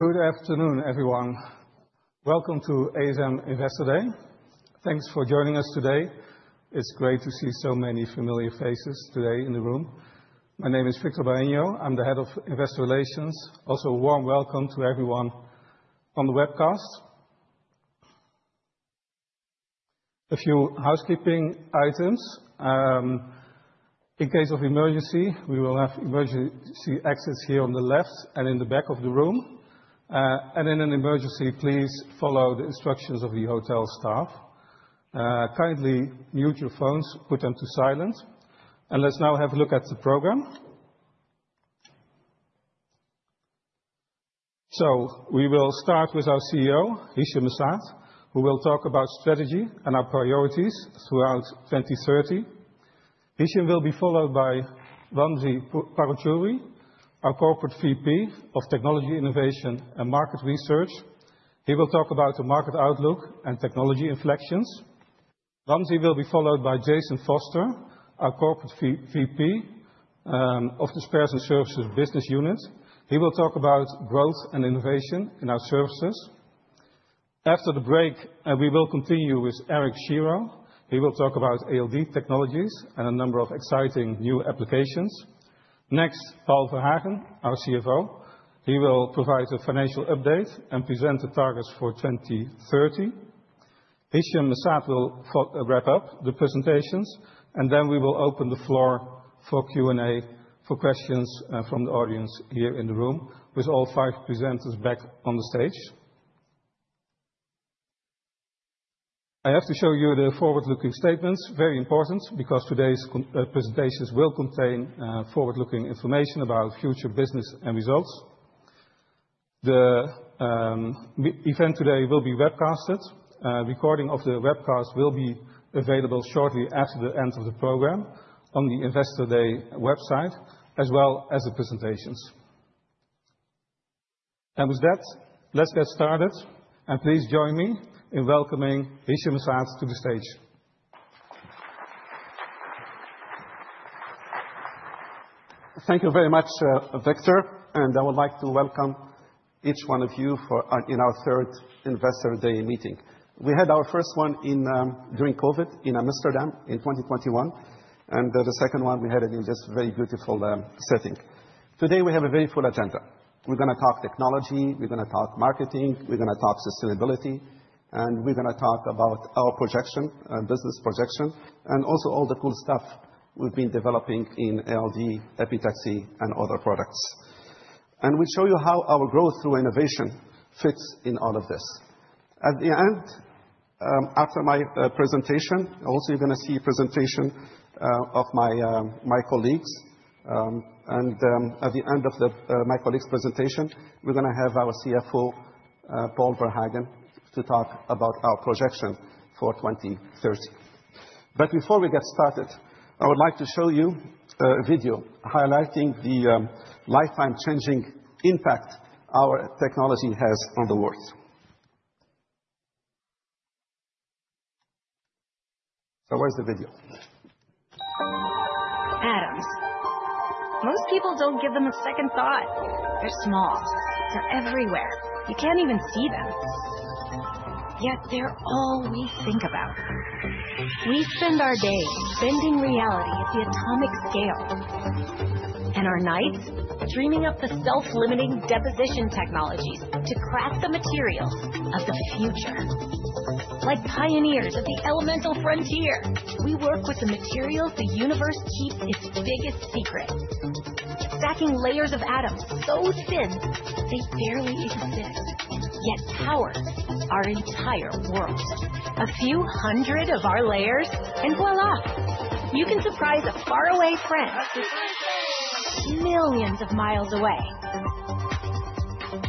Good afternoon, everyone. Welcome to ASM Investor Day. Thanks for joining us today. It's great to see so many familiar faces today in the room. My name is Victor Bareño. I'm the Head of Investor Relations. Also, a warm welcome to everyone on the webcast. A few housekeeping items. In case of emergency, we will have emergency exits here on the left and in the back of the room, and in an emergency, please follow the instructions of the hotel staff. Kindly mute your phones, put them to silent, and let's now have a look at the program, so we will start with our CEO, Hichem M'Saad, who will talk about strategy and our priorities throughout 2030. Hichem will be followed by Vamsi Paruchuri, our Corporate VP of Technology Innovation and Market Research. He will talk about the market outlook and technology inflections. Vamsi will be followed by Jason Foster, our Corporate VP of the Spares and Services Business Unit. He will talk about growth and innovation in our services. After the break, we will continue with Eric Shero. He will talk about ALD technologies and a number of exciting new applications. Next, Paul Verhagen, our CFO. He will provide a financial update and present the targets for 2030. Hichem M'Saad will wrap up the presentations, and then we will open the floor for Q&A for questions from the audience here in the room with all five presenters back on the stage. I have to show you the forward-looking statements. Very important because today's presentations will contain forward-looking information about future business and results. The event today will be webcast. Recording of the webcast will be available shortly after the end of the program on the Investor Day website, as well as the presentations. With that, let's get started. Please join me in welcoming Hichem M'Saad to the stage. Thank you very much, Victor. And I would like to welcome each one of you in our third Investor Day meeting. We had our first one during COVID in Amsterdam in 2021. And the second one we had in just a very beautiful setting. Today, we have a very full agenda. We're going to talk technology. We're going to talk marketing. We're going to talk sustainability. And we're going to talk about our projection, business projection, and also all the cool stuff we've been developing in ALD, Epitaxy, and other products. And we'll show you how our growth through innovation fits in all of this. At the end, after my presentation, also, you're going to see a presentation of my colleagues. And at the end of my colleagues' presentation, we're going to have our CFO, Paul Verhagen, to talk about our projection for 2030. But before we get started, I would like to show you a video highlighting the life-changing impact our technology has on the world. So where's the video? Atoms. Most people don't give them a second thought. They're small. They're everywhere. You can't even see them. Yet they're all we think about. We spend our days bending reality at the atomic scale. And our nights, dreaming up the self-limiting deposition technologies to crack the materials of the future. Like pioneers of the elemental frontier, we work with the materials the universe keeps its biggest secret, stacking layers of atoms so thin they barely exist, yet power our entire world. A few hundred of our layers, and voilà, you can surprise a faraway friend millions of miles away.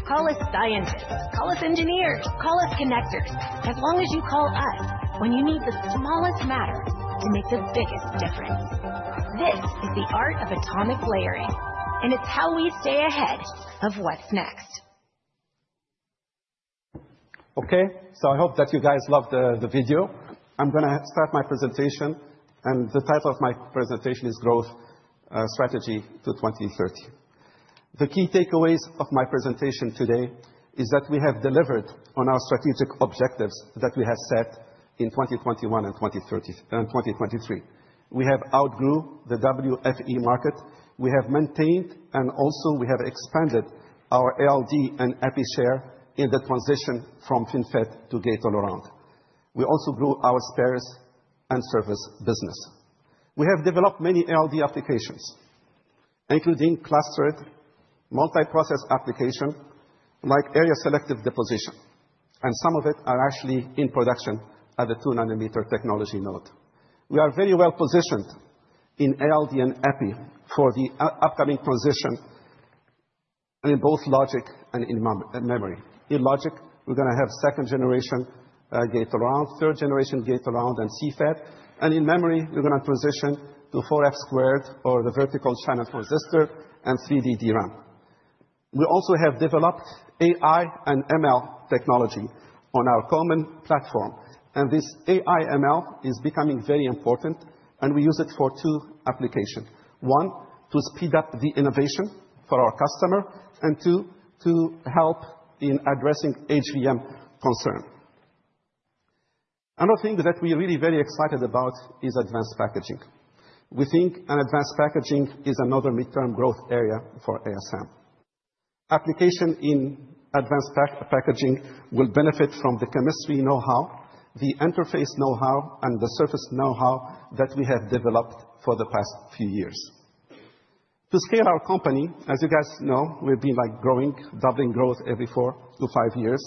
Call us scientists. Call us engineers. Call us connectors. As long as you call us when you need the smallest matter to make the biggest difference. This is the art of atomic layering. And it's how we stay ahead of what's next. OK, so I hope that you guys loved the video. I'm going to start my presentation. And the title of my presentation is Growth Strategy to 2030. The key takeaways of my presentation today is that we have delivered on our strategic objectives that we have set in 2021 and 2023. We have outgrew the WFE market. We have maintained, and also, we have expanded our ALD and Epi share in the transition from FinFET to Gate-All-Around. We also grew our spares and service business. We have developed many ALD applications, including clustered multi-process applications like area selective deposition. And some of it are actually in production at the 2-nanometer technology node. We are very well positioned in ALD and Epi for the upcoming transition in both logic and in memory. In logic, we're going to have second-generation Gate-All-Around, third-generation Gate-All-Around, and CFET. And in memory, we're going to transition to 4F², or the vertical channel transistor, and 3D DRAM. We also have developed AI and ML technology on our common platform. And this AI/ML is becoming very important. And we use it for two applications. One, to speed up the innovation for our customer. And two, to help in addressing HVM concerns. Another thing that we're really very excited about is advanced packaging. We think advanced packaging is another midterm growth area for ASM. Application in advanced packaging will benefit from the chemistry know-how, the interface know-how, and the surface know-how that we have developed for the past few years. To scale our company, as you guys know, we've been growing, doubling growth every four to five years.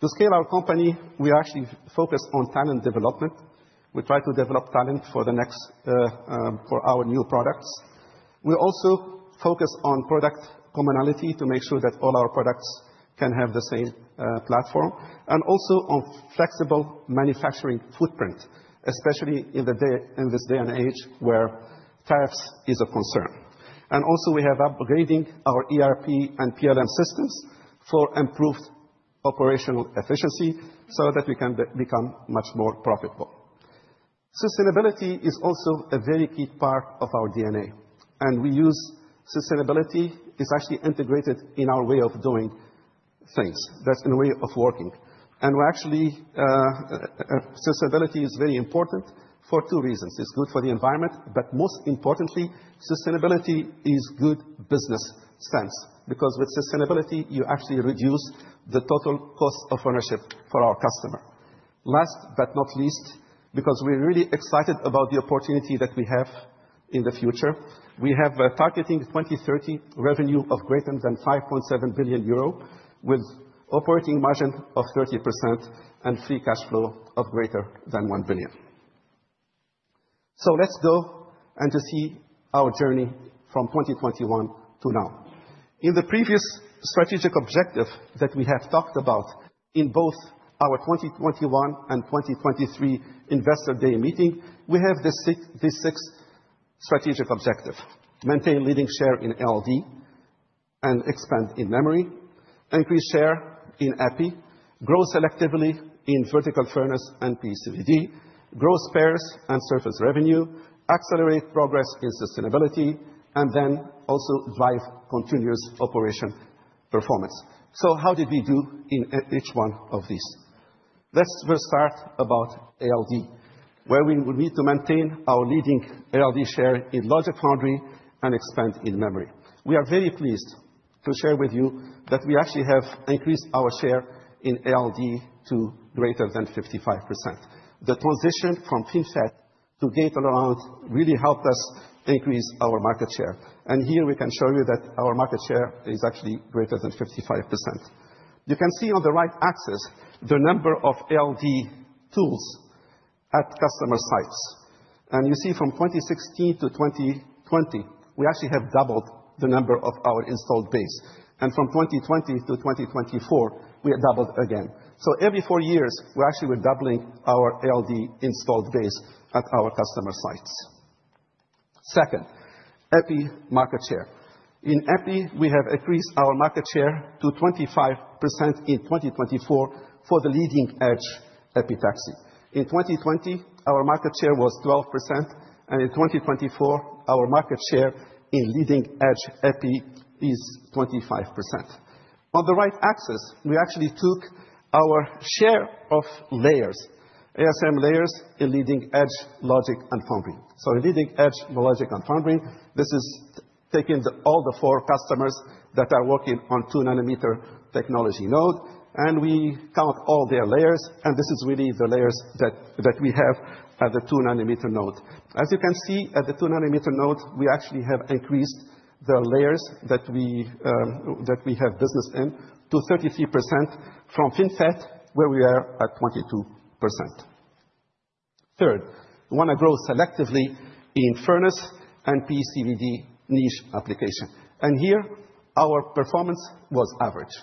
To scale our company, we actually focus on talent development. We try to develop talent for our new products. We also focus on product commonality to make sure that all our products can have the same platform, and also on flexible manufacturing footprint, especially in this day and age where tariffs are a concern, and also we have upgraded our ERP and PLM systems for improved operational efficiency so that we can become much more profitable. Sustainability is also a very key part of our DNA, and we use sustainability. It's actually integrated in our way of doing things. That's in a way of working, and actually sustainability is very important for two reasons. It's good for the environment, but most importantly, sustainability is good business sense because with sustainability, you actually reduce the total cost of ownership for our customer. Last but not least, because we're really excited about the opportunity that we have in the future, we're targeting 2030 revenue of greater than 5.7 billion euro with an operating margin of 30% and free cash flow of greater than 1 billion. So let's go and see our journey from 2021 to now. In the previous strategic objective that we have talked about in both our 2021 and 2023 Investor Day meeting, we have these six strategic objectives: maintain leading share in ALD and expand in memory, increase share in Epi, grow selectively in vertical furnace and PECVD, grow Spares & Services revenue, accelerate progress in sustainability, and then also drive continuous operational performance. So how did we do in each one of these? Let's first start about ALD, where we will need to maintain our leading ALD share in logic and foundry and expand in memory. We are very pleased to share with you that we actually have increased our share in ALD to greater than 55%. The transition from FinFET to Gate-All-Around really helped us increase our market share, and here we can show you that our market share is actually greater than 55%. You can see on the right axis the number of ALD tools at customer sites, and you see from 2016 to 2020, we actually have doubled the number of our installed base, and from 2020 to 2024, we have doubled again, so every four years, we're actually doubling our ALD installed base at our customer sites. Second, Epi market share. In Epi, we have increased our market share to 25% in 2024 for leading-edge epitaxy. In 2020, our market share was 12%. And in 2024, our market share in leading-edge Epi is 25%. On the right axis, we actually took our share of layers, ASM layers in leading edge logic and foundry. In leading edge logic and foundry, this is taking all the four customers that are working on 2-nanometer technology node. We count all their layers. This is really the layers that we have at the 2-nanometer node. As you can see, at the 2-nanometer node, we actually have increased the layers that we have business in to 33% from FinFET, where we are at 22%. Third, we want to grow selectively in furnace and PECVD niche application. Here, our performance was average.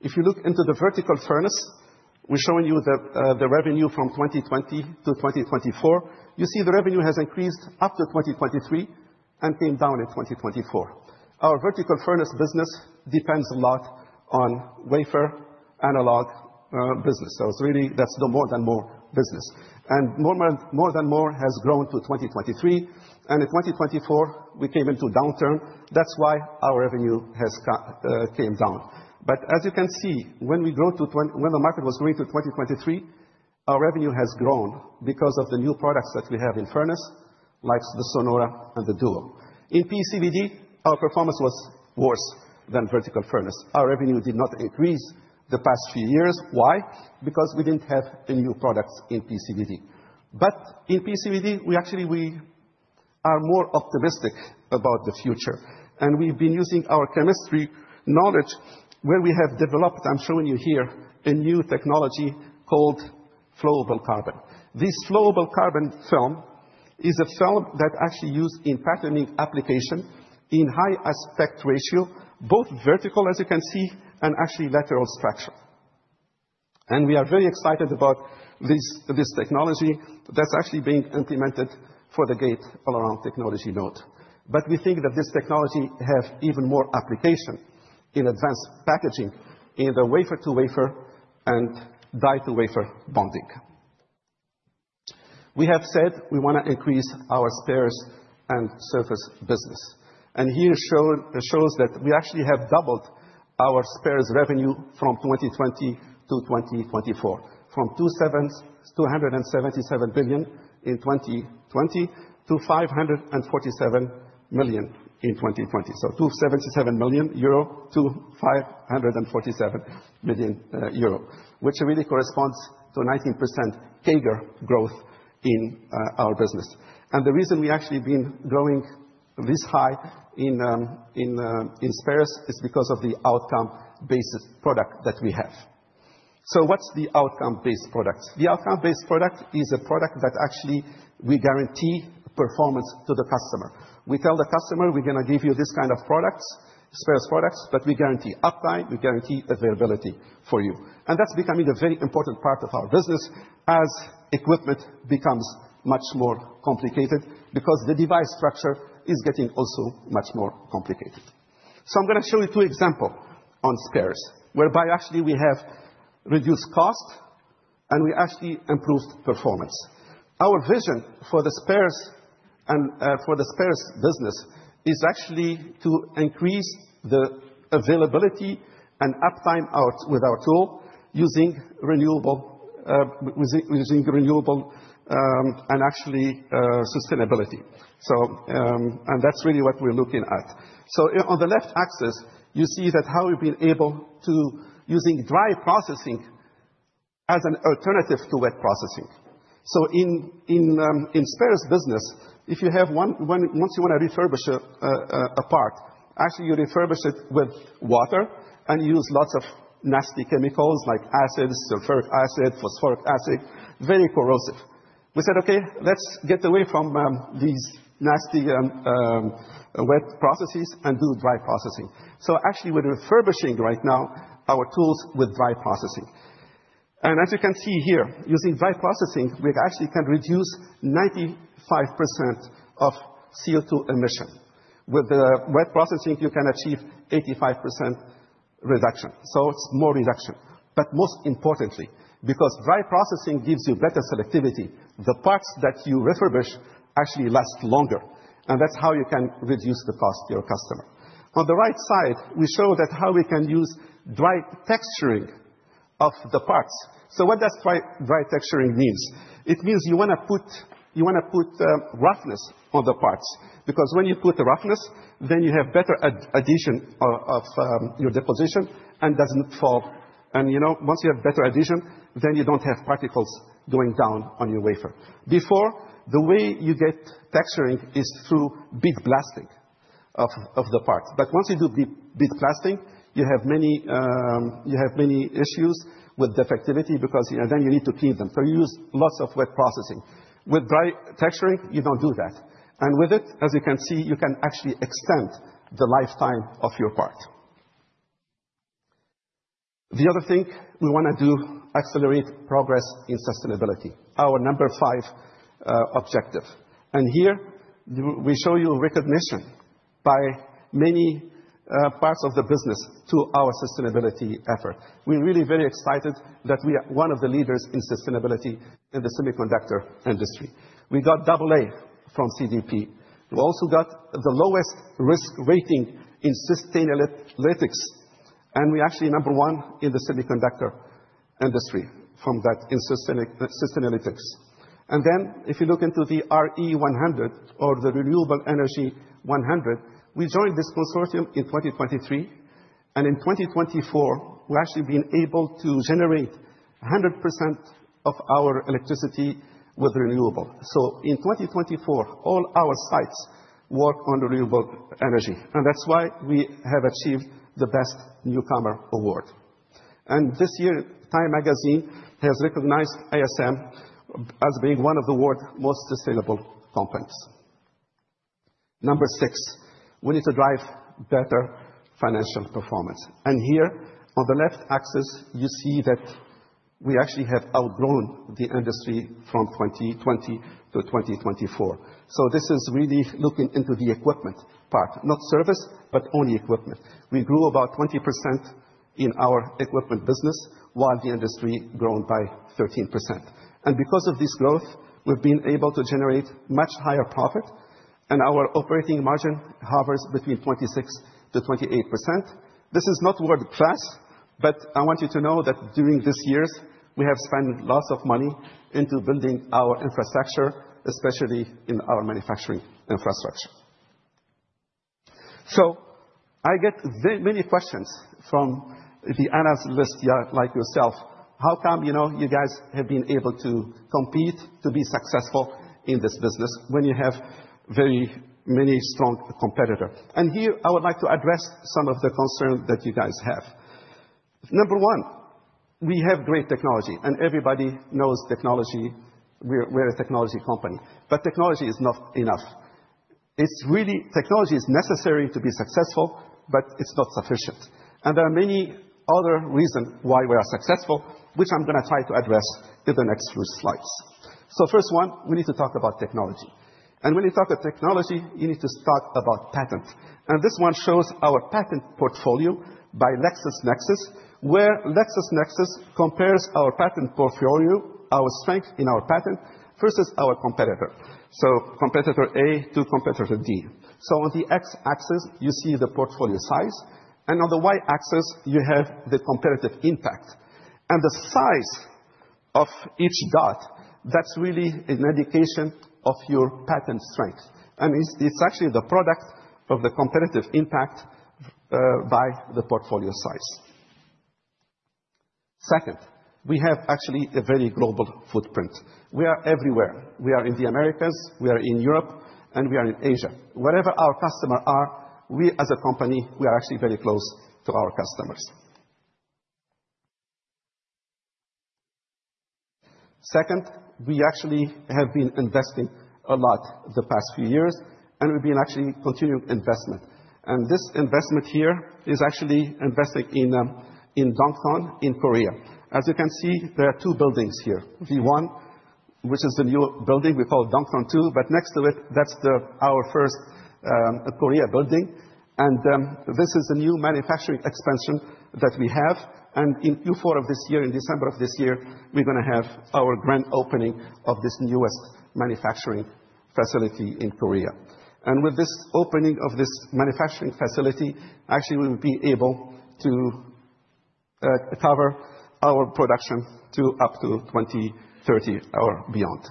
If you look into the vertical furnace, we're showing you the revenue from 2020 to 2024. You see the revenue has increased up to 2023 and came down in 2024. Our vertical furnace business depends a lot on wafer analog business. So really, that's the memory business. And memory has grown to 2023. And in 2024, we came into downturn. That's why our revenue came down. But as you can see, when the market was growing to 2023, our revenue has grown because of the new products that we have in furnace, like the Sonora and the Duo. In PECVD, our performance was worse than vertical furnace. Our revenue did not increase the past few years. Why? Because we didn't have any new products in PECVD. But in PECVD, we actually are more optimistic about the future. And we've been using our chemistry knowledge, where we have developed, I'm showing you here, a new technology called flowable carbon. This flowable carbon film is a film that is actually used in patterning application in high aspect ratio, both vertical, as you can see, and actually lateral structure. We are very excited about this technology that's actually being implemented for the Gate-All-Around technology node. But we think that this technology has even more application in advanced packaging in the wafer-to-wafer and die-to-wafer bonding. We have said we want to increase our Spares & Services business. And here shows that we actually have doubled our spares revenue from 2020 to 2024, from 277 million in 2020 to 547 million in 2020. So 277 million euro to 547 million euro, which really corresponds to a 19% CAGR growth in our business. And the reason we've actually been growing this high in spares is because of the outcome-based product that we have. So what's the outcome-based product? The outcome-based product is a product that actually we guarantee performance to the customer. We tell the customer, we're going to give you this kind of products, spares products. But we guarantee uptime. We guarantee availability for you. And that's becoming a very important part of our business as equipment becomes much more complicated because the device structure is getting also much more complicated. So I'm going to show you two examples on spares, whereby actually we have reduced cost and we actually improved performance. Our vision for the spares and for the spares business is actually to increase the availability and uptime out with our tool using renewable and actually sustainability. And that's really what we're looking at. So on the left axis, you see how we've been able to use dry processing as an alternative to wet processing. So in spares business, if you have once you want to refurbish a part, actually you refurbish it with water and use lots of nasty chemicals like acids, sulfuric acid, phosphoric acid, very corrosive. We said, OK, let's get away from these nasty wet processes and do dry processing. So actually, we're refurbishing right now our tools with dry processing. And as you can see here, using dry processing, we actually can reduce 95% of CO2 emission. With the wet processing, you can achieve 85% reduction. So it's more reduction. But most importantly, because dry processing gives you better selectivity, the parts that you refurbish actually last longer. And that's how you can reduce the cost to your customer. On the right side, we show how we can use dry texturing of the parts. So what does dry texturing mean? It means you want to put roughness on the parts. Because when you put the roughness, then you have better adhesion of your deposition and it doesn't fall. And once you have better adhesion, then you don't have particles going down on your wafer. Before, the way you get texturing is through bead blasting of the parts. But once you do bead blasting, you have many issues with defectivity because then you need to clean them. So you use lots of wet processing. With dry texturing, you don't do that. And with it, as you can see, you can actually extend the lifetime of your part. The other thing we want to do is accelerate progress in sustainability, our number five objective. And here, we show you recognition by many parts of the business to our sustainability effort. We're really very excited that we are one of the leaders in sustainability in the semiconductor industry. We got double A from CDP. We also got the lowest risk rating in Sustainalytics. And we're actually number one in the semiconductor industry from that in Sustainalytics. And then if you look into the RE100, or the Renewable Energy 100, we joined this consortium in 2023. And in 2024, we've actually been able to generate 100% of our electricity with renewable. So in 2024, all our sites work on renewable energy. And that's why we have achieved the Best Newcomer Award. And this year, TIME magazine has recognized ASM as being one of the world's most sustainable companies. Number six, we need to drive better financial performance. And here, on the left axis, you see that we actually have outgrown the industry from 2020 to 2024. So this is really looking into the equipment part, not service, but only equipment. We grew about 20% in our equipment business, while the industry grew by 13%. And because of this growth, we've been able to generate much higher profit. And our operating margin hovers between 26%-28%. This is not world-class. But I want you to know that during these years, we have spent lots of money into building our infrastructure, especially in our manufacturing infrastructure. So I get many questions from the analysts like yourself. How come you guys have been able to compete to be successful in this business when you have very many strong competitors? And here, I would like to address some of the concerns that you guys have. Number one, we have great technology. And everybody knows technology. We're a technology company. But technology is not enough. Technology is necessary to be successful, but it's not sufficient. And there are many other reasons why we are successful, which I'm going to try to address in the next few slides. So first one, we need to talk about technology. And when you talk of technology, you need to talk about patents. This one shows our patent portfolio by LexisNexis, where LexisNexis compares our patent portfolio, our strength in our patent, versus our competitor, so competitor A to competitor D. So on the x-axis, you see the portfolio size. And on the y-axis, you have the comparative impact. And the size of each dot, that's really an indication of your patent strength. And it's actually the product of the comparative impact by the portfolio size. Second, we have actually a very global footprint. We are everywhere. We are in the Americas. We are in Europe. And we are in Asia. Wherever our customers are, we as a company, we are actually very close to our customers. Second, we actually have been investing a lot the past few years. And we've been actually continuing investment. And this investment here is actually investing in Dongtan in Korea. As you can see, there are two buildings here. The one, which is the new building, we call Dongtan 2, but next to it, that's our first Korea building. And this is the new manufacturing expansion that we have, and in Q4 of this year, in December of this year, we're going to have our grand opening of this newest manufacturing facility in Korea. And with this opening of this manufacturing facility, actually, we will be able to cover our production up to 2030 or beyond.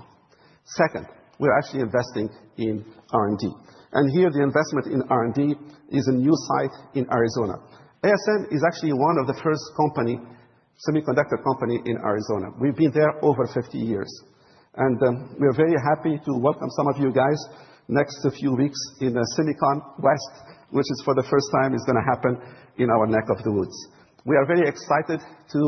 Second, we're actually investing in R&D, and here, the investment in R&D is a new site in Arizona. ASM is actually one of the first semiconductor companies in Arizona. We've been there over 50 years. We're very happy to welcome some of you guys next few weeks in the SEMICON West, which is for the first time going to happen in our neck of the woods. We are very excited to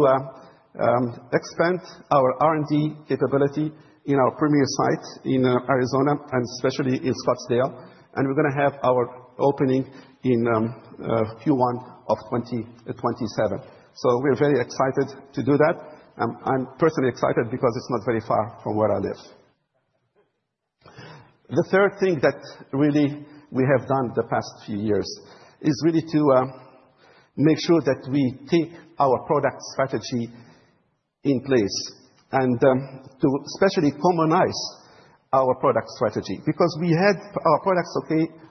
expand our R&D capability in our premier site in Arizona and especially in Scottsdale. We're going to have our opening in Q1 of 2027. We're very excited to do that. I'm personally excited because it's not very far from where I live. The third thing that really we have done the past few years is really to make sure that we take our product strategy in place and to especially harmonize our product strategy. Because we had our products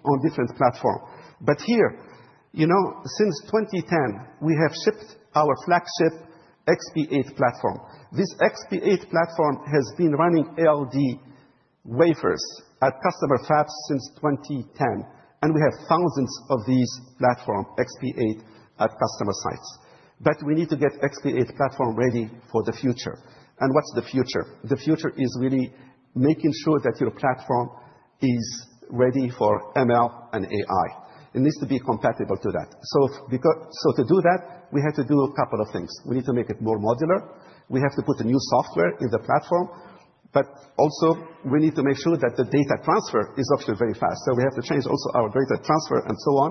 on different platforms. But here, since 2010, we have shipped our flagship XP8 platform. This XP8 platform has been running ALD wafers at customer fabs since 2010. And we have thousands of these XP8 platforms at customer sites. But we need to get XP8 platform ready for the future. And what's the future? The future is really making sure that your platform is ready for ML and AI. It needs to be compatible to that. So to do that, we had to do a couple of things. We need to make it more modular. We have to put new software in the platform. But also, we need to make sure that the data transfer is actually very fast. So we have to change also our data transfer and so on.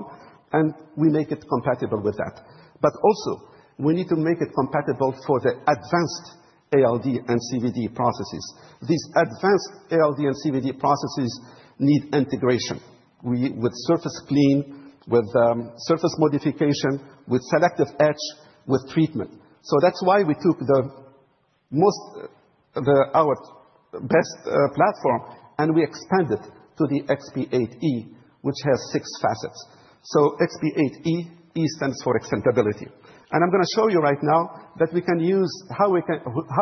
And we make it compatible with that. But also, we need to make it compatible for the advanced ALD and CVD processes. These advanced ALD and CVD processes need integration with surface clean, with surface modification, with selective etch, with treatment. So that's why we took our best platform and we expanded to the XP8E, which has six chambers. So XP8E, E stands for extendability. And I'm going to show you right now how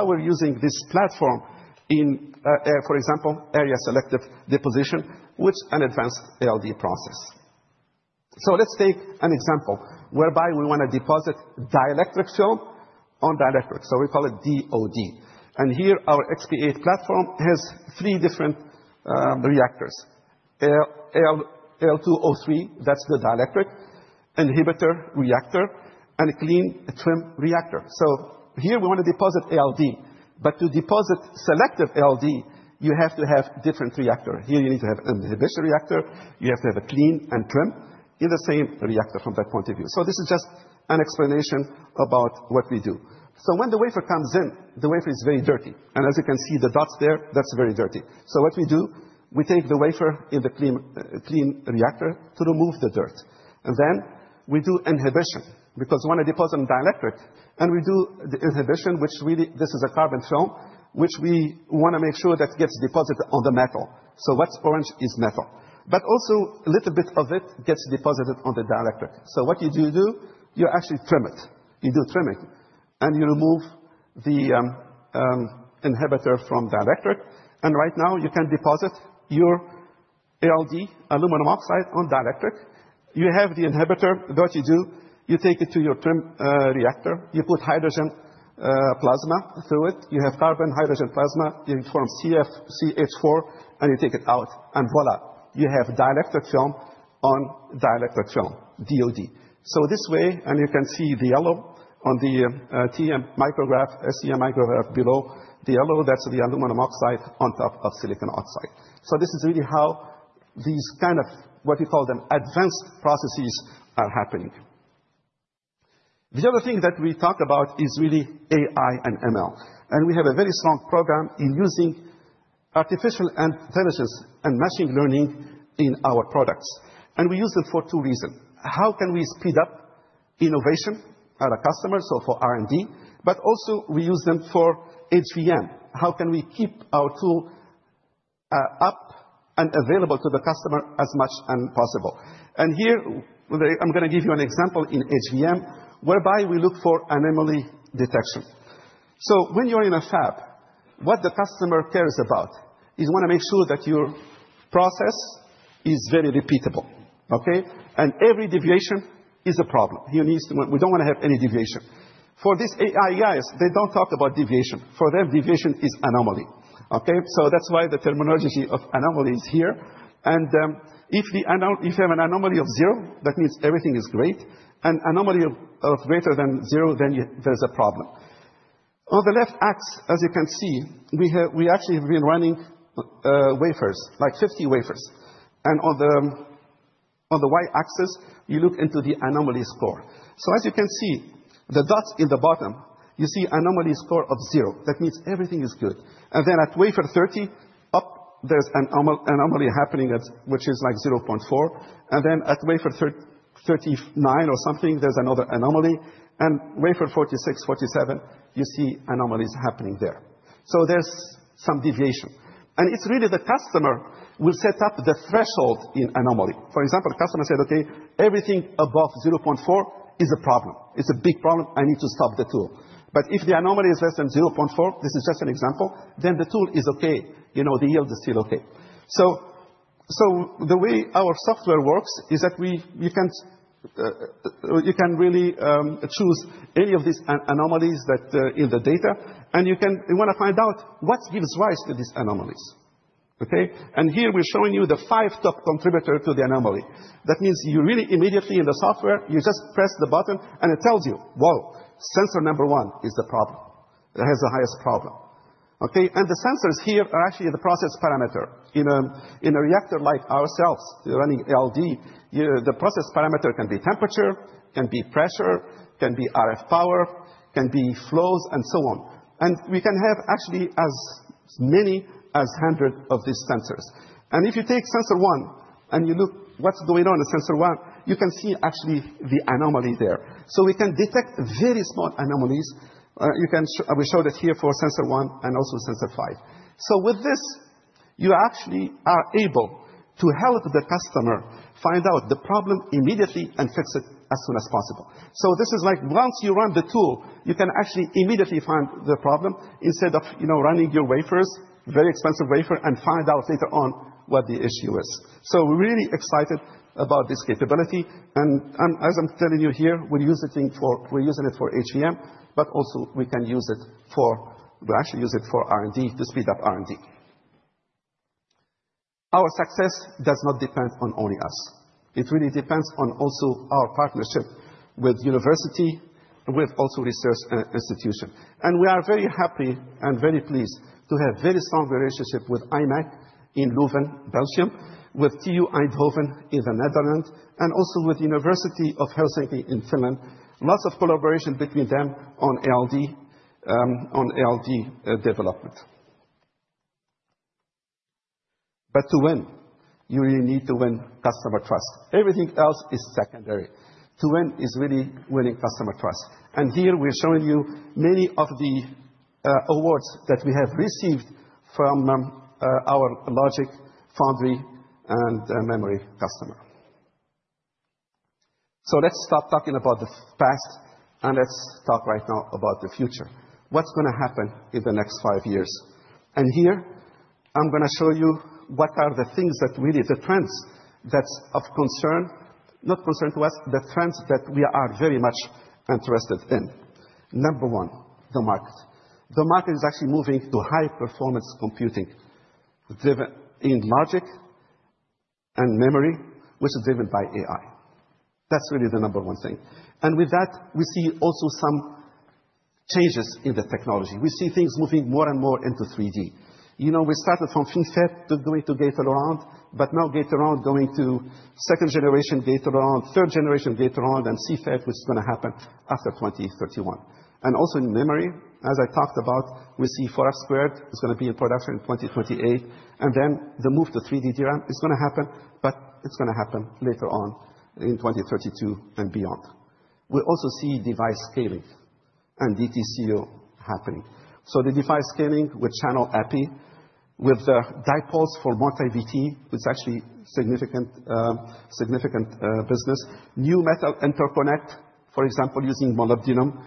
we're using this platform in, for example, area selective deposition, which is an advanced ALD process. So let's take an example whereby we want to deposit dielectric film on dielectric. So we call it DOD. And here, our XP8 platform has three different reactors: Al2O3, that's the dielectric inhibitor reactor, and a clean trim reactor. So here, we want to deposit ALD. But to deposit selective ALD, you have to have different reactors. Here, you need to have an inhibition reactor. You have to have a clean and trim in the same reactor from that point of view. So this is just an explanation about what we do. So when the wafer comes in, the wafer is very dirty. And as you can see the dots there, that's very dirty. So what we do, we take the wafer in the clean reactor to remove the dirt. And then we do inhibition. Because we want to deposit on dielectric. And we do the inhibition, which really, this is a carbon film, which we want to make sure that gets deposited on the metal. So what's orange is metal. But also, a little bit of it gets deposited on the dielectric. So what you do, you actually trim it. You do trimming. And you remove the inhibitor from dielectric. And right now, you can deposit your ALD, aluminum oxide, on dielectric. You have the inhibitor. What you do, you take it to your trim reactor. You put hydrogen plasma through it. You have carbon, hydrogen plasma. It forms CH4. And you take it out. And voilà, you have dielectric film on dielectric film, DOD. So this way, and you can see the yellow on the TEM micrograph, SEM micrograph below the yellow, that's the aluminum oxide on top of silicon oxide. So this is really how these kind of, what we call them, advanced processes are happening. The other thing that we talk about is really AI and ML. And we have a very strong program in using artificial intelligence and machine learning in our products. And we use them for two reasons. How can we speed up innovation at our customers, so for R&D? But also, we use them for HVM. How can we keep our tool up and available to the customer as much as possible? And here, I'm going to give you an example in HVM whereby we look for anomaly detection. When you're in a fab, what the customer cares about is they want to make sure that your process is very repeatable. And every deviation is a problem. We don't want to have any deviation. For these AI guys, they don't talk about deviation. For them, deviation is anomaly. So that's why the terminology of anomaly is here. And if you have an anomaly of zero, that means everything is great. And an anomaly of greater than zero, then there's a problem. On the left axis, as you can see, we actually have been running wafers, like 50 wafers. And on the y-axis, you look into the anomaly score. So as you can see, the dots in the bottom, you see an anomaly score of zero. That means everything is good. And then at wafer 30 up, there's an anomaly happening, which is like 0.4. And then at wafer 39 or something, there's another anomaly. And wafer 46, 47, you see anomalies happening there. So there's some deviation. And it's really the customer who will set up the threshold in anomaly. For example, the customer said, OK, everything above 0.4 is a problem. It's a big problem. I need to stop the tool. But if the anomaly is less than 0.4, this is just an example, then the tool is OK. The yield is still OK. So the way our software works is that you can really choose any of these anomalies in the data. And you want to find out what gives rise to these anomalies. And here, we're showing you the five top contributors to the anomaly. That means you really immediately in the software, you just press the button. It tells you, whoa, sensor number one is the problem that has the highest problem. The sensors here are actually the process parameter. In a reactor like ourselves, running ALD, the process parameter can be temperature, can be pressure, can be RF power, can be flows, and so on. We can have actually as many as 100 of these sensors. If you take sensor one and you look what's going on in sensor one, you can see actually the anomaly there. We can detect very small anomalies. We showed it here for sensor one and also sensor five. With this, you actually are able to help the customer find out the problem immediately and fix it as soon as possible. So this is like once you run the tool, you can actually immediately find the problem instead of running your wafers, very expensive wafer, and find out later on what the issue is. So we're really excited about this capability. And as I'm telling you here, we're using it for HVM. But also, we can use it for, we actually use it for R&D to speed up R&D. Our success does not depend on only us. It really depends on also our partnership with university, with also research institutions. And we are very happy and very pleased to have a very strong relationship with imec in Leuven, Belgium, with TU Eindhoven in the Netherlands, and also with the University of Helsinki in Finland. Lots of collaboration between them on ALD development. But to win, you really need to win customer trust. Everything else is secondary. To win is really winning customer trust. And here, we're showing you many of the awards that we have received from our logic, foundry, and memory customer. So let's stop talking about the past. And let's talk right now about the future. What's going to happen in the next five years? And here, I'm going to show you what are the things that really the trends that's of concern, not concern to us, the trends that we are very much interested in. Number one, the market. The market is actually moving to high-performance computing in logic and memory, which is driven by AI. That's really the number one thing. And with that, we see also some changes in the technology. We see things moving more and more into 3D. We started from FinFET going to Gate-All-Around. But now Gate-All-Around going to second generation Gate-All-Around, third generation Gate-All-Around, and CFET, which is going to happen after 2031. And also in memory, as I talked about, we see 4F² is going to be in production in 2028. And then the move to 3D DRAM is going to happen. But it's going to happen later on in 2032 and beyond. We also see device scaling and DTCO happening. So the device scaling with channel Epi, with the dipoles for multi-VT, which is actually significant business. New metal interconnect, for example, using molybdenum.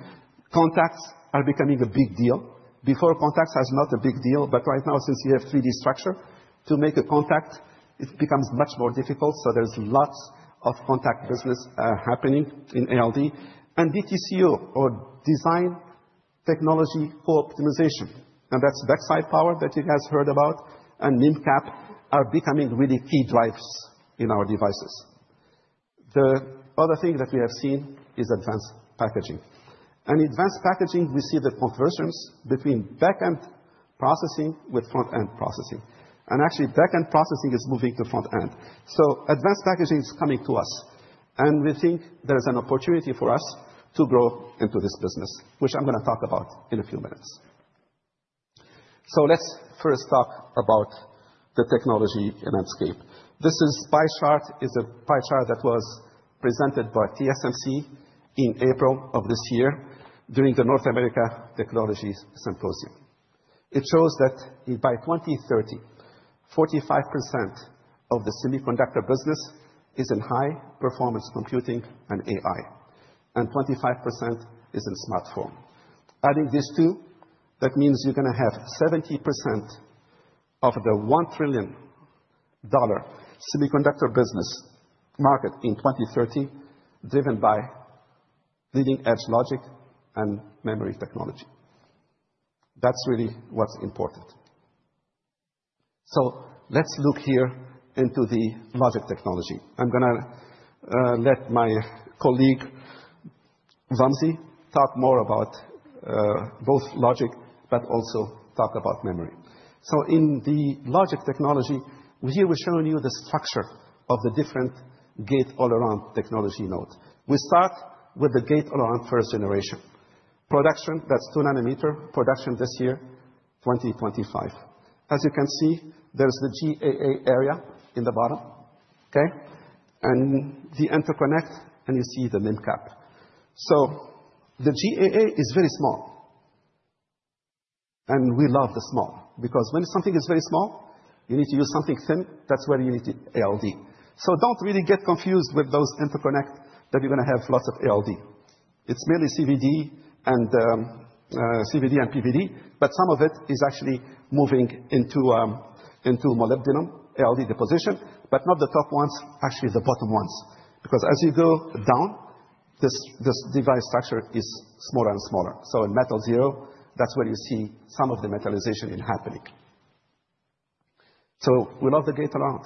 Contacts are becoming a big deal. Before, contacts were not a big deal. But right now, since you have 3D structure, to make a contact, it becomes much more difficult. So there's lots of contact business happening in ALD. And DTCO, or design technology for optimization. And that's backside power that you guys heard about. And MIM cap are becoming really key drivers in our devices. The other thing that we have seen is advanced packaging. And advanced packaging, we see the conversions between back-end processing with front-end processing. And actually, back-end processing is moving to front-end. So advanced packaging is coming to us. And we think there is an opportunity for us to grow into this business, which I'm going to talk about in a few minutes. So let's first talk about the technology landscape. This pie chart is a pie chart that was presented by TSMC in April of this year during the North America Technology Symposium. It shows that by 2030, 45% of the semiconductor business is in high-performance computing and AI. And 25% is in smartphone. Adding these two, that means you're going to have 70% of the $1 trillion semiconductor business market in 2030 driven by leading-edge logic and memory technology. That's really what's important, so let's look here into the logic technology. I'm going to let my colleague Vamsi talk more about both logic, but also talk about memory, so in the logic technology, here we're showing you the structure of the different Gate-All-Around technology nodes. We start with the Gate-All-Around first generation. Production. That's 2 nm. Production this year, 2025. As you can see, there's the GAA area in the bottom, and the interconnect, and you see the MIM cap, so the GAA is very small, and we love the small. Because when something is very small, you need to use something thin. That's where you need the ALD, so don't really get confused with those interconnects that you're going to have lots of ALD. It's mainly CVD and PVD. But some of it is actually moving into molybdenum ALD deposition. But not the top ones, actually the bottom ones. Because as you go down, this device structure is smaller and smaller, so in metal zero, that's where you see some of the metallization happening, so we love the Gate-All-Around.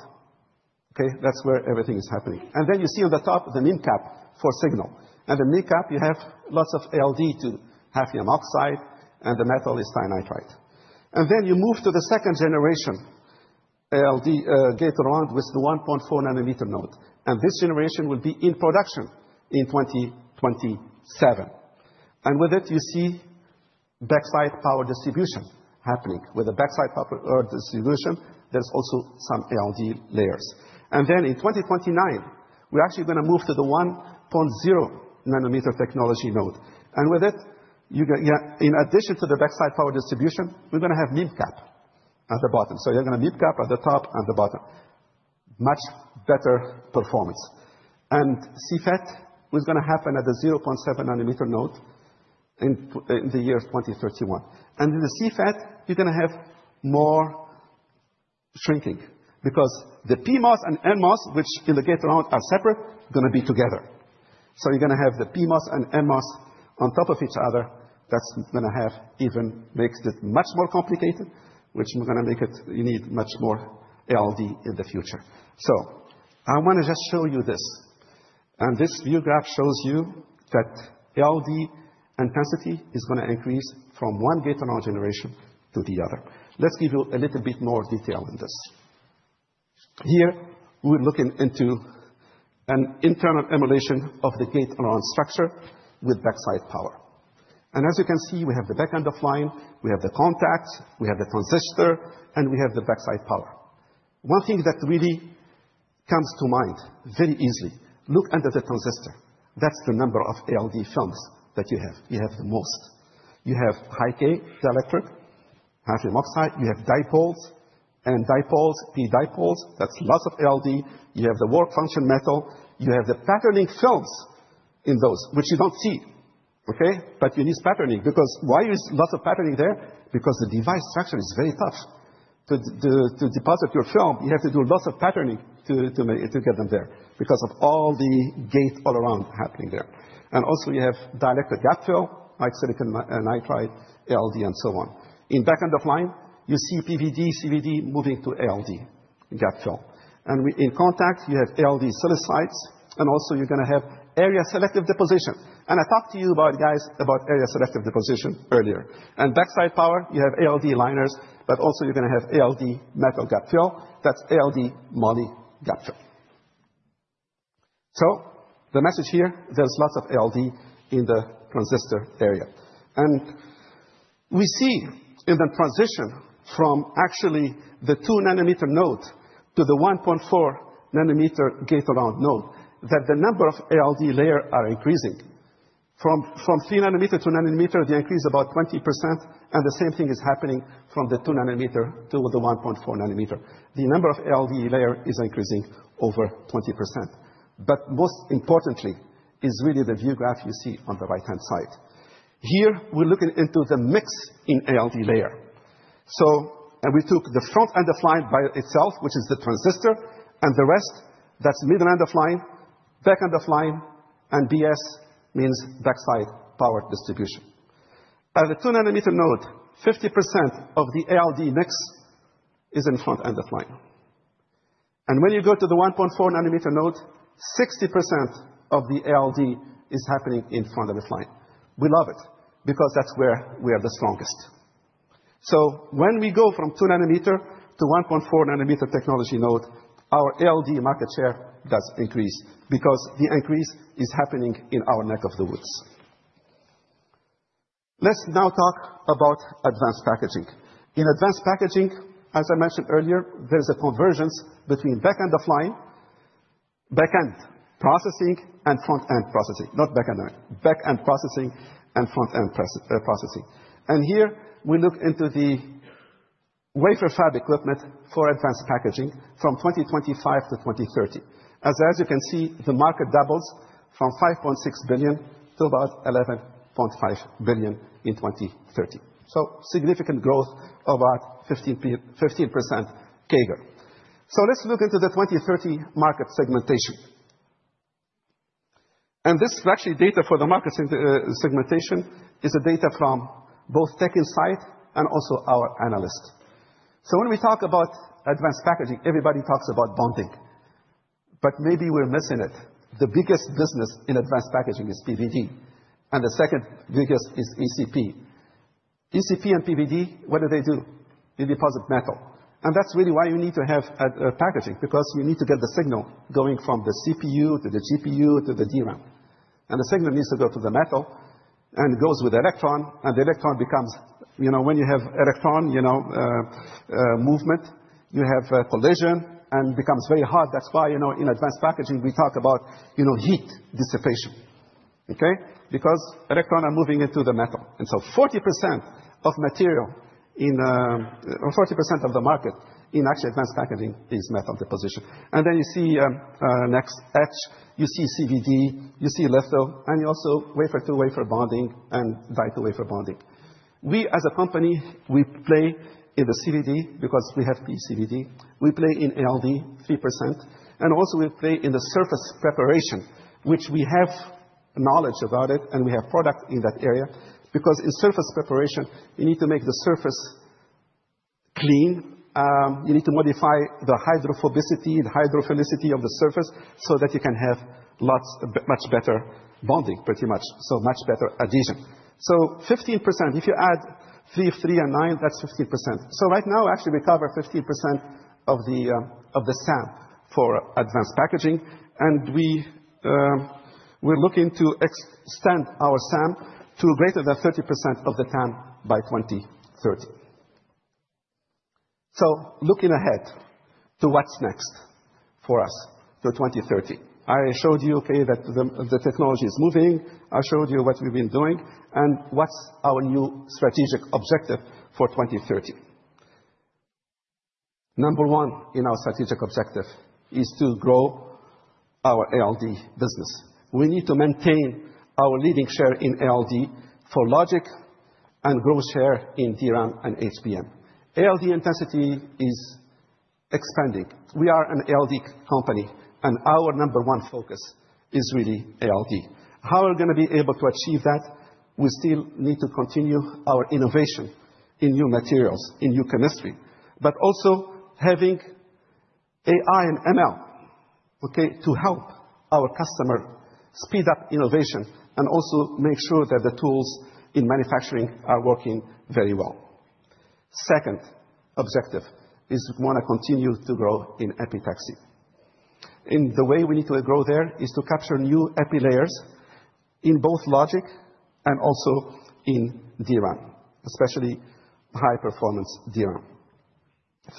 That's where everything is happening, and then you see on the top the MIM cap for signal. And the MIM cap, you have lots of ALD, two hafnium oxide. And the metal is titanium nitride. And then you move to the second generation Gate-All-Around with the 1.4-nanometer node. And this generation will be in production in 2027. And with it, you see backside power distribution happening. With the backside power distribution, there's also some ALD layers. And then in 2029, we're actually going to move to the 1.0-nanometer technology node. And with it, in addition to the backside power distribution, we're going to have MIM cap at the bottom, so you're going to have MIM cap at the top and the bottom. Much better performance. And CFET was going to happen at the 0.7-nanometer node in the year 2031. And in the CFET, you're going to have more shrinking. Because the PMOS and NMOS, which in the Gate-All-Around are separate, are going to be together. So you're going to have the PMOS and NMOS on top of each other. That's going to have even makes it much more complicated, which we're going to make it you need much more ALD in the future. So I want to just show you this. And this view graph shows you that ALD intensity is going to increase from one Gate-All-Around generation to the other. Let's give you a little bit more detail on this. Here, we're looking into an internal emulation of the Gate-All-Around structure with backside power. And as you can see, we have the back end of line. We have the contacts. We have the transistor and we have the backside power. One thing that really comes to mind very easily, look under the transistor. That's the number of ALD films that you have. You have the most. You have high-k dielectric, hafnium oxide. You have dipoles and dipoles, P dipoles, that's lots of ALD. You have the work function metal. You have the patterning films in those, which you don't see. But you need patterning. Because why is lots of patterning there? Because the device structure is very tough. To deposit your film, you have to do lots of patterning to get them there because of all the Gate-All-Around happening there. And also, you have dielectric gap fill, like silicon nitride, ALD, and so on. In back end of line, you see PVD, CVD moving to ALD gap fill and in contact, you have ALD silicides. And also, you're going to have area selective deposition. I talked to you guys about area selective deposition earlier. And backside power, you have ALD liners. But also, you're going to have ALD metal gap fill. That's ALD moly gap fill. So the message here, there's lots of ALD in the transistor area. And we see in the transition from actually the two nanometer node to the 1.4 nm Gate-All-Around node that the number of ALD layers are increasing. From three nanometer to two nanometer, they increase about 20%. And the same thing is happening from the two nanometer to the 1.4 nm. The number of ALD layers is increasing over 20%. But most importantly is really the view graph you see on the right-hand side. Here, we're looking into the mix in ALD layer. We took the front end of line by itself, which is the transistor. And the rest, that's middle end of line, back end of line. And BS means backside power distribution. At the 2-nanometer node, 50% of the ALD mix is in front end of line. And when you go to the 1.4-nanometer node, 60% of the ALD is happening in front end of line. We love it because that's where we are the strongest. So when we go from 2-nanometer to 1.4-nanometer technology node, our ALD market share does increase because the increase is happening in our neck of the woods. Let's now talk about advanced packaging. In advanced packaging, as I mentioned earlier, there's a convergence between back end of line, back end processing, and front end processing. Not back end processing. Back end processing and front end processing. Here, we look into the wafer fab equipment for advanced packaging from 2025 to 2030. As you can see, the market doubles from 5.6 billion to about 11.5 billion in 2030. Significant growth of about 15% CAGR. Let's look into the 2030 market segmentation. This actually data for the market segmentation is data from both TechInsights and also our analyst. When we talk about advanced packaging, everybody talks about bonding. But maybe we're missing it. The biggest business in advanced packaging is PVD. The second biggest is ECP. ECP and PVD, what do they do? They deposit metal. That's really why you need to have packaging. You need to get the signal going from the CPU to the GPU to the DRAM. The signal needs to go to the metal. It goes with electron. The electron becomes hot when you have electron movement. You have collision. It becomes very hot. That's why in advanced packaging, we talk about heat dissipation. Because electrons are moving into the metal. So 40% of material or 40% of the market in advanced packaging is actually metal deposition. Then you see next etch. You see CVD. You see lift-off. You also see wafer-to-wafer bonding and die-to-wafer bonding. We, as a company, play in the CVD because we have PECVD. We play in ALD 3%. We also play in the surface preparation, which we have knowledge about. We have product in that area. Because in surface preparation, you need to make the surface clean. You need to modify the hydrophobicity, the hydrophilicity of the surface so that you can have much better bonding, pretty much. So much better adhesion. So 15%. If you add 3 of 3 and 9, that's 15%. So right now, actually, we cover 15% of the SAM for advanced packaging. And we're looking to extend our SAM to greater than 30% of the TAM by 2030. So looking ahead to what's next for us for 2030. I showed you that the technology is moving. I showed you what we've been doing. And what's our new strategic objective for 2030? Number one in our strategic objective is to grow our ALD business. We need to maintain our leading share in ALD for logic and grow share in DRAM and HVM. ALD intensity is expanding. We are an ALD company. And our number one focus is really ALD. How are we going to be able to achieve that? We still need to continue our innovation in new materials, in new chemistry. But also having AI and ML to help our customer speed up innovation and also make sure that the tools in manufacturing are working very well. Second objective is we want to continue to grow in Epitaxy. And the way we need to grow there is to capture new Epi layers in both logic and also in DRAM, especially high-performance DRAM.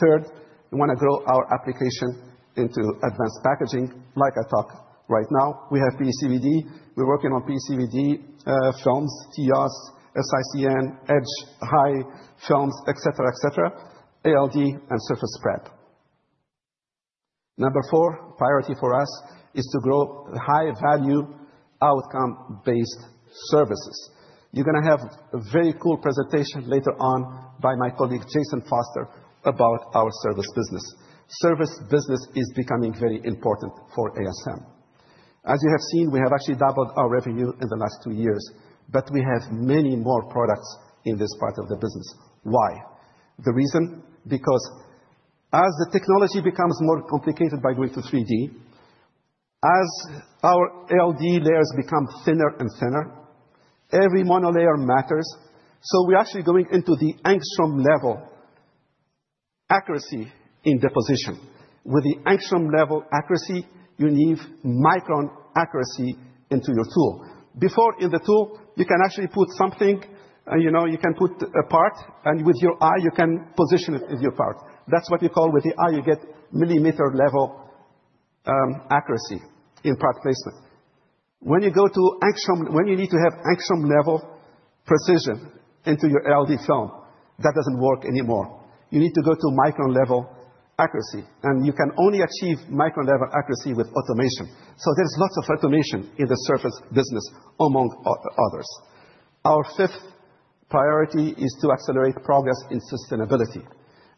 Third, we want to grow our application into advanced packaging, like I talked right now. We have PECVD. We're working on PECVD films, TEOS, SiCN, high-k films, et cetera, et cetera, ALD, and surface prep. Number four priority for us is to grow high-value outcome-based services. You're going to have a very cool presentation later on by my colleague Jason Foster about our service business. Service business is becoming very important for ASM. As you have seen, we have actually doubled our revenue in the last two years. But we have many more products in this part of the business. Why? The reason? Because as the technology becomes more complicated by going to 3D, as our ALD layers become thinner and thinner, every monolayer matters. So we're actually going into the angstrom-level accuracy in deposition. With the angstrom-level accuracy, you need micron accuracy into your tool. Before, in the tool, you can actually put something. You can put a part. And with your eye, you can position it with your part. That's what we call with the eye, you get millimeter-level accuracy in part placement. When you go to angstrom, when you need to have angstrom-level precision into your ALD film, that doesn't work anymore. You need to go to micron-level accuracy. And you can only achieve micron-level accuracy with automation. So there's lots of automation in the service business, among others. Our fifth priority is to accelerate progress in sustainability.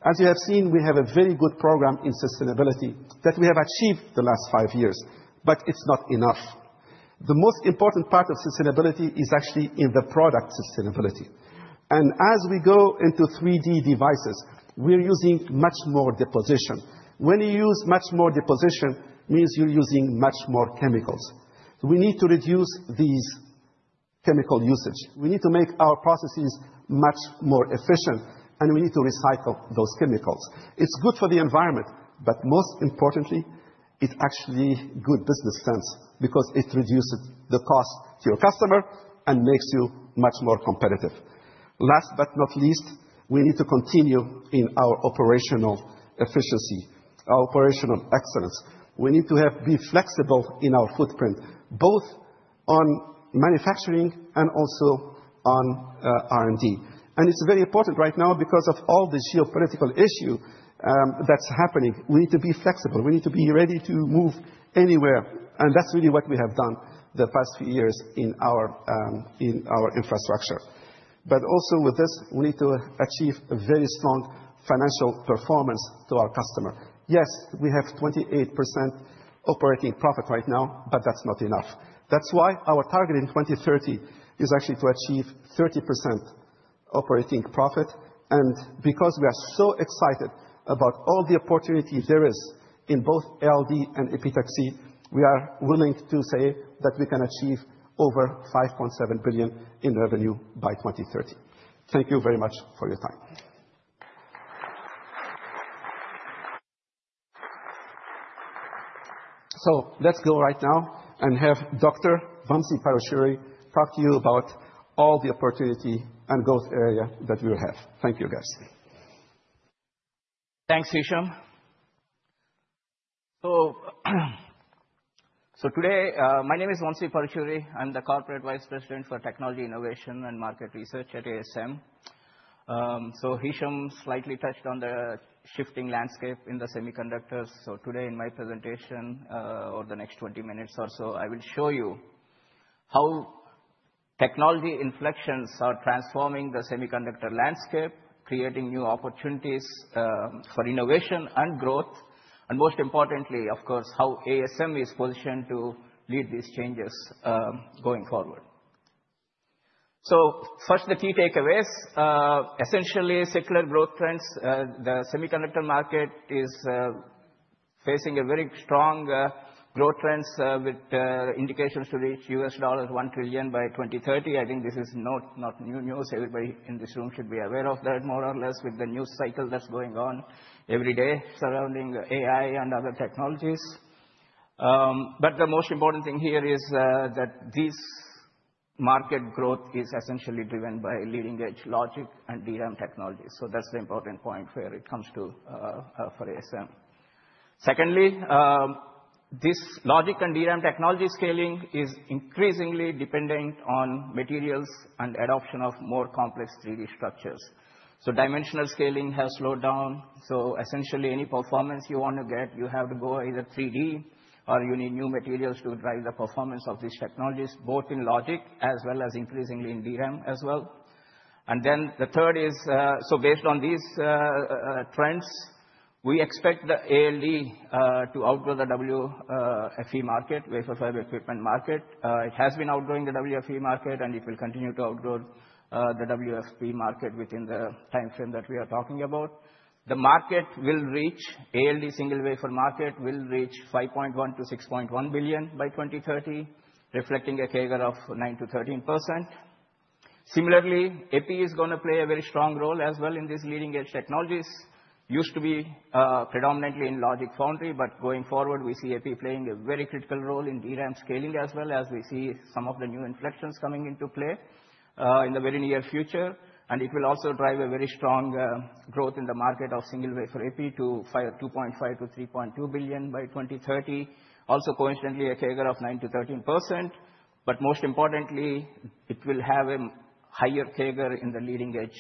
As you have seen, we have a very good program in sustainability that we have achieved the last five years. But it's not enough. The most important part of sustainability is actually in the product sustainability. And as we go into 3D devices, we're using much more deposition. When you use much more deposition, it means you're using much more chemicals. We need to reduce these chemical usage. We need to make our processes much more efficient. And we need to recycle those chemicals. It's good for the environment. But most importantly, it's actually good business sense because it reduces the cost to your customer and makes you much more competitive. Last but not least, we need to continue in our operational efficiency, our operational excellence. We need to be flexible in our footprint, both on manufacturing and also on R&D. And it's very important right now because of all the geopolitical issues that's happening. We need to be flexible. We need to be ready to move anywhere. And that's really what we have done the past few years in our infrastructure. But also with this, we need to achieve a very strong financial performance to our customer. Yes, we have 28% operating profit right now. But that's not enough. That's why our target in 2030 is actually to achieve 30% operating profit. And because we are so excited about all the opportunity there is in both ALD and Epitaxy, we are willing to say that we can achieve over 5.7 billion in revenue by 2030. Thank you very much for your time. So let's go right now and have Dr. Vamsi Paruchuri talk to you about all the opportunity and growth area that we will have. Thank you, guys. Thanks, Hichem. So today, my name is Vamsi Paruchuri. I'm the Corporate Vice President for Technology Innovation and Market Research at ASM. So Hichem slightly touched on the shifting landscape in the semiconductors. So today, in my presentation, or the next 20 minutes or so, I will show you how technology inflections are transforming the semiconductor landscape, creating new opportunities for innovation and growth. And most importantly, of course, how ASM is positioned to lead these changes going forward. So first, the key takeaways, essentially secular growth trends. The semiconductor market is facing very strong growth trends with indications to reach $1 trillion by 2030. I think this is not new news. Everybody in this room should be aware of that, more or less, with the news cycle that's going on every day surrounding AI and other technologies. But the most important thing here is that this market growth is essentially driven by leading-edge logic and DRAM technologies. So that's the important point where it comes to for ASM. Secondly, this logic and DRAM technology scaling is increasingly dependent on materials and adoption of more complex 3D structures. So dimensional scaling has slowed down. So essentially, any performance you want to get, you have to go either 3D or you need new materials to drive the performance of these technologies, both in logic as well as increasingly in DRAM as well. And then the third is, so based on these trends, we expect the ALD to outgrow the WFE market, wafer fab equipment market. It has been outgrowing the WFE market. And it will continue to outgrow the WFE market within the time frame that we are talking about. The ALD single wafer market will reach $5.1 billion-$6.1 billion by 2030, reflecting a CAGR of 9%-13%. Similarly, Epi is going to play a very strong role as well in these leading-edge technologies. Used to be predominantly in logic foundry. But going forward, we see Epi playing a very critical role in DRAM scaling as well, as we see some of the new inflections coming into play in the very near future. And it will also drive a very strong growth in the market of single wafer Epi to $2.5 billion-$3.2 billion by 2030. Also, coincidentally, a CAGR of 9%-13%. But most importantly, it will have a higher CAGR in the leading-edge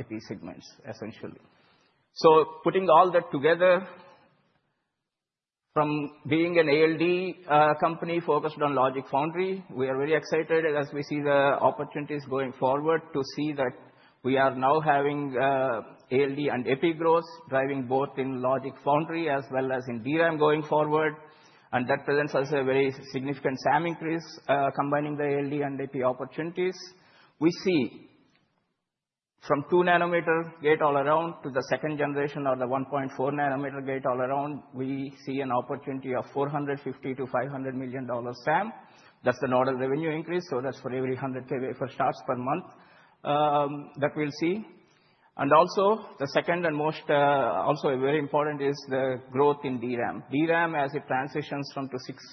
Epi segments, essentially. So putting all that together, from being an ALD company focused on logic foundry, we are very excited as we see the opportunities going forward to see that we are now having ALD and Epi growth driving both in logic foundry as well as in DRAM going forward. And that presents us a very significant SAM increase, combining the ALD and Epi opportunities. We see from 2-nanometer Gate-All-Around to the second generation or the 1.4-nanometer Gate-All-Around, we see an opportunity of $450 million-$500 million SAM. That's the nodal revenue increase. So that's for every 100 wafer starts per month that we'll see. And also, the second and most also very important is the growth in DRAM. DRAM, as it transitions from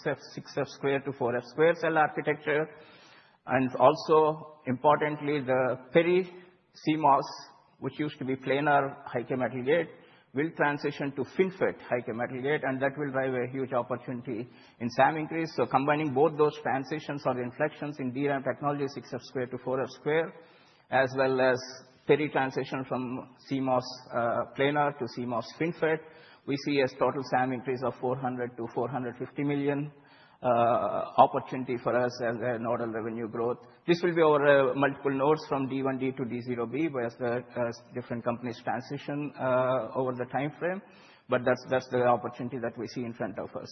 6F² to 4F² cell architecture. Also, importantly, the planar CMOS, which used to be planar high-k gate, will transition to FinFET high-k gate. That will drive a huge opportunity in SAM increase. Combining both those transitions or the inflections in DRAM technologies, 6F² to 4F², as well as planar transition from CMOS planar to CMOS FinFET, we see a total SAM increase of $400 million-$450 million opportunity for us as nodal revenue growth. This will be over multiple nodes from D1b to D0b as the different companies transition over the time frame. That's the opportunity that we see in front of us.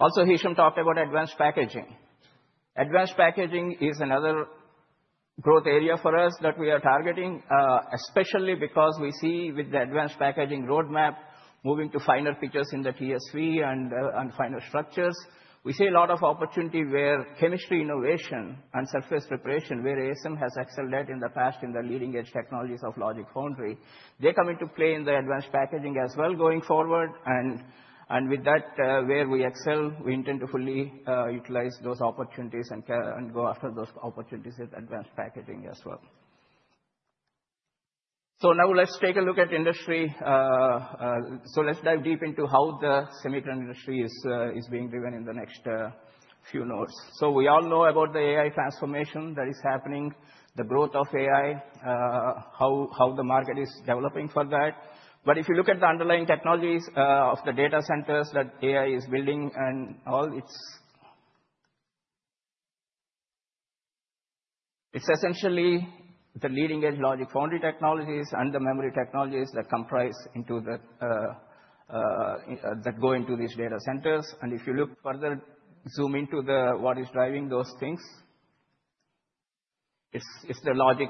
Also, Hichem talked about advanced packaging. Advanced packaging is another growth area for us that we are targeting, especially because we see with the advanced packaging roadmap moving to finer features in the TSV and finer structures. We see a lot of opportunity where chemistry innovation and surface preparation, where ASM has excelled at in the past in the leading-edge technologies of logic foundry, they come into play in the advanced packaging as well going forward. And with that, where we excel, we intend to fully utilize those opportunities and go after those opportunities with advanced packaging as well. So now let's take a look at industry. So let's dive deep into how the semiconductor industry is being driven in the next few nodes. So we all know about the AI transformation that is happening, the growth of AI, how the market is developing for that. But if you look at the underlying technologies of the data centers that AI is building and all, it's essentially the leading-edge logic foundry technologies and the memory technologies that go into these data centers. And if you look further, zoom into what is driving those things, it's the logic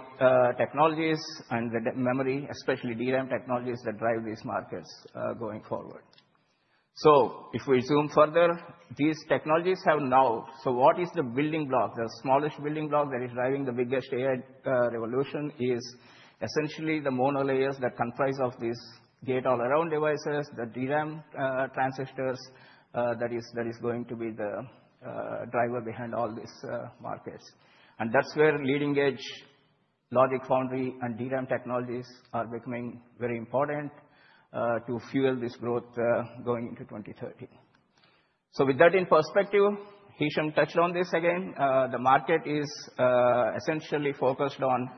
technologies and the memory, especially DRAM technologies, that drive these markets going forward. So if we zoom further, these technologies have now, so what is the building block? The smallest building block that is driving the biggest AI revolution is essentially the monolayers that comprise of these gate-all-around devices, the DRAM transistors that is going to be the driver behind all these markets. And that's where leading-edge logic foundry and DRAM technologies are becoming very important to fuel this growth going into 2030. So with that in perspective, Hichem touched on this again. The market is essentially focused on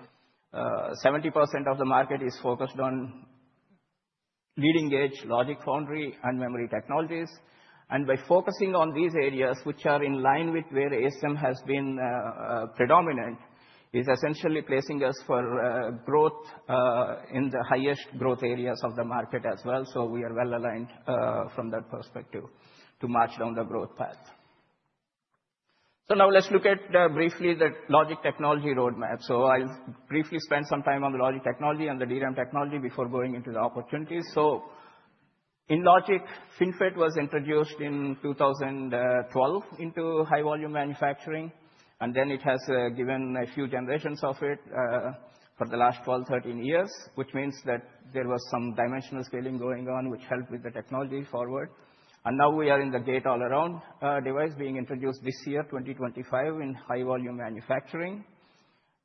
70% of the market is focused on leading-edge logic foundry and memory technologies. And by focusing on these areas, which are in line with where ASM has been predominant, is essentially placing us for growth in the highest growth areas of the market as well. So we are well aligned from that perspective to march down the growth path. So now let's look at briefly the logic technology roadmap. So I'll briefly spend some time on the logic technology and the DRAM technology before going into the opportunities. So in logic, FinFET was introduced in 2012 into high-volume manufacturing. And then it has given a few generations of it for the last 12, 13 years, which means that there was some dimensional scaling going on, which helped with the technology forward. And now we are in the Gate-All-Around device being introduced this year, 2025, in high-volume manufacturing.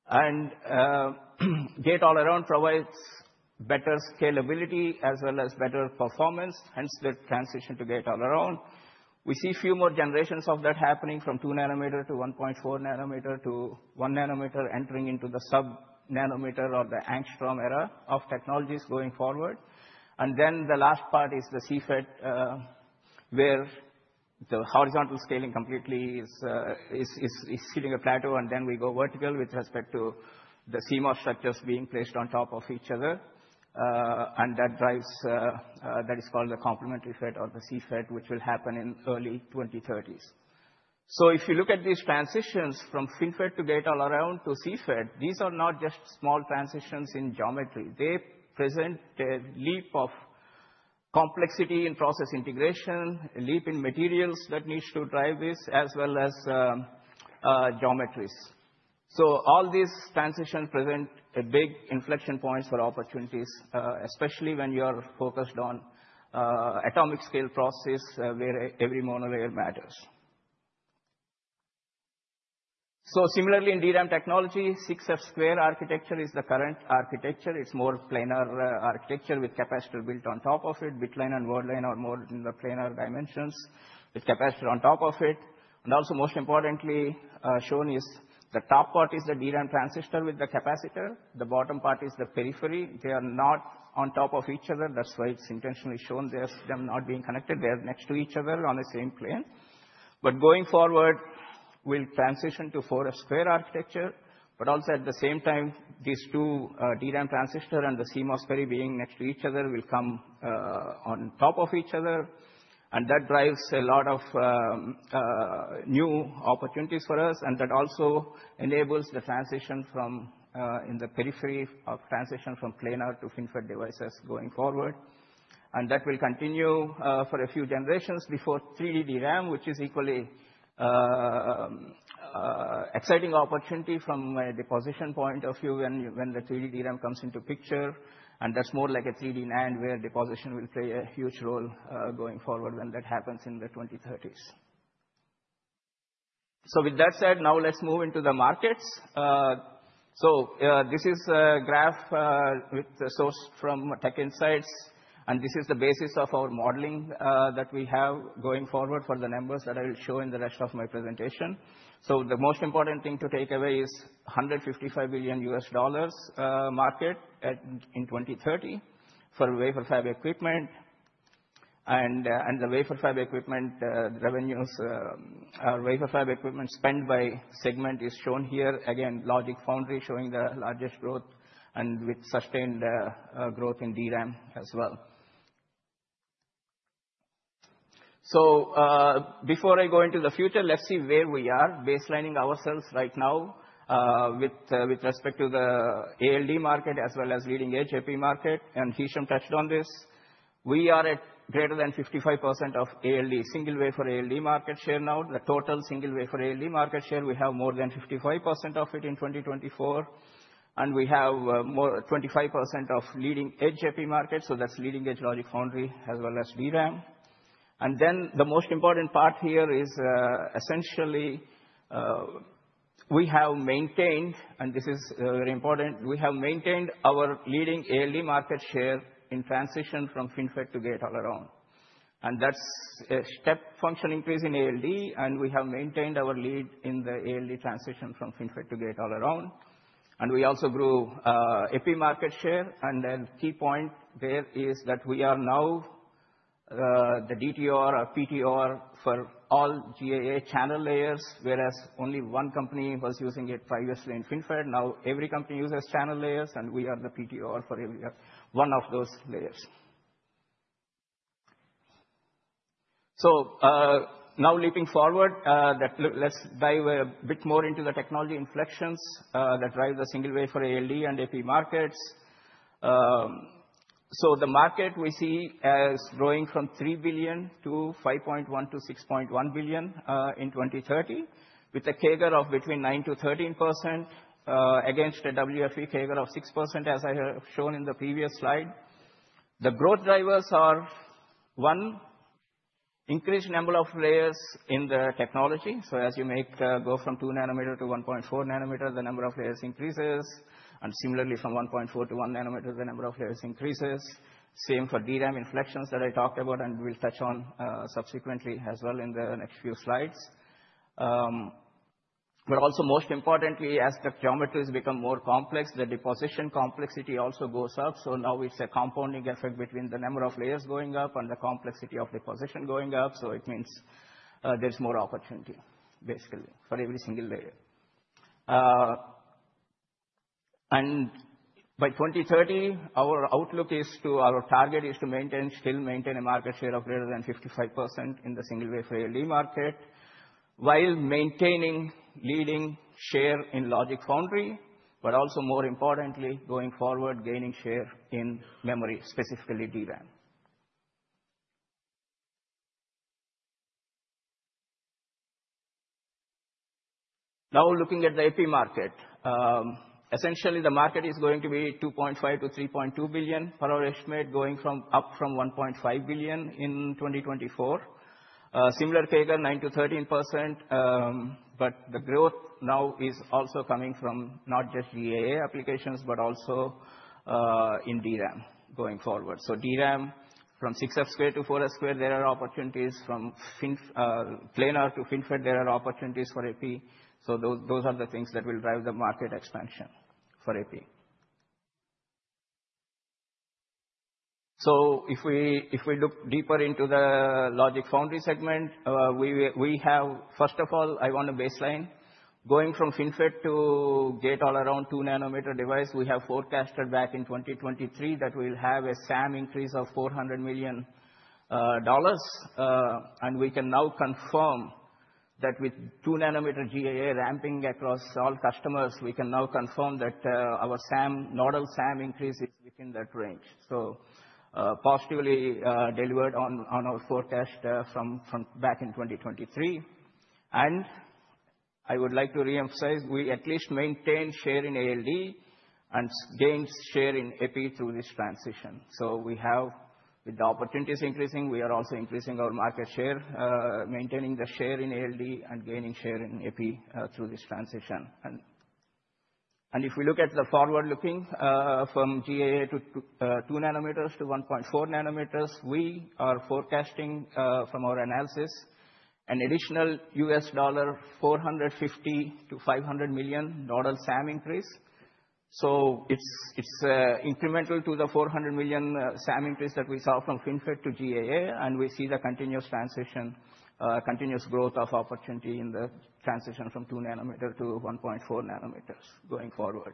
And Gate-All-Around provides better scalability as well as better performance, hence the transition to Gate-All-Around. We see a few more generations of that happening from 2-nanometer to 1.4-nanometer to 1-nanometer entering into the sub-nanometer or the angstrom era of technologies going forward. And then the last part is the CFET, where the horizontal scaling completely is hitting a plateau. And then we go vertical with respect to the CMOS structures being placed on top of each other. And that is called the complementary FET or the CFET, which will happen in early 2030s. So if you look at these transitions from FinFET to Gate-All-Around to CFET, these are not just small transitions in geometry. They present a leap of complexity in process integration, a leap in materials that needs to drive this, as well as geometries. All these transitions present big inflection points for opportunities, especially when you are focused on atomic scale process where every monolayer matters. Similarly, in DRAM technology, 6F² architecture is the current architecture. It's more planar architecture with capacitor built on top of it. Bit line and word line are more in the planar dimensions with capacitor on top of it. And also, most importantly shown is the top part is the DRAM transistor with the capacitor. The bottom part is the periphery. They are not on top of each other. That's why it's intentionally shown there, them not being connected. They are next to each other on the same plane. Going forward, we'll transition to 4F² architecture. Also, at the same time, these two DRAM transistor and the CMOS periphery being next to each other will come on top of each other. And that drives a lot of new opportunities for us. And that also enables the transition from, in the periphery, the transition from planar to FinFET devices going forward. And that will continue for a few generations before 3D DRAM, which is equally exciting opportunity from a deposition point of view when the 3D DRAM comes into picture. And that's more like a 3D NAND where deposition will play a huge role going forward when that happens in the 2030s. So with that said, now let's move into the markets. So this is a graph sourced from TechInsights. And this is the basis of our modeling that we have going forward for the numbers that I will show in the rest of my presentation. So the most important thing to take away is $155 billion market in 2030 for wafer fab equipment. The wafer fab equipment revenues or wafer fab equipment spent by segment is shown here. Again, logic foundry showing the largest growth and with sustained growth in DRAM as well. Before I go into the future, let's see where we are baselining ourselves right now with respect to the ALD market as well as leading-edge Epi market. Hichem touched on this. We are at greater than 55% of ALD single wafer ALD market share now. The total single wafer ALD market share, we have more than 55% of it in 2024. We have more than 25% of leading-edge Epi market. That's leading-edge logic foundry as well as DRAM. The most important part here is essentially we have maintained, and this is very important, we have maintained our leading ALD market share in transition from FinFET to Gate-All-Around. That's a step function increase in ALD. We have maintained our lead in the ALD transition from FinFET to Gate-All-Around. We also grew Epi market share. Then key point there is that we are now the DTOR or PTOR for all GAA channel layers, whereas only one company was using it previously in FinFET. Now every company uses channel layers. We are the PTOR for one of those layers. Now leaping forward, let's dive a bit more into the technology inflections that drive the single wafer ALD and Epi markets. The market we see as growing from $3 billion to $5.1 billion-$6.1 billion in 2030 with a CAGR of between 9%-13% against a WFE CAGR of 6%, as I have shown in the previous slide. The growth drivers are one, increased number of layers in the technology. So as you go from 2-nanometer to 1.4-nanometer, the number of layers increases. And similarly, from 1.4 to 1-nanometer, the number of layers increases. Same for DRAM inflections that I talked about and will touch on subsequently as well in the next few slides. But also, most importantly, as the geometries become more complex, the deposition complexity also goes up. So now it's a compounding effect between the number of layers going up and the complexity of deposition going up. So it means there's more opportunity, basically, for every single layer. And by 2030, our outlook is to our target is to maintain, still maintain a market share of greater than 55% in the single wafer ALD market while maintaining leading share in logic foundry, but also, more importantly, going forward, gaining share in memory, specifically DRAM. Now looking at the Epi market, essentially the market is going to be $2.5 billion-$3.2 billion per our estimate, going up from $1.5 billion in 2024. Similar CAGR, 9%-13%. But the growth now is also coming from not just GAA applications, but also in DRAM going forward. So DRAM from 6F² to 4F², there are opportunities from planar to FinFET. There are opportunities for Epi. So those are the things that will drive the market expansion for Epi. So if we look deeper into the logic foundry segment, we have, first of all, I want to baseline going from FinFET to Gate-All-Around 2-nanometer device. We have forecasted back in 2023 that we'll have a SAM increase of $400 million. And we can now confirm that with 2-nanometer GAA ramping across all customers, we can now confirm that our nodal SAM increase is within that range. So positively delivered on our forecast from back in 2023. And I would like to reemphasize, we at least maintain share in ALD and gain share in Epi through this transition. So we have, with the opportunities increasing, we are also increasing our market share, maintaining the share in ALD and gaining share in Epi through this transition. And if we look at the forward-looking from GAA to 2-nanometers to 1.4-nanometers, we are forecasting from our analysis an additional $450 million-$500 million nodal SAM increase. So it's incremental to the $400 million SAM increase that we saw from FinFET to GAA. And we see the continuous transition, continuous growth of opportunity in the transition from 2-nanometer to 1.4-nanometers going forward.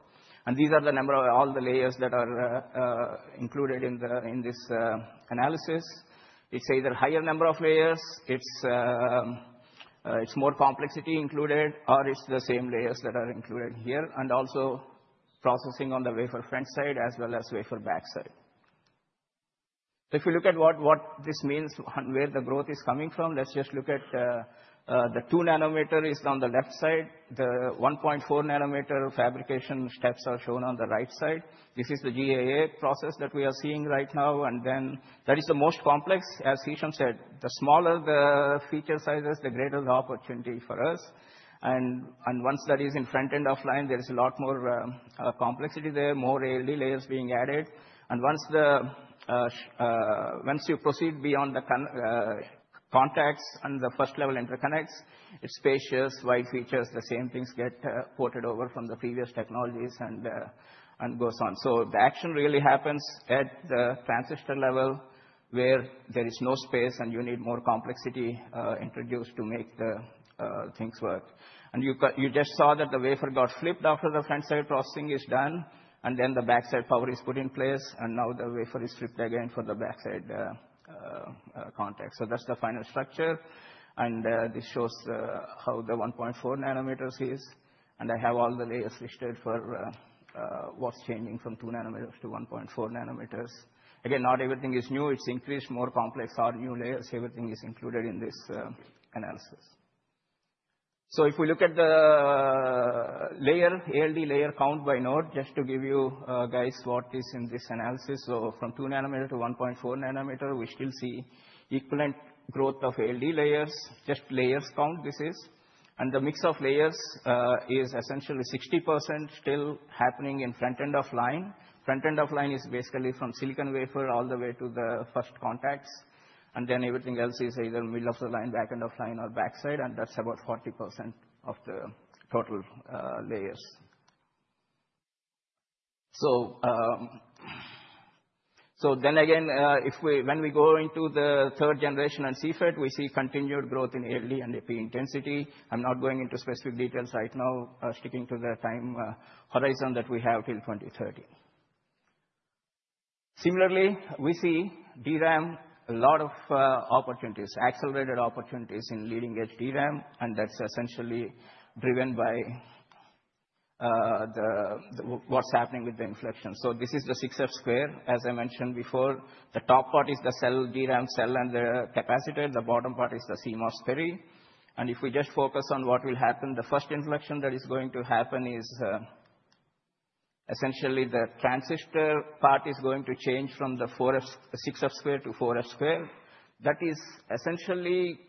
These are the number of all the layers that are included in this analysis. It's either a higher number of layers, it's more complexity included, or it's the same layers that are included here. Also processing on the wafer front side as well as wafer back side. If you look at what this means and where the growth is coming from, let's just look at the 2-nanometer is on the left side. The 1.4-nanometer fabrication steps are shown on the right side. This is the GAA process that we are seeing right now. That is the most complex, as Hichem said. The smaller the feature sizes, the greater the opportunity for us. Once that is in front end of line, there is a lot more complexity there, more ALD layers being added. Once you proceed beyond the contacts and the first-level interconnects, it's spacious, wide features. The same things get ported over from the previous technologies and goes on. The action really happens at the transistor level where there is no space and you need more complexity introduced to make the things work. You just saw that the wafer got flipped after the front side processing is done. Then the back side power is put in place. Now the wafer is flipped again for the back side contact. That's the final structure. This shows how the 1.4-nanometers is. I have all the layers listed for what's changing from 2-nanometers to 1.4-nanometers. Again, not everything is new. It's increased, more complex, or new layers. Everything is included in this analysis. So if we look at the ALD layer count by node, just to give you guys what is in this analysis. From 2-nanometer to 1.4-nanometer, we still see equivalent growth of ALD layers. Just layers count, this is. And the mix of layers is essentially 60% still happening in front end of line. Front end of line is basically from silicon wafer all the way to the first contacts. And then everything else is either middle of the line, back end of line, or back side. And that's about 40% of the total layers. Then again, when we go into the third generation and CFET, we see continued growth in ALD and Epi intensity. I'm not going into specific details right now, sticking to the time horizon that we have till 2030. Similarly, we see DRAM, a lot of opportunities, accelerated opportunities in leading-edge DRAM. And that's essentially driven by what's happening with the inflection. So this is the 6F², as I mentioned before. The top part is the cell DRAM cell and the capacitor. The bottom part is the CMOS periphery. And if we just focus on what will happen, the first inflection that is going to happen is essentially the transistor part is going to change from the 6F² to 4F². That is essentially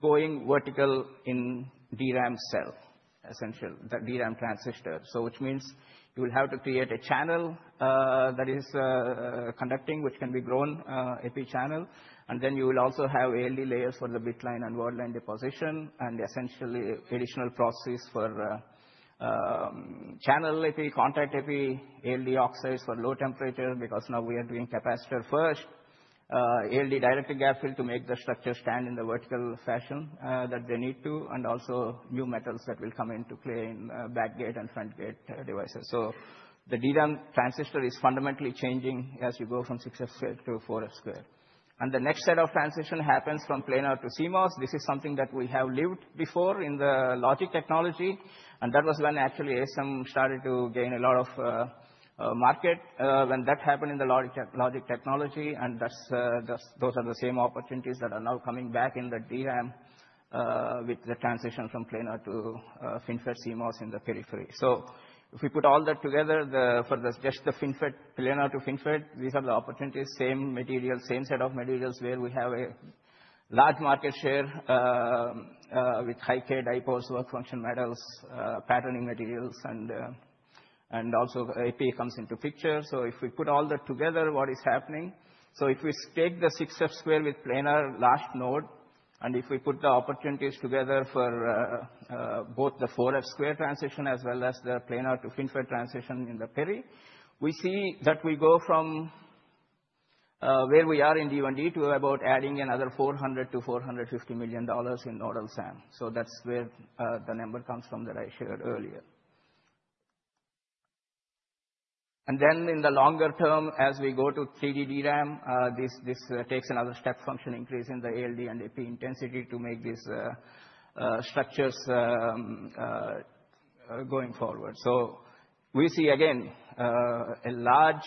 going vertical in DRAM cell, essentially, the DRAM transistor. So which means you will have to create a channel that is conducting, which can be grown Epi channel. And then you will also have ALD layers for the bit line and word line deposition. And essentially additional processes for channel Epi, contact Epi, ALD oxides for low temperature because now we are doing capacitor first, ALD directly gap fill to make the structure stand in the vertical fashion that they need to. And also new metals that will come into play in back gate and front gate devices. So the DRAM transistor is fundamentally changing as you go from 6F² to 4F². And the next set of transition happens from planar to CMOS. This is something that we have lived before in the logic technology. And that was when actually ASM started to gain a lot of market when that happened in the logic technology. And those are the same opportunities that are now coming back in the DRAM with the transition from planar to FinFET CMOS in the periphery. If we put all that together for just the FinFET planar to FinFET, these are the opportunities, same material, same set of materials where we have a large market share with high-k dipoles work function metals, patterning materials. And also Epi comes into picture. If we put all that together, what is happening? If we take the 6F² with planar last node, and if we put the opportunities together for both the 4F² transition as well as the planar to FinFET transition in the periphery, we see that we go from where we are in D1d to about adding another $400 million-$450 million in nodal SAM. That's where the number comes from that I shared earlier. Then in the longer term, as we go to 3D DRAM, this takes another step function increase in the ALD and Epi intensity to make these structures going forward. We see again a large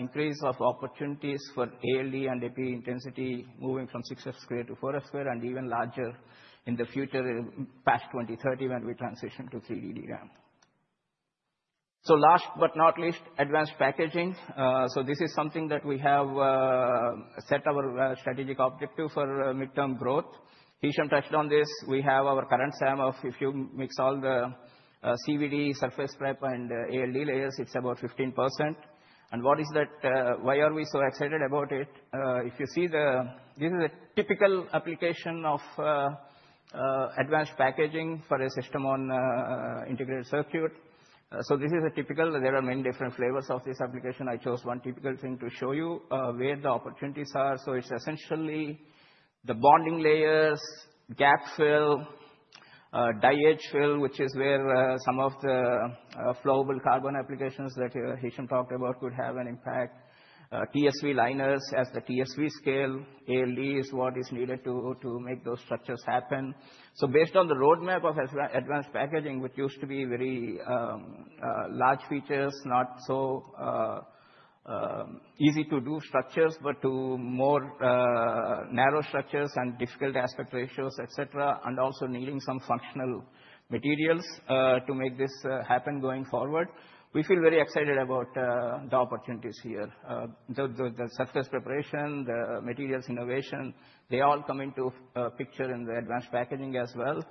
increase of opportunities for ALD and Epi intensity moving from 6F² to 4F² and even larger in the future past 2030 when we transition to 3D DRAM. Last but not least, advanced packaging. This is something that we have set our strategic objective for midterm growth. Hichem touched on this. We have our current SAM of, if you mix all the CVD surface prep and ALD layers, it's about 15%. Why are we so excited about it? If you see the, this is a typical application of advanced packaging for a system on integrated circuit. This is a typical, there are many different flavors of this application. I chose one typical thing to show you where the opportunities are. So it's essentially the bonding layers, gap fill, die edge fill, which is where some of the flowable carbon applications that Hichem talked about could have an impact. TSV liners as the TSV scale, ALD is what is needed to make those structures happen. So based on the roadmap of advanced packaging, which used to be very large features, not so easy to do structures, but to more narrow structures and difficult aspect ratios, et cetera, and also needing some functional materials to make this happen going forward, we feel very excited about the opportunities here. The surface preparation, the materials innovation, they all come into picture in the advanced packaging as well.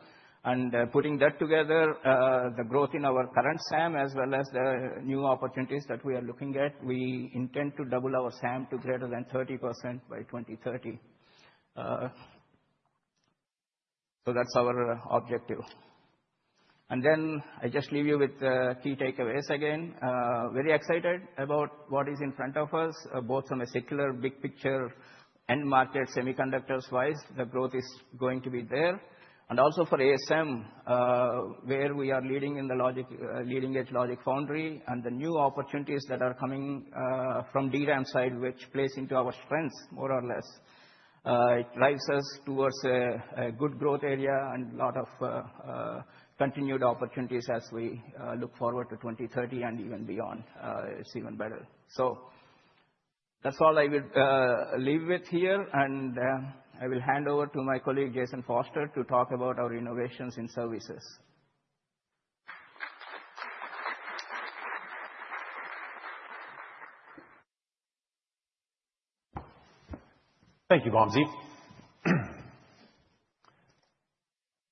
And putting that together, the growth in our current SAM as well as the new opportunities that we are looking at, we intend to double our SAM to greater than 30% by 2030. So that's our objective. And then I just leave you with the key takeaways again. Very excited about what is in front of us, both from a circular big picture and market semiconductors-wise, the growth is going to be there. And also for ASM, where we are leading in the leading-edge logic foundry and the new opportunities that are coming from DRAM side, which plays into our strengths more or less, it drives us towards a good growth area and a lot of continued opportunities as we look forward to 2030 and even beyond. It's even better. So that's all I would leave with here. I will hand over to my colleague Jason Foster to talk about our innovations in services. Thank you, Vamsi.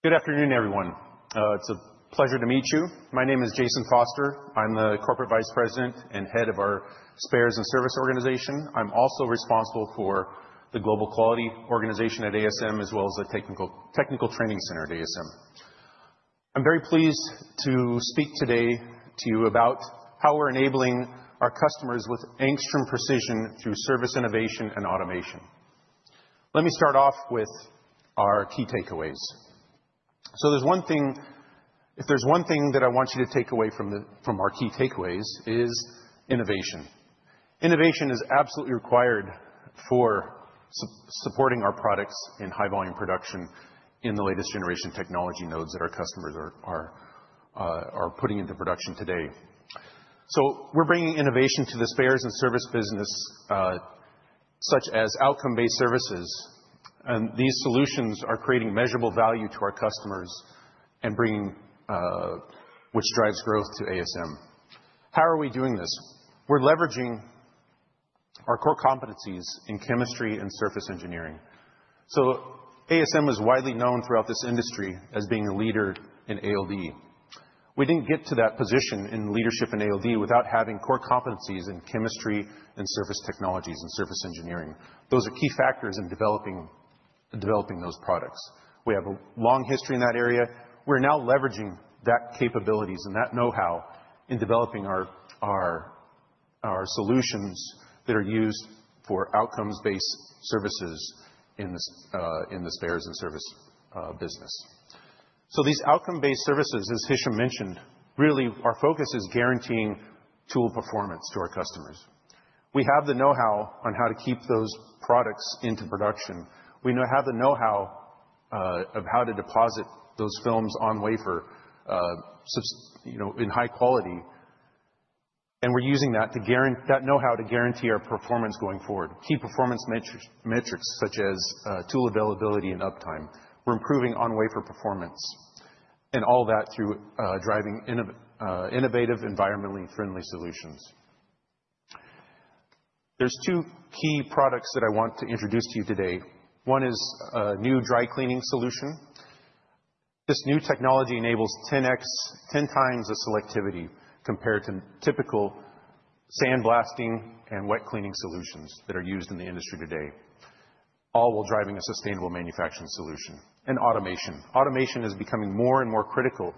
Good afternoon, everyone. It's a pleasure to meet you. My name is Jason Foster. I'm the Corporate Vice President and Head of our Spares and Service Organization. I'm also responsible for the Global Quality Organization at ASM, as well as the Technical Training Center at ASM. I'm very pleased to speak today to you about how we're enabling our customers with angstrom precision through service innovation and automation. Let me start off with our key takeaways. So if there's one thing that I want you to take away from our key takeaways is innovation. Innovation is absolutely required for supporting our products in high-volume production in the latest generation technology nodes that our customers are putting into production today. So we're bringing innovation to the spares and service business, such as outcome-based services. And these solutions are creating measurable value to our customers and bringing, which drives growth to ASM. How are we doing this? We're leveraging our core competencies in chemistry and surface engineering. So ASM is widely known throughout this industry as being a leader in ALD. We didn't get to that position in leadership in ALD without having core competencies in chemistry and surface technologies and surface engineering. Those are key factors in developing those products. We have a long history in that area. We're now leveraging that capabilities and that know-how in developing our solutions that are used for outcome-based services in the spares and service business. So these outcome-based services, as Hichem mentioned, really our focus is guaranteeing tool performance to our customers. We have the know-how on how to keep those products into production. We have the know-how of how to deposit those films on wafer in high quality, and we're using that know-how to guarantee our performance going forward. Key performance metrics, such as tool availability and uptime. We're improving on wafer performance, and all that through driving innovative, environmentally friendly solutions. There are two key products that I want to introduce to you today. One is a new dry cleaning solution. This new technology enables 10x the selectivity compared to typical sandblasting and wet cleaning solutions that are used in the industry today, all while driving a sustainable manufacturing solution. And automation. Automation is becoming more and more critical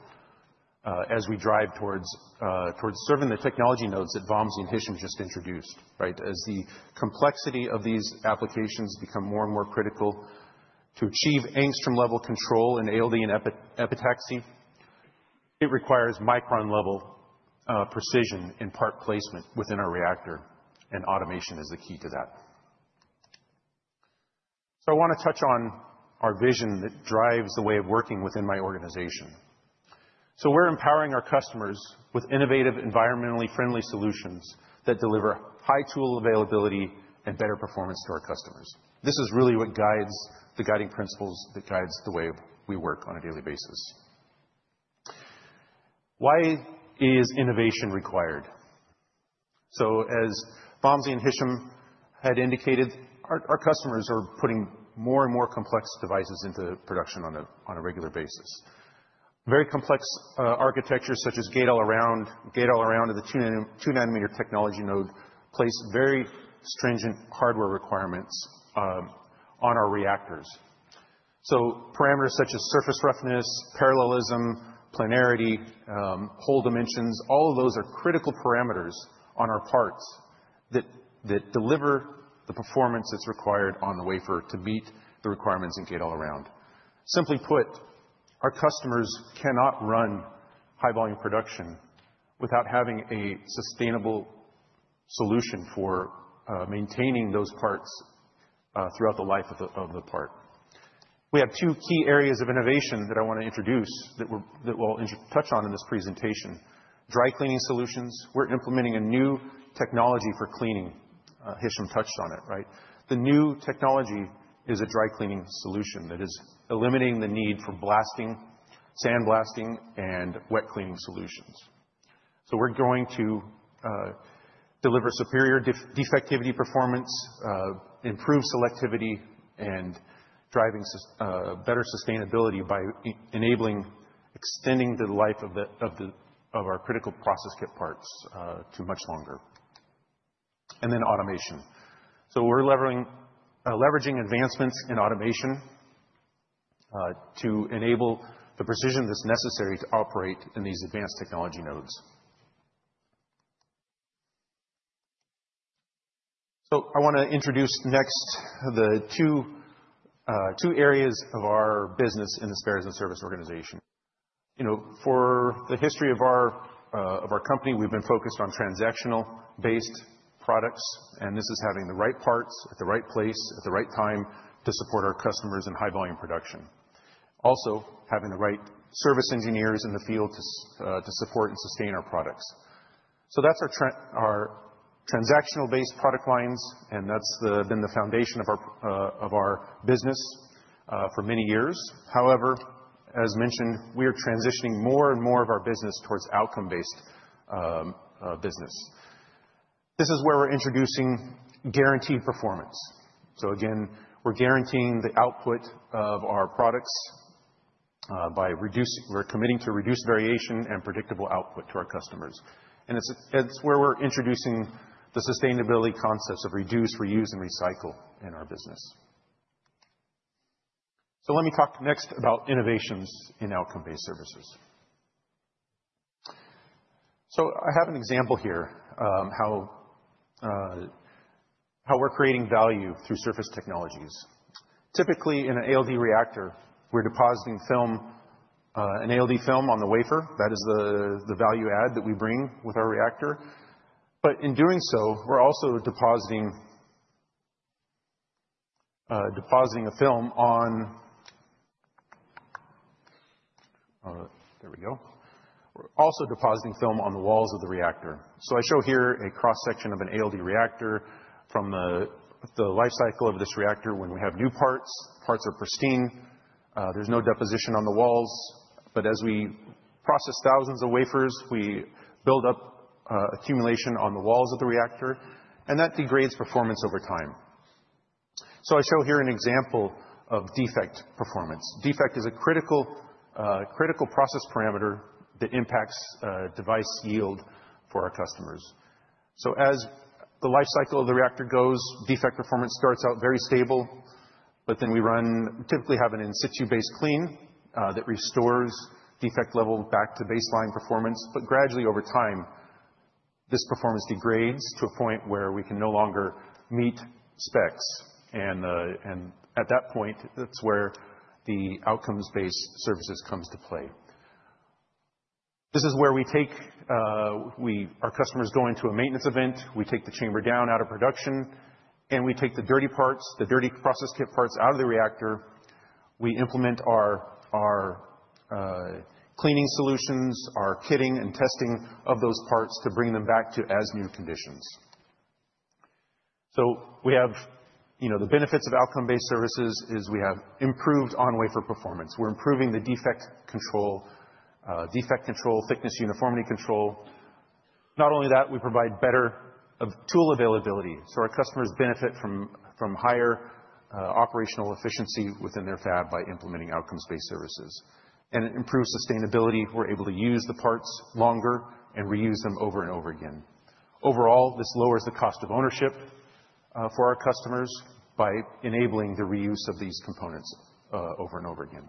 as we drive towards serving the technology nodes that Vamsi and Hichem just introduced, right? As the complexity of these applications become more and more critical to achieve angstrom-level control in ALD and epitaxy, it requires micron-level precision in part placement within our reactor, and automation is the key to that, so I want to touch on our vision that drives the way of working within my organization, so we're empowering our customers with innovative, environmentally friendly solutions that deliver high tool availability and better performance to our customers. This is really what guides the guiding principles that guides the way we work on a daily basis. Why is innovation required? So as Vamsi and Hichem had indicated, our customers are putting more and more complex devices into production on a regular basis. Very complex architectures such as Gate-All-Around of the two-nanometer technology node plays very stringent hardware requirements on our reactors. Parameters such as surface roughness, parallelism, planarity, hole dimensions, all of those are critical parameters on our parts that deliver the performance that's required on the wafer to meet the requirements in Gate-All-Around. Simply put, our customers cannot run high-volume production without having a sustainable solution for maintaining those parts throughout the life of the part. We have two key areas of innovation that I want to introduce that we'll touch on in this presentation. Dry cleaning solutions. We're implementing a new technology for cleaning. Hichem touched on it, right? The new technology is a dry cleaning solution that is eliminating the need for blasting, sandblasting, and wet cleaning solutions. So we're going to deliver superior defectivity performance, improve selectivity, and better sustainability by enabling extending the life of our critical process kit parts to much longer. Then automation. We're leveraging advancements in automation to enable the precision that's necessary to operate in these advanced technology nodes. I want to introduce next the two areas of our business in the Spares and Services Organization. For the history of our company, we've been focused on transactional-based products. This is having the right parts at the right place at the right time to support our customers in high-volume production. Also having the right service engineers in the field to support and sustain our products. That's our transactional-based product lines. That's been the foundation of our business for many years. However, as mentioned, we are transitioning more and more of our business towards outcome-based business. This is where we're introducing guaranteed performance. Again, we're guaranteeing the output of our products by reducing or committing to reduced variation and predictable output to our customers. And it's where we're introducing the sustainability concepts of reduce, reuse, and recycle in our business. So let me talk next about innovations in outcome-based services. So I have an example here of how we're creating value through surface technologies. Typically, in an ALD reactor, we're depositing film, an ALD film on the wafer. That is the value add that we bring with our reactor. But in doing so, we're also depositing a film on, there we go. We're also depositing film on the walls of the reactor. So I show here a cross-section of an ALD reactor from the life cycle of this reactor when we have new parts. Parts are pristine. There's no deposition on the walls. But as we process thousands of wafers, we build up accumulation on the walls of the reactor. And that degrades performance over time. I show here an example of defect performance. Defect is a critical process parameter that impacts device yield for our customers. As the life cycle of the reactor goes, defect performance starts out very stable. But then we typically run an in-situ-based clean that restores defect level back to baseline performance. But gradually over time, this performance degrades to a point where we can no longer meet specs. And at that point, that's where the outcome-based services comes to play. This is where our customers go into a maintenance event. We take the chamber down out of production. And we take the dirty parts, the dirty process kit parts out of the reactor. We implement our cleaning solutions, our kitting and testing of those parts to bring them back to as-new conditions. So we have the benefits of outcome-based services is we have improved on-wafer performance. We're improving the defect control, defect control, thickness uniformity control. Not only that, we provide better tool availability. So our customers benefit from higher operational efficiency within their fab by implementing outcomes-based services. And it improves sustainability. We're able to use the parts longer and reuse them over and over again. Overall, this lowers the cost of ownership for our customers by enabling the reuse of these components over and over again.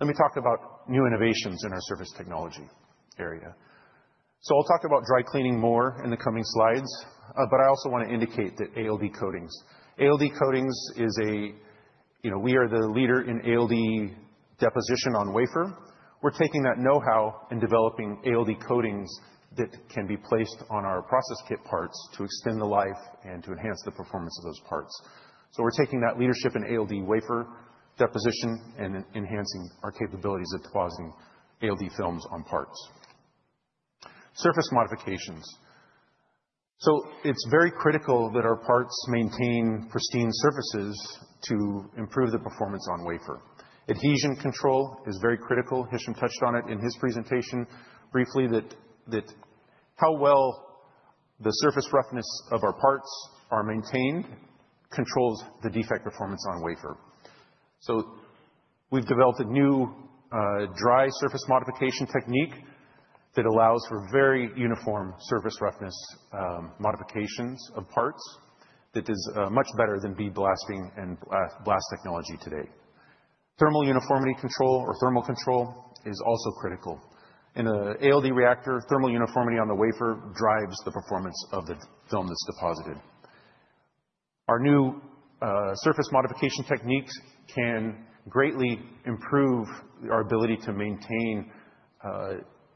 Let me talk about new innovations in our service technology area. So I'll talk about dry cleaning more in the coming slides. But I also want to indicate that ALD coatings. ALD coatings is a, we are the leader in ALD deposition on wafer. We're taking that know-how and developing ALD coatings that can be placed on our process kit parts to extend the life and to enhance the performance of those parts. So we're taking that leadership in ALD wafer deposition and enhancing our capabilities of depositing ALD films on parts. Surface modifications. So it's very critical that our parts maintain pristine surfaces to improve the performance on wafer. Adhesion control is very critical. Hichem touched on it in his presentation briefly that how well the surface roughness of our parts are maintained controls the defect performance on wafer. So we've developed a new dry surface modification technique that allows for very uniform surface roughness modifications of parts that is much better than bead blasting and blast technology today. Thermal uniformity control or thermal control is also critical. In an ALD reactor, thermal uniformity on the wafer drives the performance of the film that's deposited. Our new surface modification techniques can greatly improve our ability to maintain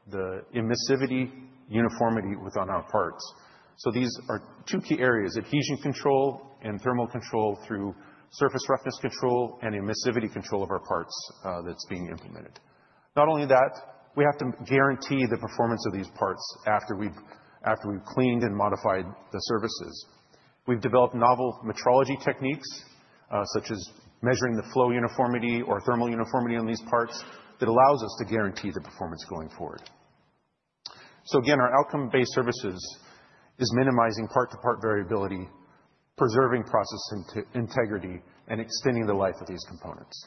the emissivity uniformity within our parts. So these are two key areas: adhesion control and thermal control through surface roughness control and emissivity control of our parts that's being implemented. Not only that, we have to guarantee the performance of these parts after we've cleaned and modified the surfaces. We've developed novel metrology techniques such as measuring the flow uniformity or thermal uniformity on these parts that allows us to guarantee the performance going forward. So again, our outcome-based services is minimizing part-to-part variability, preserving process integrity, and extending the life of these components.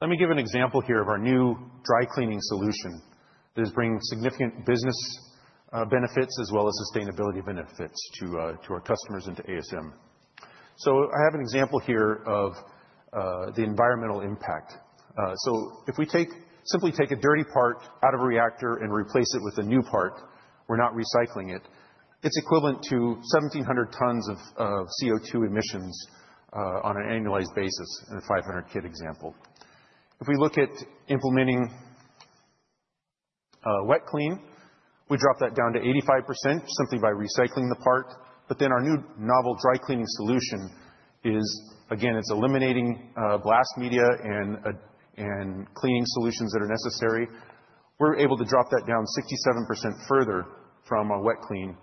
Let me give an example here of our new dry cleaning solution that is bringing significant business benefits as well as sustainability benefits to our customers and to ASM. I have an example here of the environmental impact. If we simply take a dirty part out of a reactor and replace it with a new part, we're not recycling it. It's equivalent to 1,700 tons of CO2 emissions on an annualized basis in a 500-kit example. If we look at implementing wet clean, we drop that down to 85% simply by recycling the part. Then our new novel dry cleaning solution is, again, it's eliminating blast media and cleaning solutions that are necessary. We're able to drop that down 67% further from our wet clean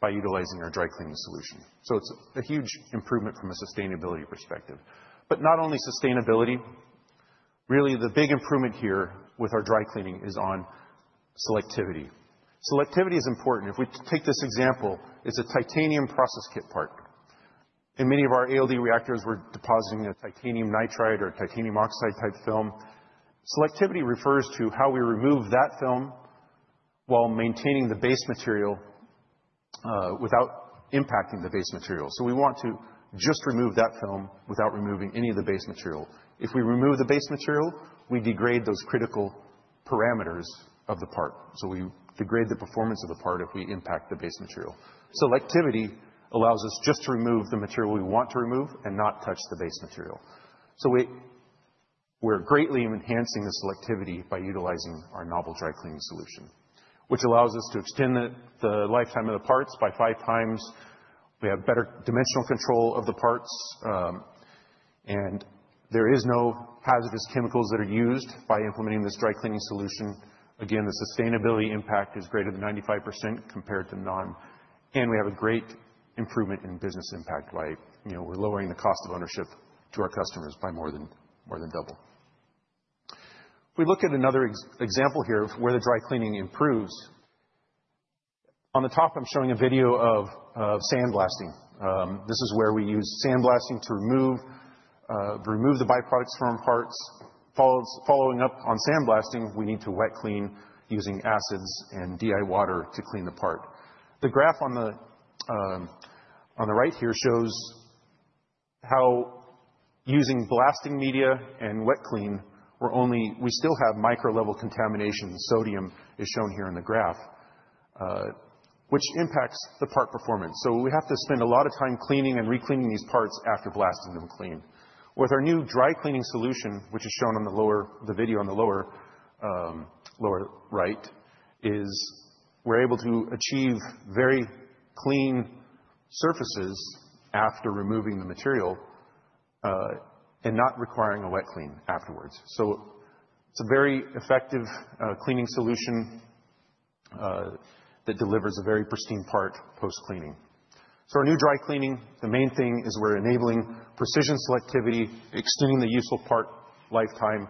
by utilizing our dry cleaning solution. It's a huge improvement from a sustainability perspective. Not only sustainability. Really, the big improvement here with our dry cleaning is on selectivity. Selectivity is important. If we take this example, it's a titanium process kit part. In many of our ALD reactors, we're depositing a titanium nitride or titanium oxide type film. Selectivity refers to how we remove that film while maintaining the base material without impacting the base material. So we want to just remove that film without removing any of the base material. If we remove the base material, we degrade those critical parameters of the part. So we degrade the performance of the part if we impact the base material. Selectivity allows us just to remove the material we want to remove and not touch the base material. So we're greatly enhancing the selectivity by utilizing our novel dry cleaning solution, which allows us to extend the lifetime of the parts by 5x. We have better dimensional control of the parts. And there are no hazardous chemicals that are used by implementing this dry cleaning solution. Again, the sustainability impact is greater than 95% compared to non. And we have a great improvement in business impact by we're lowering the cost of ownership to our customers by more than double. We look at another example here of where the dry cleaning improves. On the top, I'm showing a video of sandblasting. This is where we use sandblasting to remove the byproducts from parts. Following up on sandblasting, we need to wet clean using acids and DI water to clean the part. The graph on the right here shows how using blasting media and wet clean, we still have micro-level contamination. Sodium is shown here in the graph, which impacts the part performance. So we have to spend a lot of time cleaning and re-cleaning these parts after blasting them clean. With our new dry cleaning solution, which is shown on the video on the lower right, we're able to achieve very clean surfaces after removing the material and not requiring a wet clean afterwards. So it's a very effective cleaning solution that delivers a very pristine part post-cleaning. So our new dry cleaning, the main thing is we're enabling precision selectivity, extending the useful part lifetime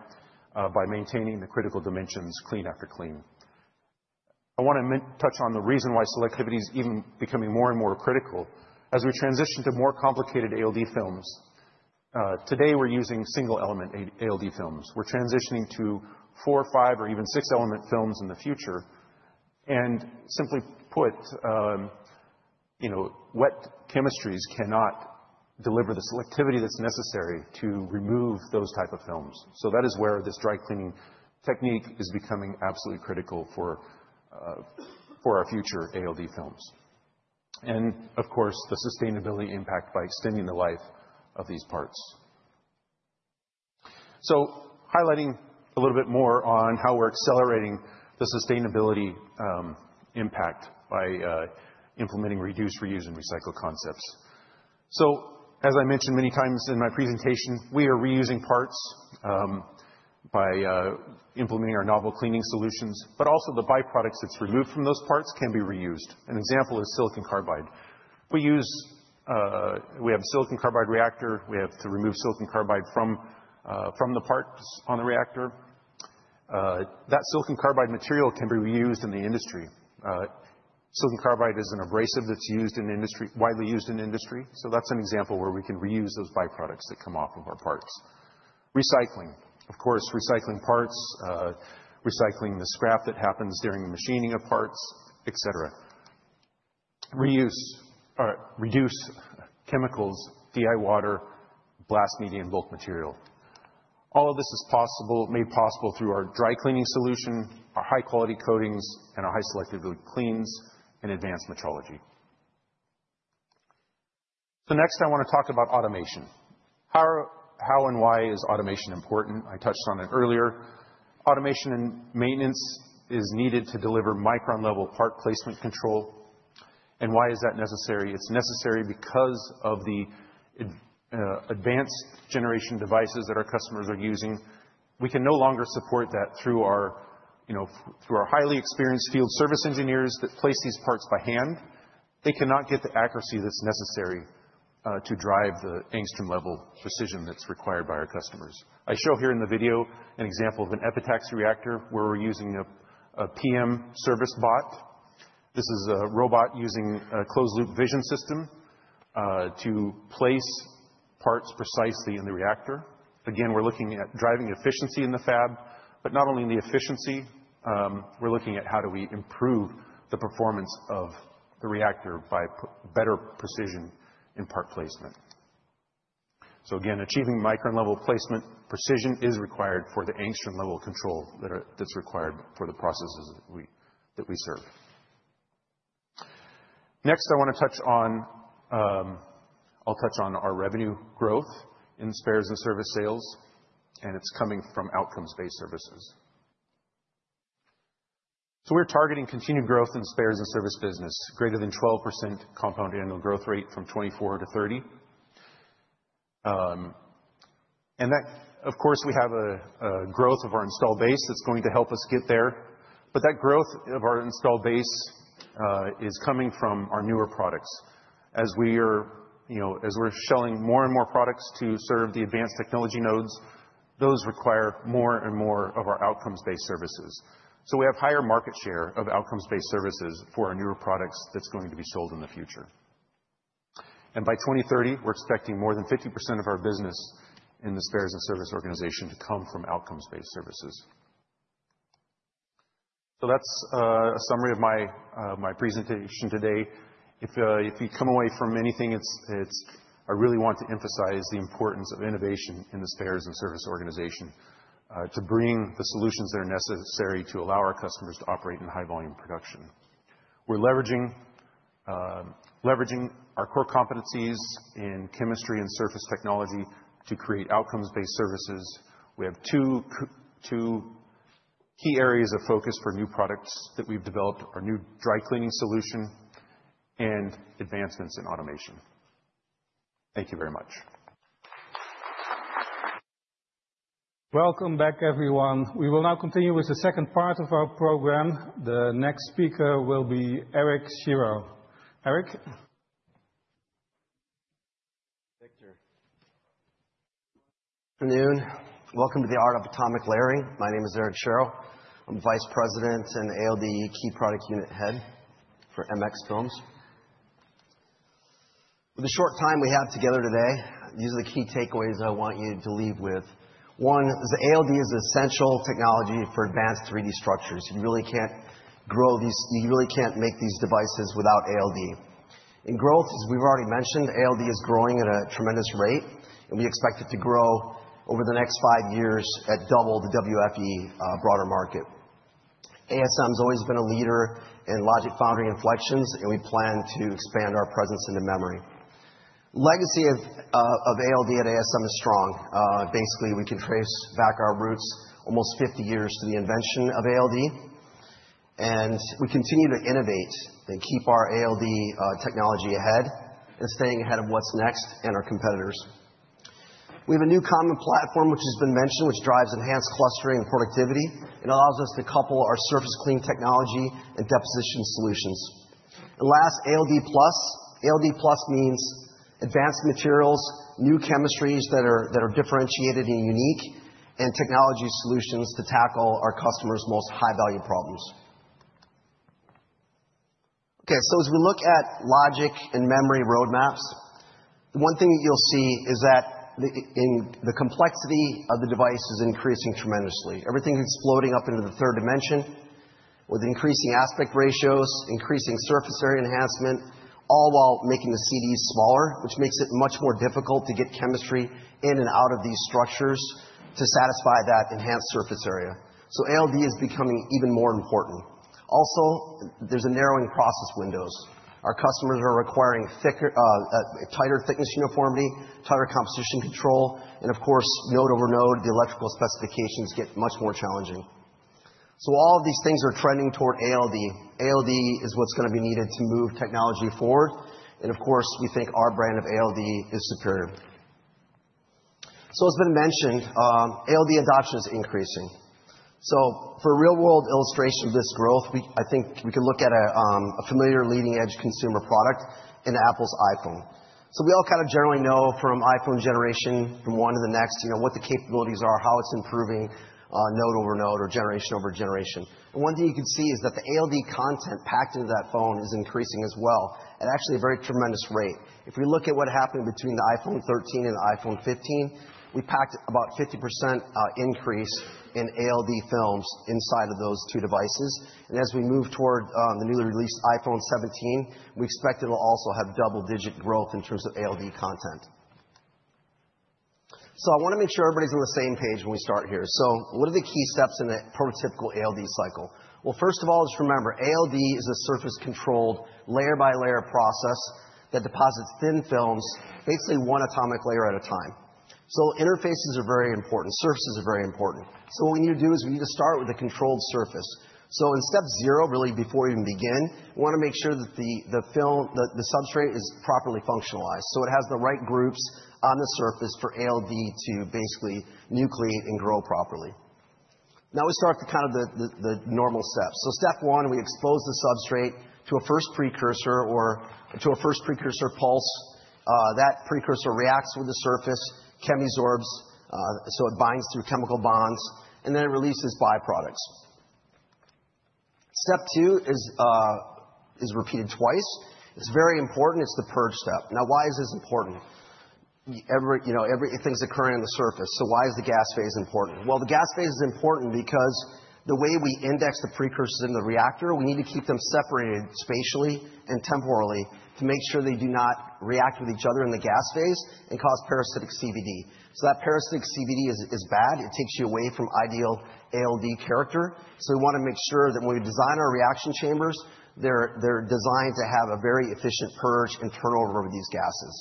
by maintaining the critical dimensions clean after clean. I want to touch on the reason why selectivity is even becoming more and more critical as we transition to more complicated ALD films. Today, we're using single-element ALD films. We're transitioning to four, five, or even six-element films in the future. Simply put, wet chemistries cannot deliver the selectivity that's necessary to remove those types of films. That is where this dry cleaning technique is becoming absolutely critical for our future ALD films. Of course, the sustainability impact by extending the life of these parts. Highlighting a little bit more on how we're accelerating the sustainability impact by implementing reduced, reused, and recycled concepts. As I mentioned many times in my presentation, we are reusing parts by implementing our novel cleaning solutions. Also the byproducts that's removed from those parts can be reused. An example is silicon carbide. We have a silicon carbide reactor. We have to remove silicon carbide from the parts on the reactor. That silicon carbide material can be reused in the industry. Silicon carbide is an abrasive that's widely used in industry. That's an example where we can reuse those byproducts that come off of our parts. Recycling, of course, recycling parts, recycling the scrap that happens during the machining of parts, et cetera. Reduce chemicals, DI water, blast media, and bulk material. All of this is made possible through our dry cleaning solution, our high-quality coatings, and our high-selectivity cleans and advanced metrology. Next, I want to talk about automation. How and why is automation important? I touched on it earlier. Automation and maintenance is needed to deliver micro-level part placement control. And why is that necessary? It's necessary because of the advanced generation devices that our customers are using. We can no longer support that through our highly experienced field service engineers that place these parts by hand. They cannot get the accuracy that's necessary to drive the angstrom-level precision that's required by our customers. I show here in the video an example of an Epitaxy reactor where we're using a PM service bot. This is a robot using a closed-loop vision system to place parts precisely in the reactor. Again, we're looking at driving efficiency in the fab. But not only in the efficiency, we're looking at how do we improve the performance of the reactor by better precision in part placement. So again, achieving micro-level placement precision is required for the angstrom-level control that's required for the processes that we serve. Next, I want to touch on our revenue growth in spares and service sales. And it's coming from outcome-based services. So we're targeting continued growth in spares and service business, greater than 12% compound annual growth rate from 2024 to 2030. And that, of course, we have a growth of our install base that's going to help us get there. but that growth of our install base is coming from our newer products. As we're selling more and more products to serve the advanced technology nodes, those require more and more of our outcomes-based services. So we have higher market share of outcomes-based services for our newer products that's going to be sold in the future. And by 2030, we're expecting more than 50% of our business in the spares and service organization to come from outcomes-based services. So that's a summary of my presentation today. If you come away from anything, I really want to emphasize the importance of innovation in the spares and service organization to bring the solutions that are necessary to allow our customers to operate in high-volume production. We're leveraging our core competencies in chemistry and surface technology to create outcomes-based services. We have two key areas of focus for new products that we've developed, our new dry cleaning solution and advancements in automation. Thank you very much. Welcome back, everyone. We will now continue with the second part of our program. The next speaker will be Eric Shero. Eric. Victor. Good afternoon. Welcome to the Art of Atomic Layering. My name is Eric Shero. I'm the Vice President and ALD Key Product Unit Head for MX Films. With the short time we have together today, these are the key takeaways I want you to leave with. One, ALD is an essential technology for advanced 3D structures. You really can't grow these; you really can't make these devices without ALD. In growth, as we've already mentioned, ALD is growing at a tremendous rate. And we expect it to grow over the next five years at double the WFE broader market. ASM has always been a leader in logic foundry inflections, and we plan to expand our presence into memory. Legacy of ALD at ASM is strong. Basically, we can trace back our roots almost 50 years to the invention of ALD and we continue to innovate and keep our ALD technology ahead and staying ahead of what's next and our competitors. We have a new common platform, which has been mentioned, which drives enhanced clustering and productivity. It allows us to couple our surface clean technology and deposition solutions and last, ALD+. ALD+ means advanced materials, new chemistries that are differentiated and unique, and technology solutions to tackle our customers' most high-value problems. Okay, so as we look at logic and memory roadmaps, the one thing that you'll see is that the complexity of the device is increasing tremendously. Everything is exploding up into the third dimension with increasing aspect ratios, increasing surface area enhancement, all while making the CDs smaller, which makes it much more difficult to get chemistry in and out of these structures to satisfy that enhanced surface area. ALD is becoming even more important. Also, there's a narrowing process windows. Our customers are requiring tighter thickness uniformity, tighter composition control, and of course, node over node, the electrical specifications get much more challenging. All of these things are trending toward ALD. ALD is what's going to be needed to move technology forward. Of course, we think our brand of ALD is superior. As has been mentioned, ALD adoption is increasing. For a real-world illustration of this growth, I think we can look at a familiar leading-edge consumer product in Apple's iPhone. We all kind of generally know from iPhone generation from one to the next what the capabilities are, how it's improving node over node or generation over generation. And one thing you can see is that the ALD content packed into that phone is increasing as well at actually a very tremendous rate. If we look at what happened between the iPhone 13 and the iPhone 15, we packed about a 50% increase in ALD films inside of those two devices. And as we move toward the newly released iPhone 17, we expect it will also have double-digit growth in terms of ALD content. So I want to make sure everybody's on the same page when we start here. So what are the key steps in a prototypical ALD cycle? First of all, just remember, ALD is a surface-controlled layer-by-layer process that deposits thin films, basically one atomic layer at a time. So interfaces are very important. Surfaces are very important. So what we need to do is we need to start with a controlled surface. So in step zero, really before we even begin, we want to make sure that the substrate is properly functionalized so it has the right groups on the surface for ALD to basically nucleate and grow properly. Now we start with kind of the normal steps. So step one, we expose the substrate to a first precursor or to a first precursor pulse. That precursor reacts with the surface, chemisorbs, so it binds through chemical bonds, and then it releases byproducts. Step two is repeated twice. It's very important. It's the purge step. Now, why is this important? Everything's occurring on the surface. So why is the gas phase important? Well, the gas phase is important because the way we inject the precursors in the reactor, we need to keep them separated spatially and temporally to make sure they do not react with each other in the gas phase and cause parasitic CVD. So that parasitic CVD is bad. It takes you away from ideal ALD character. So we want to make sure that when we design our reaction chambers, they're designed to have a very efficient purge and turnover of these gases.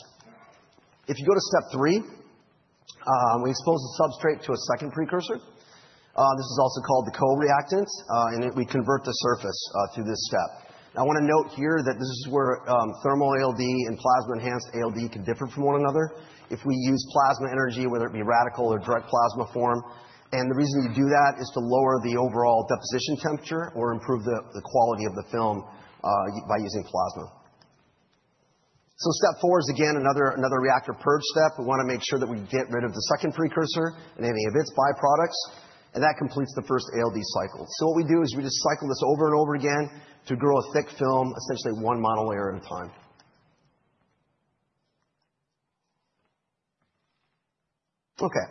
If you go to step three, we expose the substrate to a second precursor. This is also called the co-reactant, and we convert the surface through this step. I want to note here that this is where thermal ALD and plasma-enhanced ALD can differ from one another. If we use plasma energy, whether it be radical or direct plasma form, and the reason you do that is to lower the overall deposition temperature or improve the quality of the film by using plasma. So step four is, again, another reactor purge step. We want to make sure that we get rid of the second precursor and any of its byproducts. And that completes the first ALD cycle. So what we do is we just cycle this over and over again to grow a thick film, essentially one monolayer at a time. Okay,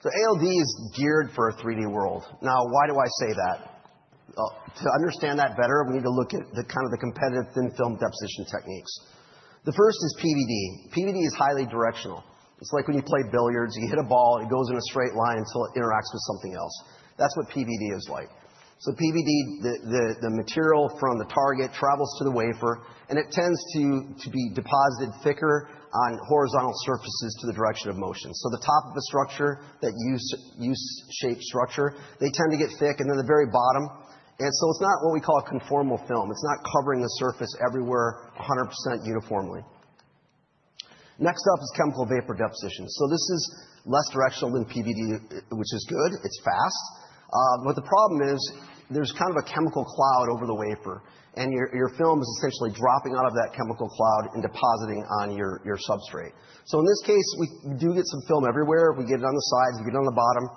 so ALD is geared for a 3D world. Now, why do I say that? To understand that better, we need to look at kind of the competitive thin film deposition techniques. The first is PVD. PVD is highly directional. It's like when you play billiards. You hit a ball. It goes in a straight line until it interacts with something else. That's what PVD is like. So PVD, the material from the target travels to the wafer, and it tends to be deposited thicker on horizontal surfaces to the direction of motion. So the top of a structure, that U-shaped structure, they tend to get thick and then the very bottom, and so it's not what we call a conformal film. It's not covering the surface everywhere 100% uniformly. Next up is chemical vapor deposition. So this is less directional than PVD, which is good. It's fast. But the problem is there's kind of a chemical cloud over the wafer, and your film is essentially dropping out of that chemical cloud and depositing on your substrate. So in this case, we do get some film everywhere. We get it on the sides. We get it on the bottom,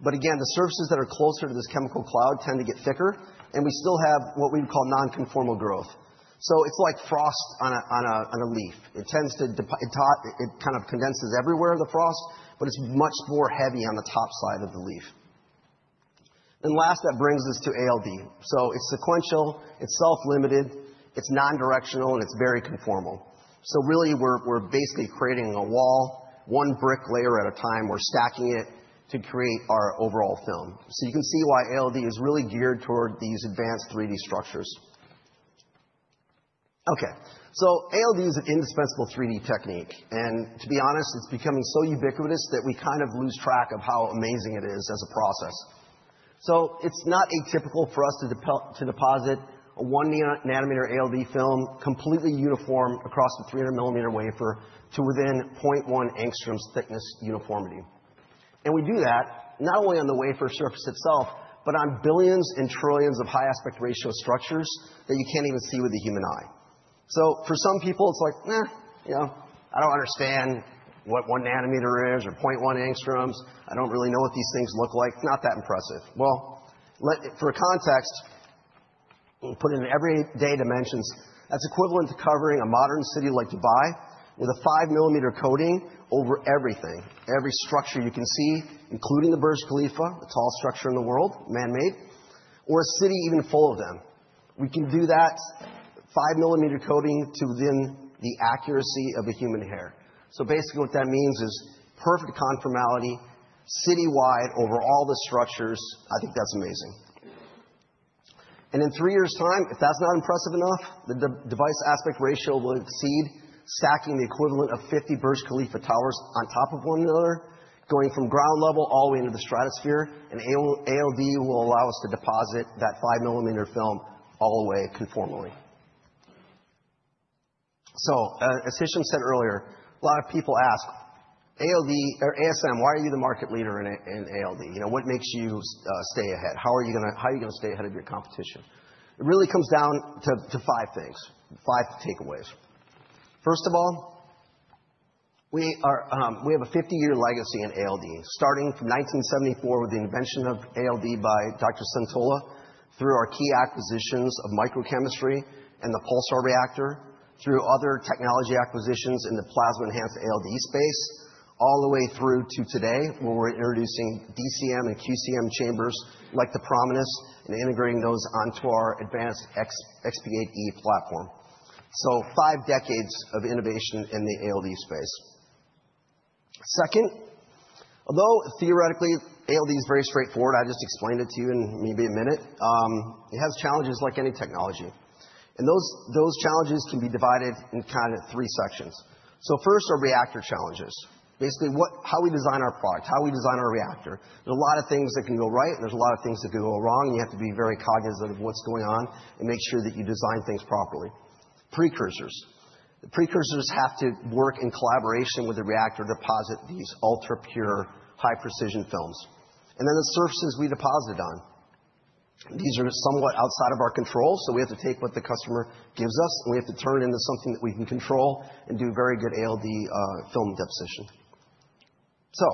but again, the surfaces that are closer to this chemical cloud tend to get thicker, and we still have what we would call non-conformal growth, so it's like frost on a leaf. It tends to kind of condense everywhere the frost, but it's much more heavy on the top side of the leaf, and last, that brings us to ALD, so it's sequential. It's self-limited. It's non-directional, and it's very conformal, so really, we're basically creating a wall, one brick layer at a time. We're stacking it to create our overall film, so you can see why ALD is really geared toward these advanced 3D structures. Okay, so ALD is an indispensable 3D technique, and to be honest, it's becoming so ubiquitous that we kind of lose track of how amazing it is as a process. It's not atypical for us to deposit a one nanometer ALD film completely uniform across the 300 mm wafer to within 0.1 angstroms thickness uniformity. And we do that not only on the wafer surface itself, but on billions and trillions of high-aspect ratio structures that you can't even see with the human eye. For some people, it's like, I don't understand what one nanometer is or 0.1 angstroms. I don't really know what these things look like. It's not that impressive. For context, we put it in everyday dimensions. That's equivalent to covering a modern city like Dubai with a five millimeter coating over everything, every structure you can see, including the Burj Khalifa, the tallest structure in the world, manmade, or a city even full of them. We can do that five millimeter coating to within the accuracy of a human hair. So basically, what that means is perfect conformality citywide over all the structures. I think that's amazing. In three years' time, if that's not impressive enough, the device aspect ratio will exceed stacking the equivalent of 50 Burj Khalifa towers on top of one another, going from ground level all the way into the stratosphere. ALD will allow us to deposit that five-millimeter film all the way conformally. As Hichem said earlier, a lot of people ask, "ASM, why are you the market leader in ALD? What makes you stay ahead? How are you going to stay ahead of your competition?" It really comes down to five things, five takeaways. First of all, we have a 50-year legacy in ALD, starting from 1974 with the invention of ALD by Dr. Suntola through our key acquisitions of Microchemistry and the Pulsar reactor, through other technology acquisitions in the plasma-enhanced ALD space, all the way through to today where we're introducing DCM and QCM chambers like the ProMinus and integrating those onto our advanced XP8E platform. So five decades of innovation in the ALD space. Second, although theoretically ALD is very straightforward, I just explained it to you in maybe a minute, it has challenges like any technology. And those challenges can be divided in kind of three sections. So first are reactor challenges, basically how we design our product, how we design our reactor. There are a lot of things that can go right, and there's a lot of things that can go wrong. You have to be very cognizant of what's going on and make sure that you design things properly. Precursors. The precursors have to work in collaboration with the reactor to deposit these ultra-pure, high-precision films. And then the surfaces we deposit on, these are somewhat outside of our control, so we have to take what the customer gives us, and we have to turn it into something that we can control and do very good ALD film deposition. So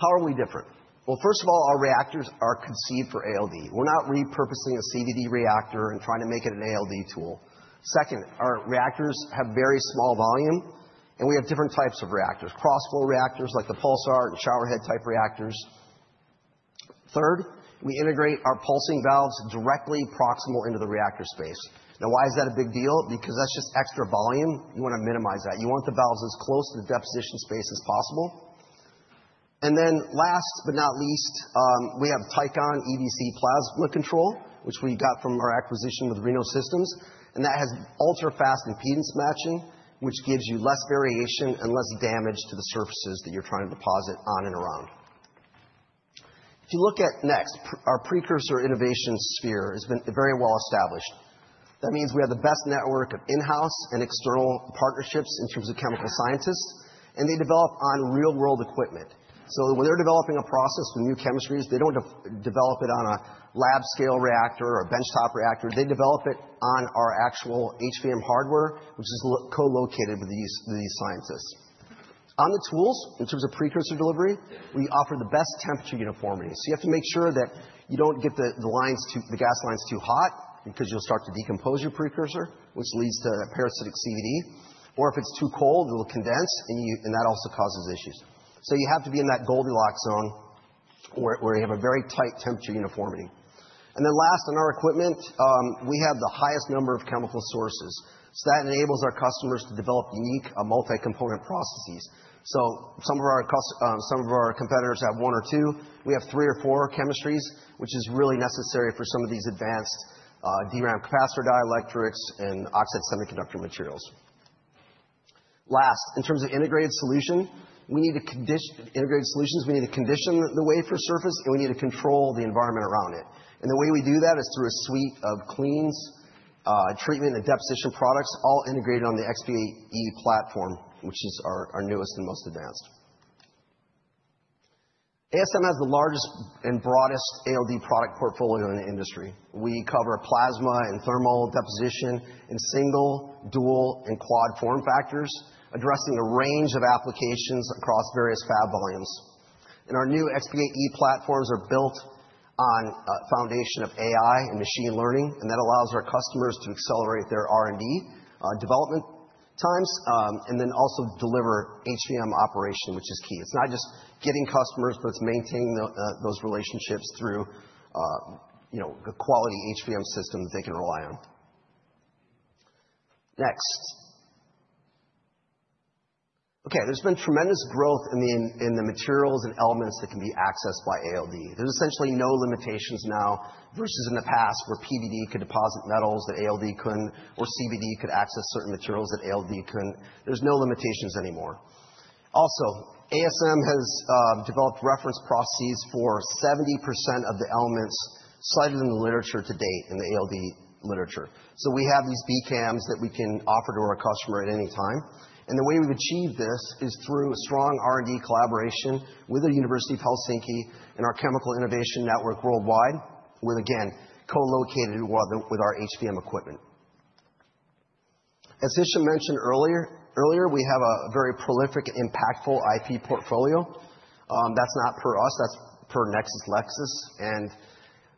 how are we different? Well, first of all, our reactors are conceived for ALD. We're not repurposing a CVD reactor and trying to make it an ALD tool. Second, our reactors have very small volume, and we have different types of reactors, cross-flow reactors like the Pulsar and showerhead-type reactors. Third, we integrate our pulsing valves directly proximal into the reactor space. Now, why is that a big deal? Because that's just extra volume. You want to minimize that. You want the valves as close to the deposition space as possible. And then last but not least, we have Tikon EVC plasma control, which we got from our acquisition with Reno Sub-Systems. And that has ultra-fast impedance matching, which gives you less variation and less damage to the surfaces that you're trying to deposit on and around. If you look at next, our precursor innovation sphere has been very well established. That means we have the best network of in-house and external partnerships in terms of chemical scientists, and they develop on real-world equipment. So when they're developing a process with new chemistries, they don't develop it on a lab-scale reactor or a benchtop reactor. They develop it on our actual HVM hardware, which is co-located with these scientists. On the tools, in terms of precursor delivery, we offer the best temperature uniformity. So you have to make sure that you don't get the gas lines too hot because you'll start to decompose your precursor, which leads to parasitic CVD. Or if it's too cold, it'll condense, and that also causes issues. So you have to be in that Goldilocks zone where you have a very tight temperature uniformity. And then last, in our equipment, we have the highest number of chemical sources. So that enables our customers to develop unique multi-component processes. So some of our competitors have one or two. We have three or four chemistries, which is really necessary for some of these advanced DRAM capacitor dielectrics and oxide semiconductor materials. Last, in terms of integrated solutions, we need to condition the wafer surface, and we need to control the environment around it. The way we do that is through a suite of cleans, treatment, and deposition products, all integrated on the XP8E platform, which is our newest and most advanced. ASM has the largest and broadest ALD product portfolio in the industry. We cover plasma and thermal deposition in single, dual, and quad form factors, addressing a range of applications across various fab volumes. Our new XP8E platforms are built on a foundation of AI and machine learning, and that allows our customers to accelerate their R&D development times and then also deliver HVM operation, which is key. It's not just getting customers, but it's maintaining those relationships through the quality HVM system that they can rely on. Next. Okay, there's been tremendous growth in the materials and elements that can be accessed by ALD. There's essentially no limitations now versus in the past where PVD could deposit metals that ALD couldn't or CVD could access certain materials that ALD couldn't. There's no limitations anymore. Also, ASM has developed reference processes for 70% of the elements cited in the literature to date in the ALD literature. So we have these BKMs that we can offer to our customer at any time. And the way we've achieved this is through strong R&D collaboration with the University of Helsinki and our chemical innovation network worldwide, with, again, co-located with our HVM equipment. As Hichem mentioned earlier, we have a very prolific and impactful IP portfolio. That's not per us. That's per LexisNexis. And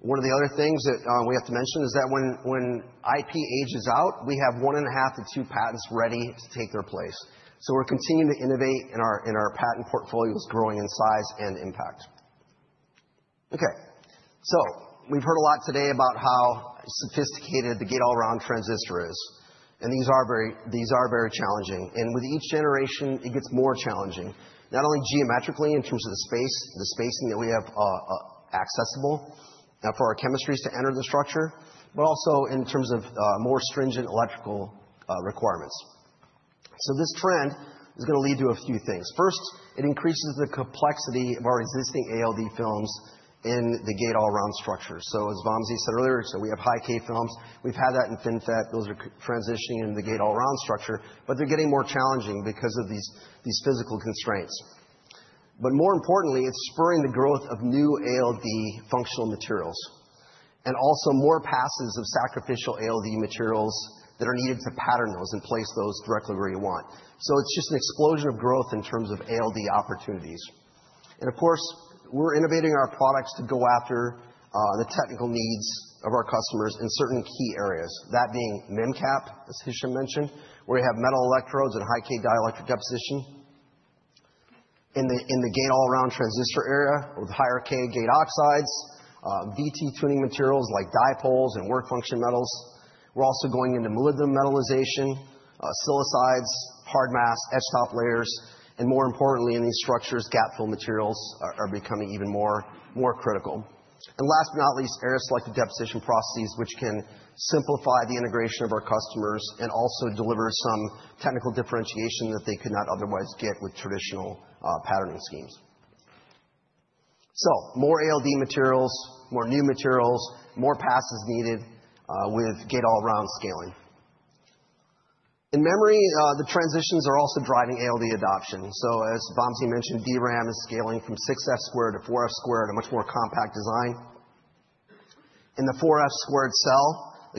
one of the other things that we have to mention is that when IP ages out, we have one and a half to two patents ready to take their place. So we're continuing to innovate, and our patent portfolio is growing in size and impact. Okay, so we've heard a lot today about how sophisticated the Gate-All-Around transistor is. And these are very challenging. And with each generation, it gets more challenging, not only geometrically in terms of the space, the spacing that we have accessible for our chemistries to enter the structure, but also in terms of more stringent electrical requirements. So this trend is going to lead to a few things. First, it increases the complexity of our existing ALD films in the Gate-All-Around structure. So as Vamsi said earlier, we have high-k films. We've had that in FinFET. Those are transitioning into the Gate-All-Around structure, but they're getting more challenging because of these physical constraints. But more importantly, it's spurring the growth of new ALD functional materials and also more passes of sacrificial ALD materials that are needed to pattern those and place those directly where you want. So it's just an explosion of growth in terms of ALD opportunities. And of course, we're innovating our products to go after the technical needs of our customers in certain key areas, that being MIM cap, as Hichem mentioned, where you have metal electrodes and high-k dielectric deposition in the Gate-All-Around transistor area with higher-k gate oxides, VT tuning materials like dipoles and work function metals. We're also going into molybdenum metallization, silicides, hardmask, edge top layers. And more importantly, in these structures, gap fill materials are becoming even more critical. Last but not least, area-selected deposition processes, which can simplify the integration of our customers and also deliver some technical differentiation that they could not otherwise get with traditional patterning schemes. So more ALD materials, more new materials, more passes needed with Gate-All-Around scaling. In memory, the transitions are also driving ALD adoption. So as Vamsi mentioned, DRAM is scaling from 6F² to 4F² to a much more compact design. In the 4F² cell,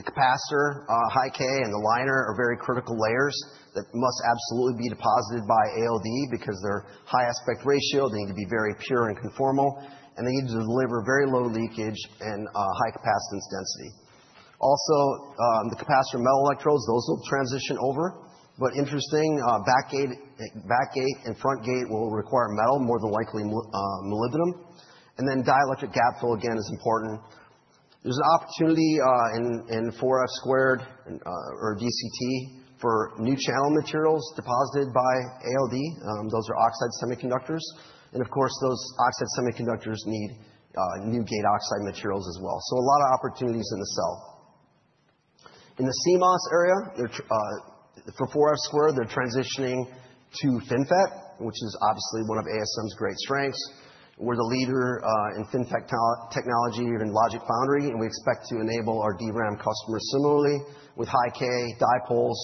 the capacitor, high-k, and the liner are very critical layers that must absolutely be deposited by ALD because they're high aspect ratio. They need to be very pure and conformal, and they need to deliver very low leakage and high capacitance density. Also, the capacitor metal electrodes, those will transition over. But interesting, back gate and front gate will require metal, more than likely molybdenum. And then dielectric gap fill, again, is important. There's an opportunity in 4F² or DTC for new channel materials deposited by ALD. Those are oxide semiconductors. And of course, those oxide semiconductors need new gate oxide materials as well. So a lot of opportunities in the cell. In the CMOS area, for 4F², they're transitioning to FinFET, which is obviously one of ASM's great strengths. We're the leader in FinFET technology and logic foundry, and we expect to enable our DRAM customers similarly with high-k dipoles,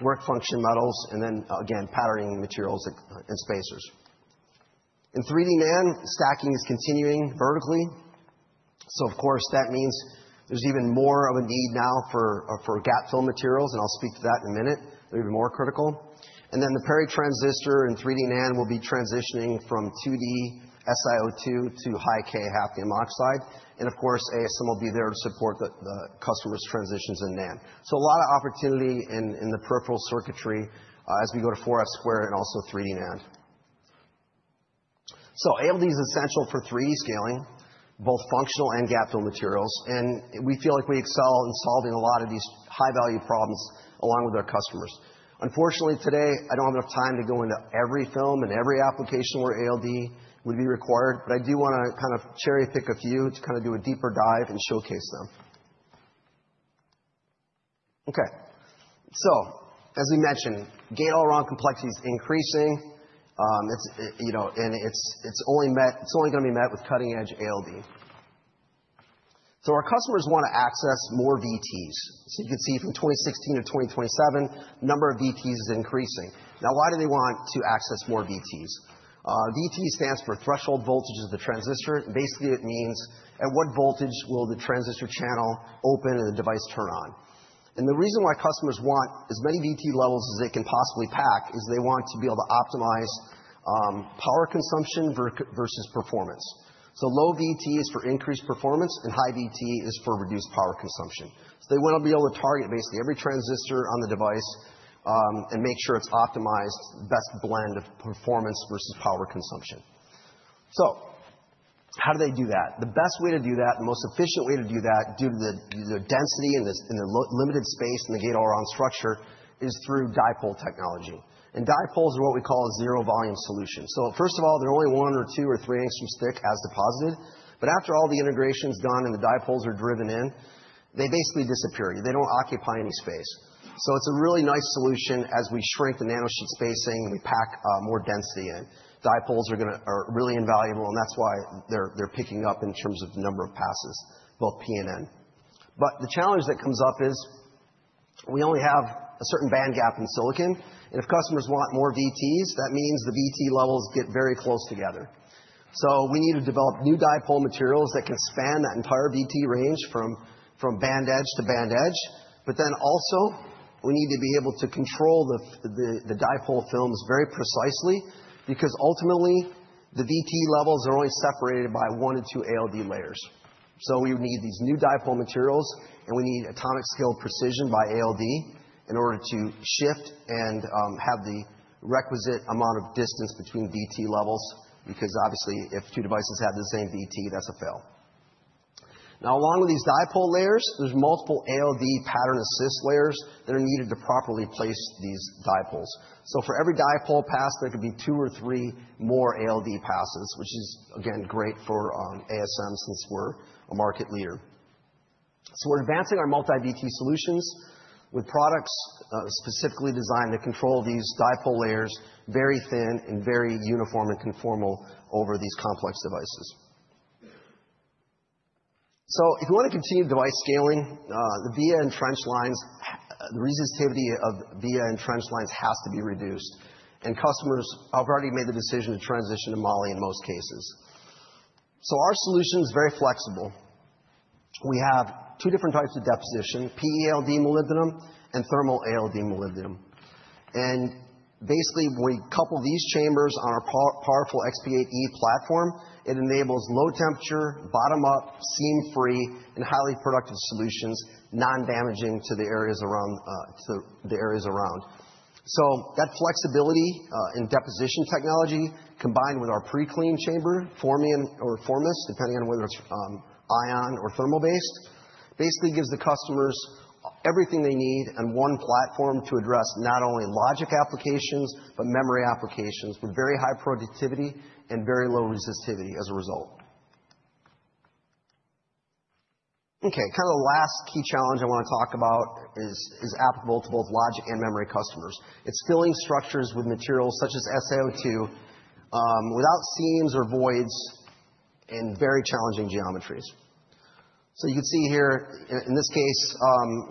work function metals, and then, again, patterning materials and spacers. In 3D NAND, stacking is continuing vertically. So of course, that means there's even more of a need now for gap fill materials, and I'll speak to that in a minute. They're even more critical. And then the pass transistor in 3D NAND will be transitioning from 2D SiO2 to high-k hafnium oxide. Of course, ASM will be there to support the customer's transitions in NAND. A lot of opportunity in the peripheral circuitry as we go to 4F² and also 3D NAND. ALD is essential for 3D scaling, both functional and gap fill materials. We feel like we excel in solving a lot of these high-value problems along with our customers. Unfortunately, today, I don't have enough time to go into every film and every application where ALD would be required, but I do want to kind of cherry-pick a few to kind of do a deeper dive and showcase them. Okay. As we mentioned, Gate-All-Around complexity is increasing, and it's only going to be met with cutting-edge ALD. Our customers want to access more VTs. You can see from 2016 to 2027, the number of VTs is increasing. Now, why do they want to access more VTs? VT stands for threshold voltages of the transistor. Basically, it means at what voltage will the transistor channel open and the device turn on? And the reason why customers want as many VT levels as they can possibly pack is they want to be able to optimize power consumption versus performance. So low VT is for increased performance, and high VT is for reduced power consumption. So they want to be able to target basically every transistor on the device and make sure it's optimized best blend of performance versus power consumption. So how do they do that? The best way to do that, the most efficient way to do that due to the density and the limited space in the Gate-All-Around structure is through Dipole technology. And dipoles are what we call a zero-volume solution. So, first of all, they're only one or two or three angstroms thick as deposited. But after all the integration is done and the dipoles are driven in, they basically disappear. They don't occupy any space. So it's a really nice solution as we shrink the nanosheet spacing and we pack more density in. Dipoles are really invaluable, and that's why they're picking up in terms of the number of passes, both P and N. But the challenge that comes up is we only have a certain band gap in silicon. And if customers want more VTs, that means the VT levels get very close together. So we need to develop new dipole materials that can span that entire VT range from band edge to band edge. But then also, we need to be able to control the dipole films very precisely because ultimately, the VT levels are only separated by one or two ALD layers. So we need these new dipole materials, and we need atomic scale precision by ALD in order to shift and have the requisite amount of distance between VT levels because obviously, if two devices have the same VT, that's a fail. Now, along with these dipole layers, there's multiple ALD pattern assist layers that are needed to properly place these dipoles. So for every dipole pass, there could be two or three more ALD passes, which is, again, great for ASM since we're a market leader. So we're advancing our multi-VT solutions with products specifically designed to control these dipole layers very thin and very uniform and conformal over these complex devices. So if you want to continue device scaling, the BEOL and trench lines, the resistivity of BEOL and trench lines has to be reduced. And customers have already made the decision to transition to Mo in most cases. So our solution is very flexible. We have two different types of deposition: PEALD molybdenum and thermal ALD molybdenum. And basically, when we couple these chambers on our powerful XP8E platform, it enables low temperature, bottom-up, seam-free, and highly productive solutions, non-damaging to the areas around. So that flexibility in deposition technology, combined with our pre-clean chamber, formats depending on whether it's ion or thermal-based, basically gives the customers everything they need and one platform to address not only logic applications, but memory applications with very high productivity and very low resistivity as a result. Okay, kind of the last key challenge I want to talk about is applicable to both logic and memory customers. It's filling structures with materials such as SiO2 without seams or voids and very challenging geometries. So you can see here, in this case,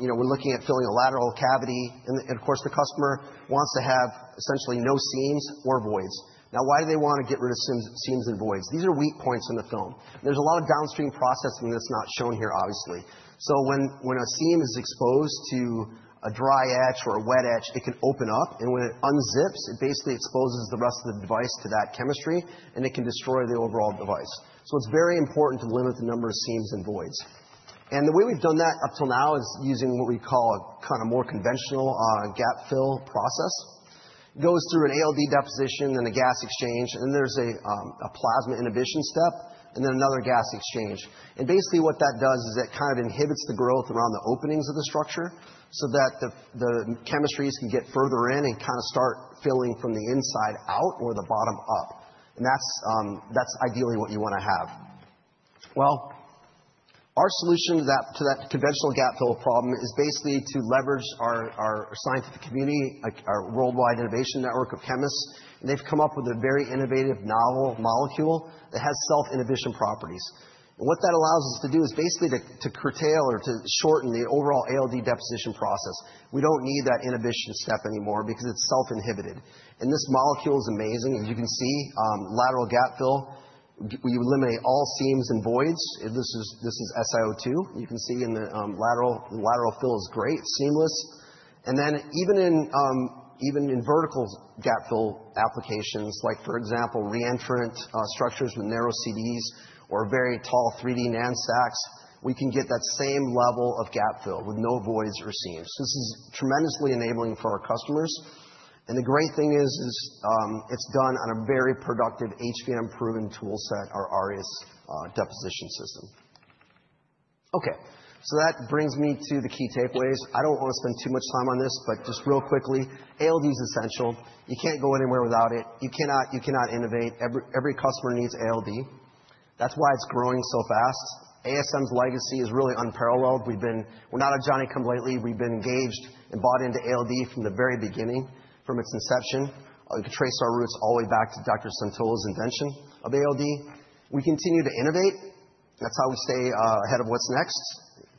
we're looking at filling a lateral cavity. And of course, the customer wants to have essentially no seams or voids. Now, why do they want to get rid of seams and voids? These are weak points in the film. There's a lot of downstream processing that's not shown here, obviously. So when a seam is exposed to a dry edge or a wet edge, it can open up. And when it unzips, it basically exposes the rest of the device to that chemistry, and it can destroy the overall device. So it's very important to limit the number of seams and voids. And the way we've done that up till now is using what we call a kind of more conventional gap fill process. It goes through an ALD deposition, then a gas exchange, and then there's a plasma inhibition step, and then another gas exchange. And basically, what that does is it kind of inhibits the growth around the openings of the structure so that the chemistries can get further in and kind of start filling from the inside out or the bottom up. And that's ideally what you want to have. Well, our solution to that conventional gap fill problem is basically to leverage our scientific community, our worldwide innovation network of chemists. And they've come up with a very innovative novel molecule that has self-inhibition properties. And what that allows us to do is basically to curtail or to shorten the overall ALD deposition process. We don't need that inhibition step anymore because it's self-inhibited. And this molecule is amazing. As you can see, lateral gap fill, we eliminate all seams and voids. This is SiO2. You can see in the lateral fill is great, seamless. And then even in vertical gap fill applications, like for example, re-entrant structures with narrow CDs or very tall 3D NAND stacks, we can get that same level of gap fill with no voids or seams. This is tremendously enabling for our customers. And the great thing is it's done on a very productive HVM-proven toolset, our ARIAS deposition system. Okay, so that brings me to the key takeaways. I don't want to spend too much time on this, but just real quickly, ALD is essential. You can't go anywhere without it. You cannot innovate. Every customer needs ALD. That's why it's growing so fast. ASM's legacy is really unparalleled. We're not a Johnny-come-lately. We've been engaged and bought into ALD from the very beginning, from its inception. We can trace our roots all the way back to Dr. Suntola's invention of ALD. We continue to innovate. That's how we stay ahead of what's next,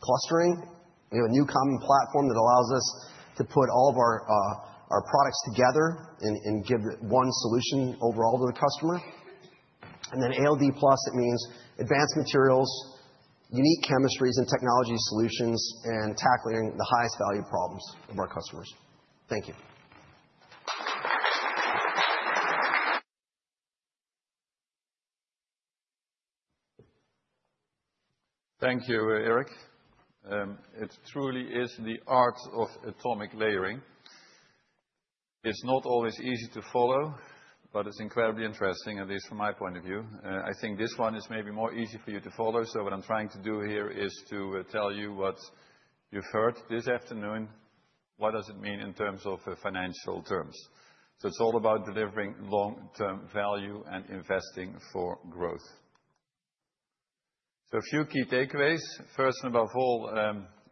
clustering. We have a new common platform that allows us to put all of our products together and give one solution overall to the customer. And then ALD+, it means advanced materials, unique chemistries and technology solutions, and tackling the highest value problems of our customers. Thank you. Thank you, Eric. It truly is the art of atomic layering. It's not always easy to follow, but it's incredibly interesting, at least from my point of view. I think this one is maybe more easy for you to follow. So what I'm trying to do here is to tell you what you've heard this afternoon, what it means in terms of financial terms. It's all about delivering long-term value and investing for growth. A few key takeaways. First and above all,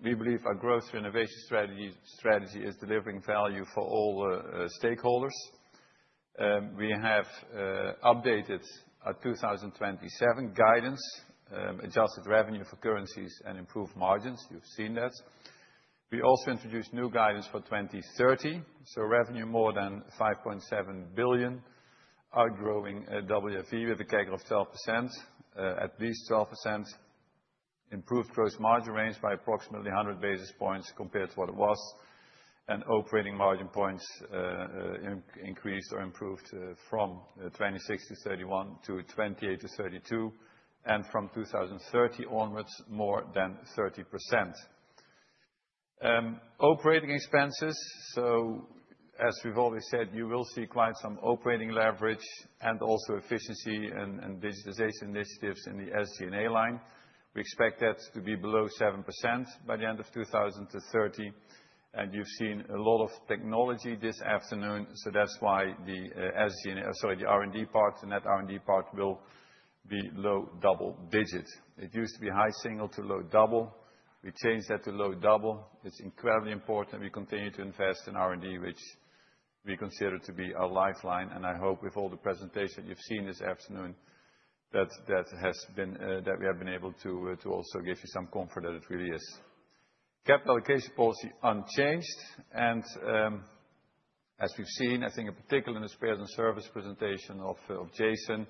we believe our growth innovation strategy is delivering value for all stakeholders. We have updated our 2027 guidance, adjusted revenue for currencies, and improved margins. You've seen that. We also introduced new guidance for 2030. Revenue more than 5.7 billion, outgrowing WFE with a CAGR of 12%, at least 12%, improved gross margin range by approximately 100 basis points compared to what it was, and operating margin points increased or improved from 26% to 31% to 28% to 32%, and from 2030 onwards, more than 30%. Operating expenses, so as we've always said, you will see quite some operating leverage and also efficiency and digitization initiatives in the SG&A line. We expect that to be below 7% by the end of 2030. And you've seen a lot of technology this afternoon, so that's why the R&D part, the net R&D part, will be low double digit. It used to be high single to low double. We changed that to low double. It's incredibly important that we continue to invest in R&D, which we consider to be our lifeline. And I hope with all the presentation you've seen this afternoon that we have been able to also give you some comfort that it really is. Capital allocation policy unchanged. As we've seen, I think in particular in the Spares & Services presentation of Jason,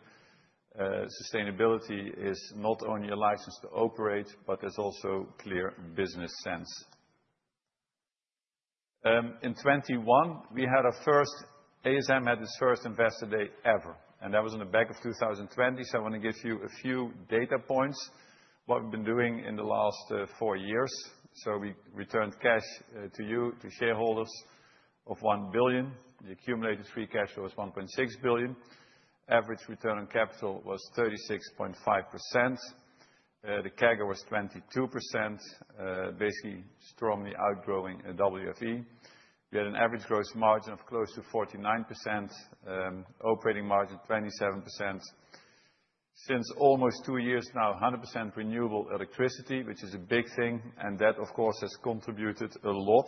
sustainability is not only a license to operate, but there's also clear business sense. In 2021, ASM had its first investor day ever. And that was in the back of 2020. So I want to give you a few data points. What we've been doing in the last four years. So we returned cash to you, to shareholders, of 1 billion. The accumulated free cash flow was 1.6 billion. Average return on capital was 36.5%. The CAGR was 22%, basically strongly outgrowing WFE. We had an average gross margin of close to 49%, operating margin 27%. Since almost two years now, 100% renewable electricity, which is a big thing. And that, of course, has contributed a lot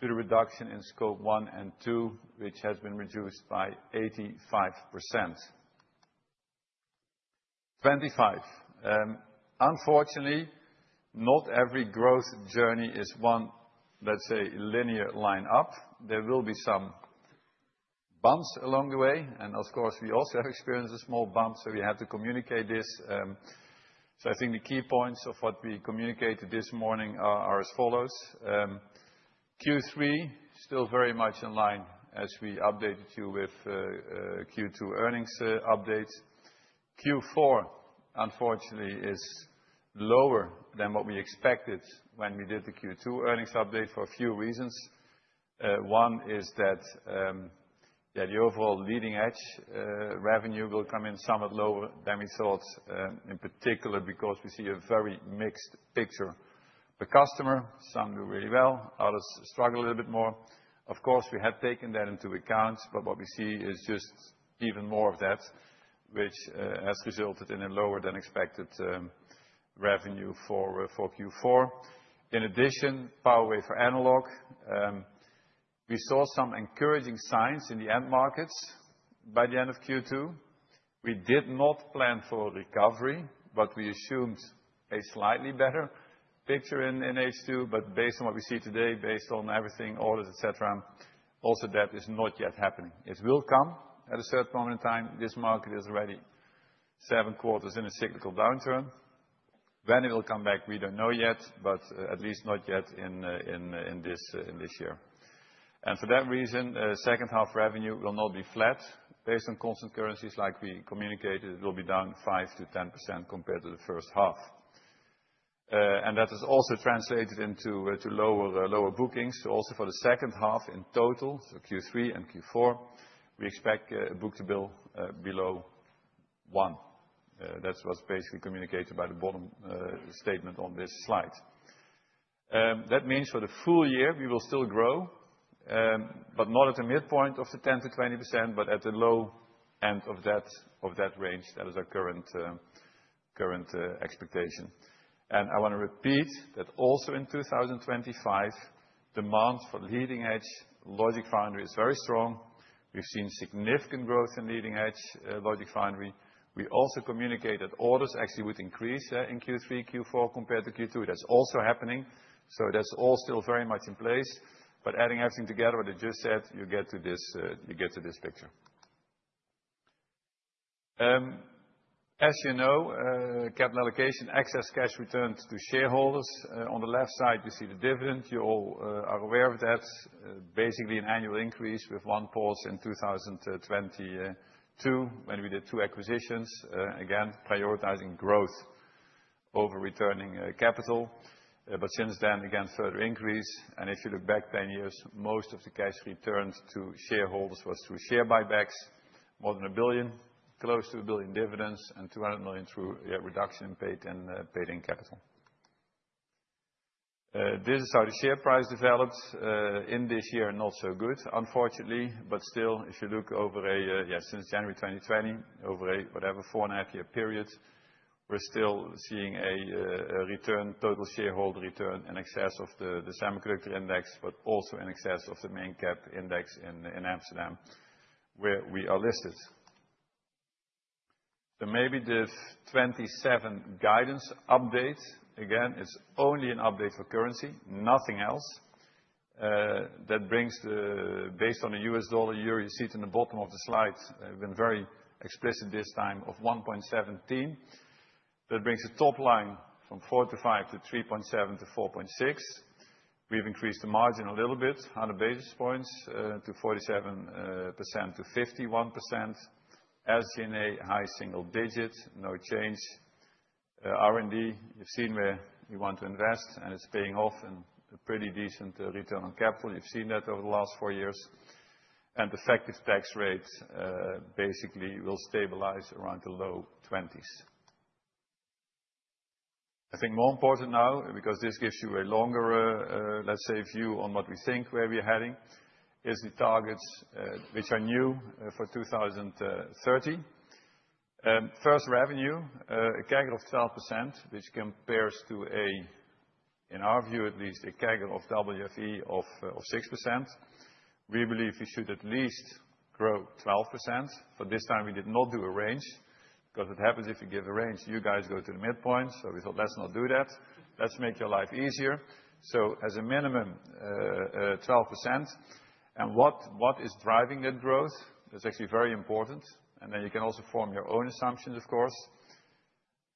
to the reduction in Scope 1 and 2, which has been reduced by 85% in 2025. Unfortunately, not every growth journey is one, let's say, linear line up. There will be some bumps along the way. And of course, we also have experienced a small bump, so we had to communicate this. So I think the key points of what we communicated this morning are as follows. Q3, still very much in line as we updated you with Q2 earnings updates. Q4, unfortunately, is lower than what we expected when we did the Q2 earnings update for a few reasons. One is that the overall leading edge revenue will come in somewhat lower than we thought, in particular because we see a very mixed picture. The customer, some do really well, others struggle a little bit more. Of course, we had taken that into account, but what we see is just even more of that, which has resulted in a lower than expected revenue for Q4. In addition, power wave for analog. We saw some encouraging signs in the end markets by the end of Q2. We did not plan for recovery, but we assumed a slightly better picture in H2, but based on what we see today, based on everything, orders, et cetera, also that is not yet happening. It will come at a certain moment in time. This market is already seven quarters in a cyclical downturn. When it will come back, we don't know yet, but at least not yet in this year, and for that reason, second half revenue will not be flat. Based on constant currencies, like we communicated, it will be down 5%-10% compared to the first half. And that has also translated into lower bookings. So also for the second half in total, so Q3 and Q4, we expect book to bill below one. That's what's basically communicated by the bottom statement on this slide. That means for the full year, we will still grow, but not at the midpoint of the 10%-20%, but at the low end of that range. That is our current expectation. And I want to repeat that also in 2025, demand for leading edge logic foundry is very strong. We've seen significant growth in leading edge logic foundry. We also communicated orders actually would increase in Q3, Q4 compared to Q2. That's also happening. So that's all still very much in place. But adding everything together what I just said, you get to this picture. As you know, capital allocation, excess cash returned to shareholders. On the left side, you see the dividend. You all are aware of that. Basically an annual increase with one pause in 2022 when we did two acquisitions, again, prioritizing growth over returning capital. But since then, again, further increase. And if you look back 10 years, most of the cash returned to shareholders was through share buybacks, more than 1 billion, close to 1 billion dividends, and 200 million through reduction in paid-in capital. This is how the share price developed. In this year, not so good, unfortunately. But still, if you look since January 2020, over a four and a half year period, we're still seeing a total shareholder return in excess of the semiconductor index, but also in excess of the main cap index in Amsterdam, where we are listed. Maybe the 2027 guidance update, again, it's only an update for currency, nothing else. That brings, based on the U.S. dollar year, you see it in the bottom of the slide, been very explicit this time of 1.17. That brings the top line from 4.5 to 3.7 to 4.6. We've increased the margin a little bit, 100 basis points to 47% to 51%. SG&A high single digit, no change. R&D, you've seen where you want to invest, and it's paying off in a pretty decent return on capital. You've seen that over the last four years. Effective tax rate basically will stabilize around the low 20s. I think more important now, because this gives you a longer, let's say, view on what we think where we are heading, is the targets which are new for 2030. First, revenue, a CAGR of 12%, which compares to, in our view at least, a CAGR of WFE of 6%. We believe we should at least grow 12%. For this time, we did not do a range, because what happens if you give a range, you guys go to the midpoint. So we thought, let's not do that. Let's make your life easier. So as a minimum, 12%. What is driving that growth? That's actually very important. Then you can also form your own assumptions, of course.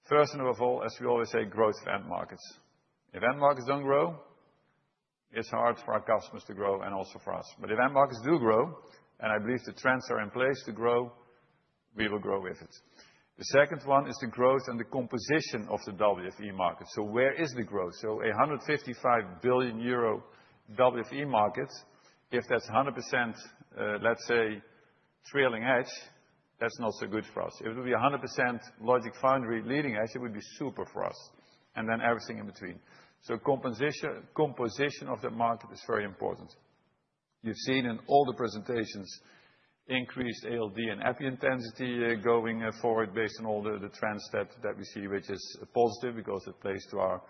First and above all, as we always say, growth for end markets. If end markets don't grow, it's hard for our customers to grow and also for us. If end markets do grow, and I believe the trends are in place to grow, we will grow with it. The second one is the growth and the composition of the WFE market. So where is the growth? So a $155 billion WFE market, if that's 100%, let's say, trailing edge, that's not so good for us. If it would be 100% logic foundry leading edge, it would be super for us. And then everything in between. So composition of the market is very important. You've seen in all the presentations increased ALD and Epi intensity going forward based on all the trends that we see, which is positive because it plays to our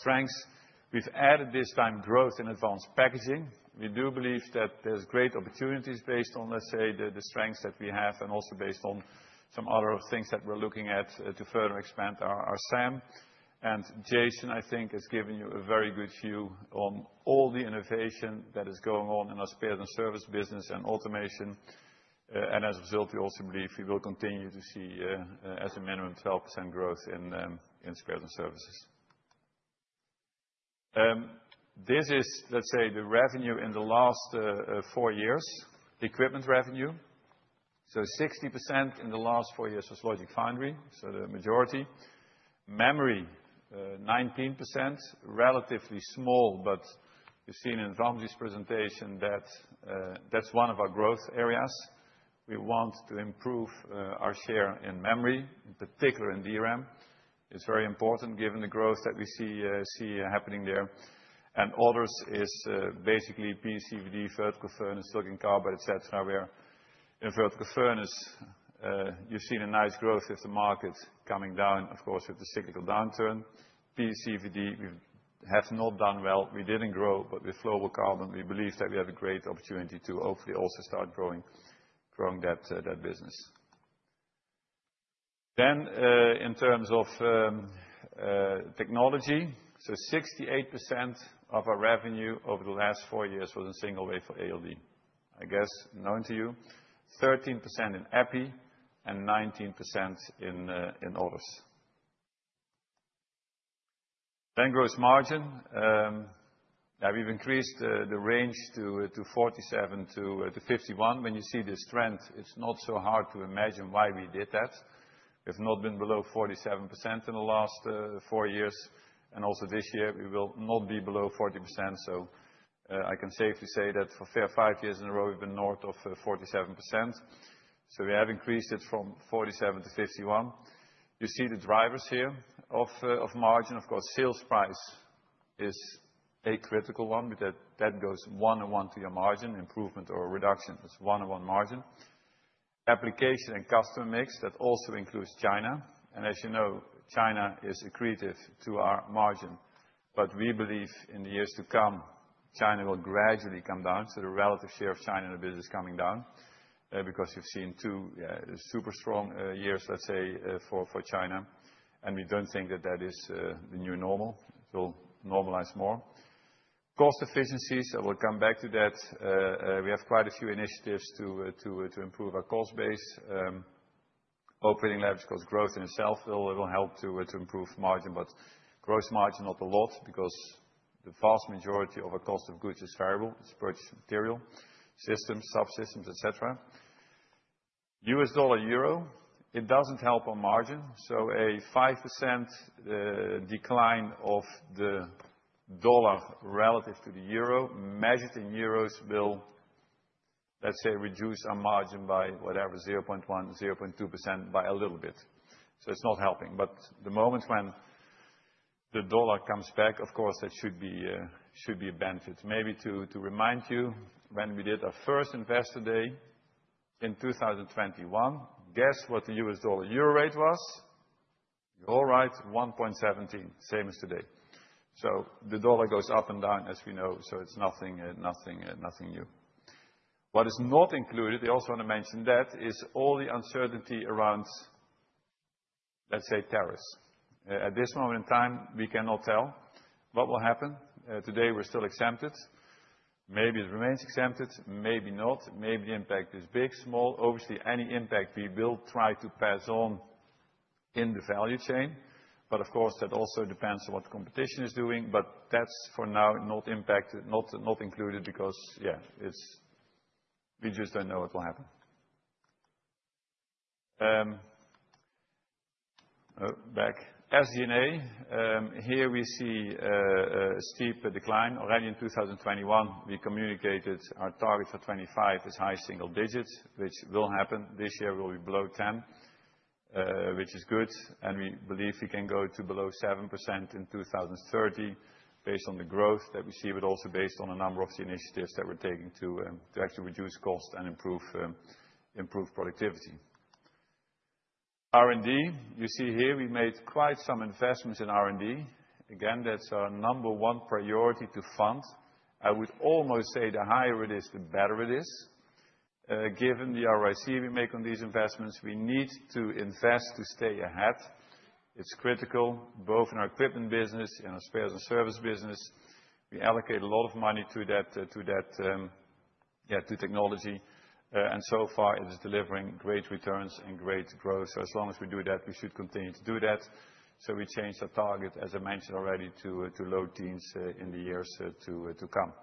strengths. We've added this time growth in advanced packaging. We do believe that there's great opportunities based on, let's say, the strengths that we have and also based on some other things that we're looking at to further expand our SAM. Jason, I think, has given you a very good view on all the innovation that is going on in our Spares & Services business and automation. As a result, we also believe we will continue to see as a minimum 12% growth in Spares & Services. This is, let's say, the revenue in the last four years, equipment revenue. So 60% in the last four years was logic foundry, so the majority. Memory, 19%, relatively small, but we've seen in Vamsi's presentation that that's one of our growth areas. We want to improve our share in memory, in particular in DRAM. It's very important given the growth that we see happening there. Others is basically PECVD, vertical furnace, flowable carbon, et cetera. Where in vertical furnace, you've seen a nice growth of the market coming down, of course, with the cyclical downturn. PECVD, we have not done well. We didn't grow, but with flowable carbon, we believe that we have a great opportunity to hopefully also start growing that business. In terms of technology, 68% of our revenue over the last four years was in single wafer for ALD. I guess known to you, 13% in Epi and 19% in others. Gross margin. Now we've increased the range to 47%-51%. When you see this trend, it's not so hard to imagine why we did that. We've not been below 47% in the last four years. Also this year, we will not be below 40%. I can safely say that for five years in a row, we've been north of 47%. We have increased it from 47%-51%. You see the drivers here of margin. Of course, sales price is a critical one. That goes one-to-one to your margin, improvement or reduction. It's one-to-one margin application and customer mix that also includes China, and as you know, China is accretive to our margin, but we believe in the years to come, China will gradually come down, so the relative share of China in the business is coming down because you've seen two super strong years, let's say, for China, and we don't think that that is the new normal. It will normalize more. Cost efficiencies, I will come back to that. We have quite a few initiatives to improve our cost base. Operating leverage, cost growth in itself will help to improve margin, but gross margin not a lot because the vast majority of our cost of goods is variable. It's purchased material, systems, subsystems, et cetera. U.S. dollar euro, it doesn't help our margin. So a 5% decline of the dollar relative to the euro, measured in euros, will, let's say, reduce our margin by whatever, 0.1%-0.2% by a little bit. So it's not helping. But the moment when the dollar comes back, of course, that should be a benefit. Maybe to remind you, when we did our first investor day in 2021, guess what the U.S. dollar euro rate was? You're all right, 1.17, same as today. So the dollar goes up and down, as we know. So it's nothing new. What is not included, I also want to mention that, is all the uncertainty around, let's say, tariffs. At this moment in time, we cannot tell what will happen. Today, we're still exempted. Maybe it remains exempted, maybe not. Maybe the impact is big, small. Obviously, any impact we will try to pass on in the value chain. But of course, that also depends on what the competition is doing. But that's for now not included because, yeah, we just don't know what will happen. Back. SG&A, here we see a steep decline. Already in 2021, we communicated our target for 2025 is high single digits, which will happen. This year will be below 10%, which is good. And we believe we can go to below 7% in 2030 based on the growth that we see, but also based on a number of the initiatives that we're taking to actually reduce cost and improve productivity. R&D, you see here, we made quite some investments in R&D. Again, that's our number one priority to fund. I would almost say the higher it is, the better it is. Given the ROIC we make on these investments, we need to invest to stay ahead. It's critical both in our equipment business and our spares and service business. We allocate a lot of money to that, yeah, to technology. And so far, it is delivering great returns and great growth. So as long as we do that, we should continue to do that. So we changed our target, as I mentioned already, to low teens in the years to come.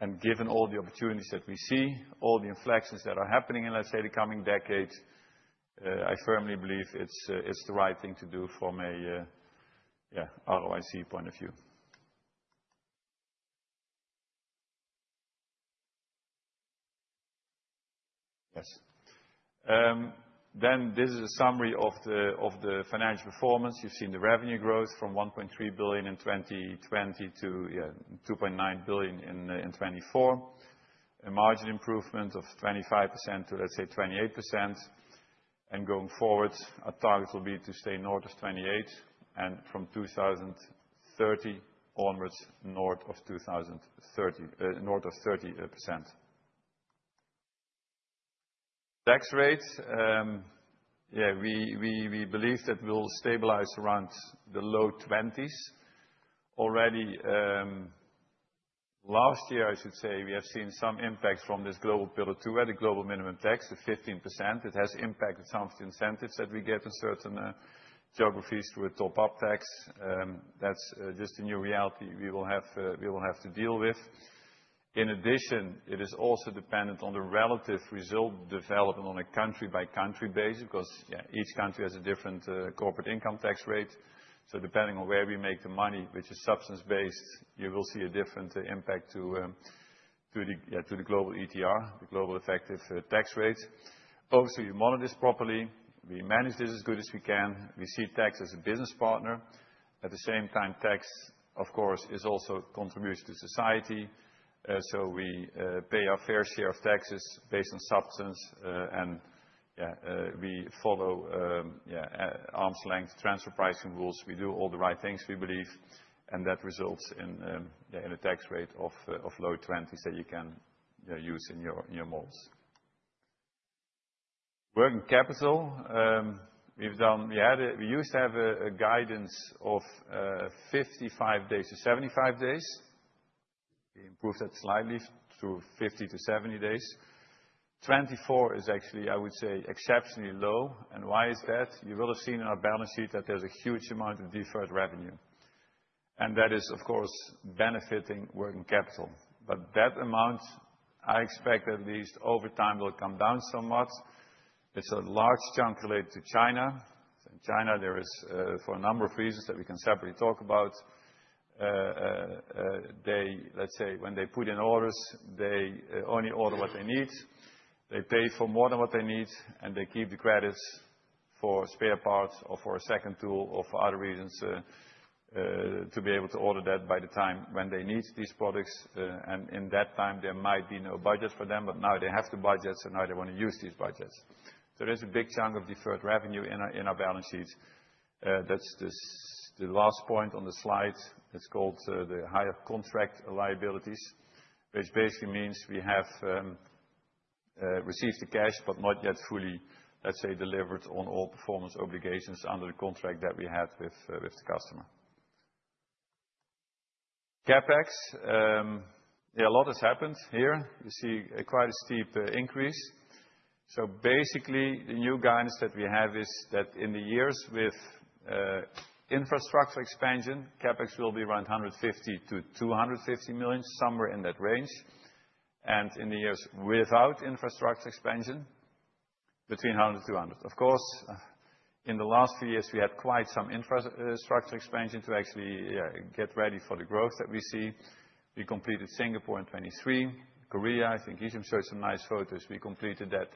And given all the opportunities that we see, all the inflections that are happening in, let's say, the coming decade, I firmly believe it's the right thing to do from a, yeah, ROIC point of view. Yes. Then this is a summary of the financial performance. You've seen the revenue growth from 1.3 billion in 2020 to, yeah, 2.9 billion in 2024. A margin improvement of 25% to, let's say, 28%. And going forward, our target will be to stay north of 28 and from 2030 onwards north of 30%. Tax rate, yeah, we believe that we'll stabilize around the low 20s. Already last year, I should say, we have seen some impact from this global pillar two at the global minimum tax, the 15%. It has impacted some of the incentives that we get in certain geographies through a top-up tax. That's just a new reality we will have to deal with. In addition, it is also dependent on the relative result development on a country-by-country basis because, yeah, each country has a different corporate income tax rate. So depending on where we make the money, which is substance-based, you will see a different impact to the global ETR, the global effective tax rate. Obviously, we monitor this properly. We manage this as good as we can. We see tax as a business partner. At the same time, tax, of course, is also contributing to society. So we pay our fair share of taxes based on substance. And yeah, we follow, yeah, arm's length transfer pricing rules. We do all the right things, we believe. And that results in a tax rate of low 20s that you can use in your models. Working capital, we used to have a guidance of 55 days to 75 days. We improved that slightly to 50 to 70 days. 24 is actually, I would say, exceptionally low. And why is that? You will have seen in our balance sheet that there's a huge amount of deferred revenue. And that is, of course, benefiting working capital. But that amount, I expect at least over time, will come down somewhat. It's a large chunk related to China. In China, there is, for a number of reasons that we can separately talk about, they, let's say, when they put in orders, they only order what they need. They pay for more than what they need, and they keep the credits for spare parts or for a second tool or for other reasons to be able to order that by the time when they need these products. And in that time, there might be no budget for them, but now they have the budgets, and now they want to use these budgets. So there's a big chunk of deferred revenue in our balance sheet. That's the last point on the slide. It's called the higher contract liabilities, which basically means we have received the cash, but not yet fully, let's say, delivered on all performance obligations under the contract that we had with the customer. CapEx, yeah, a lot has happened here. You see quite a steep increase. So basically, the new guidance that we have is that in the years with infrastructure expansion, CapEx will be around 150 million-250 million, somewhere in that range. And in the years without infrastructure expansion, between 100 million-200 million. Of course, in the last few years, we had quite some infrastructure expansion to actually get ready for the growth that we see. We completed Singapore in 2023. Korea, I think Hichem showed some nice photos. We completed that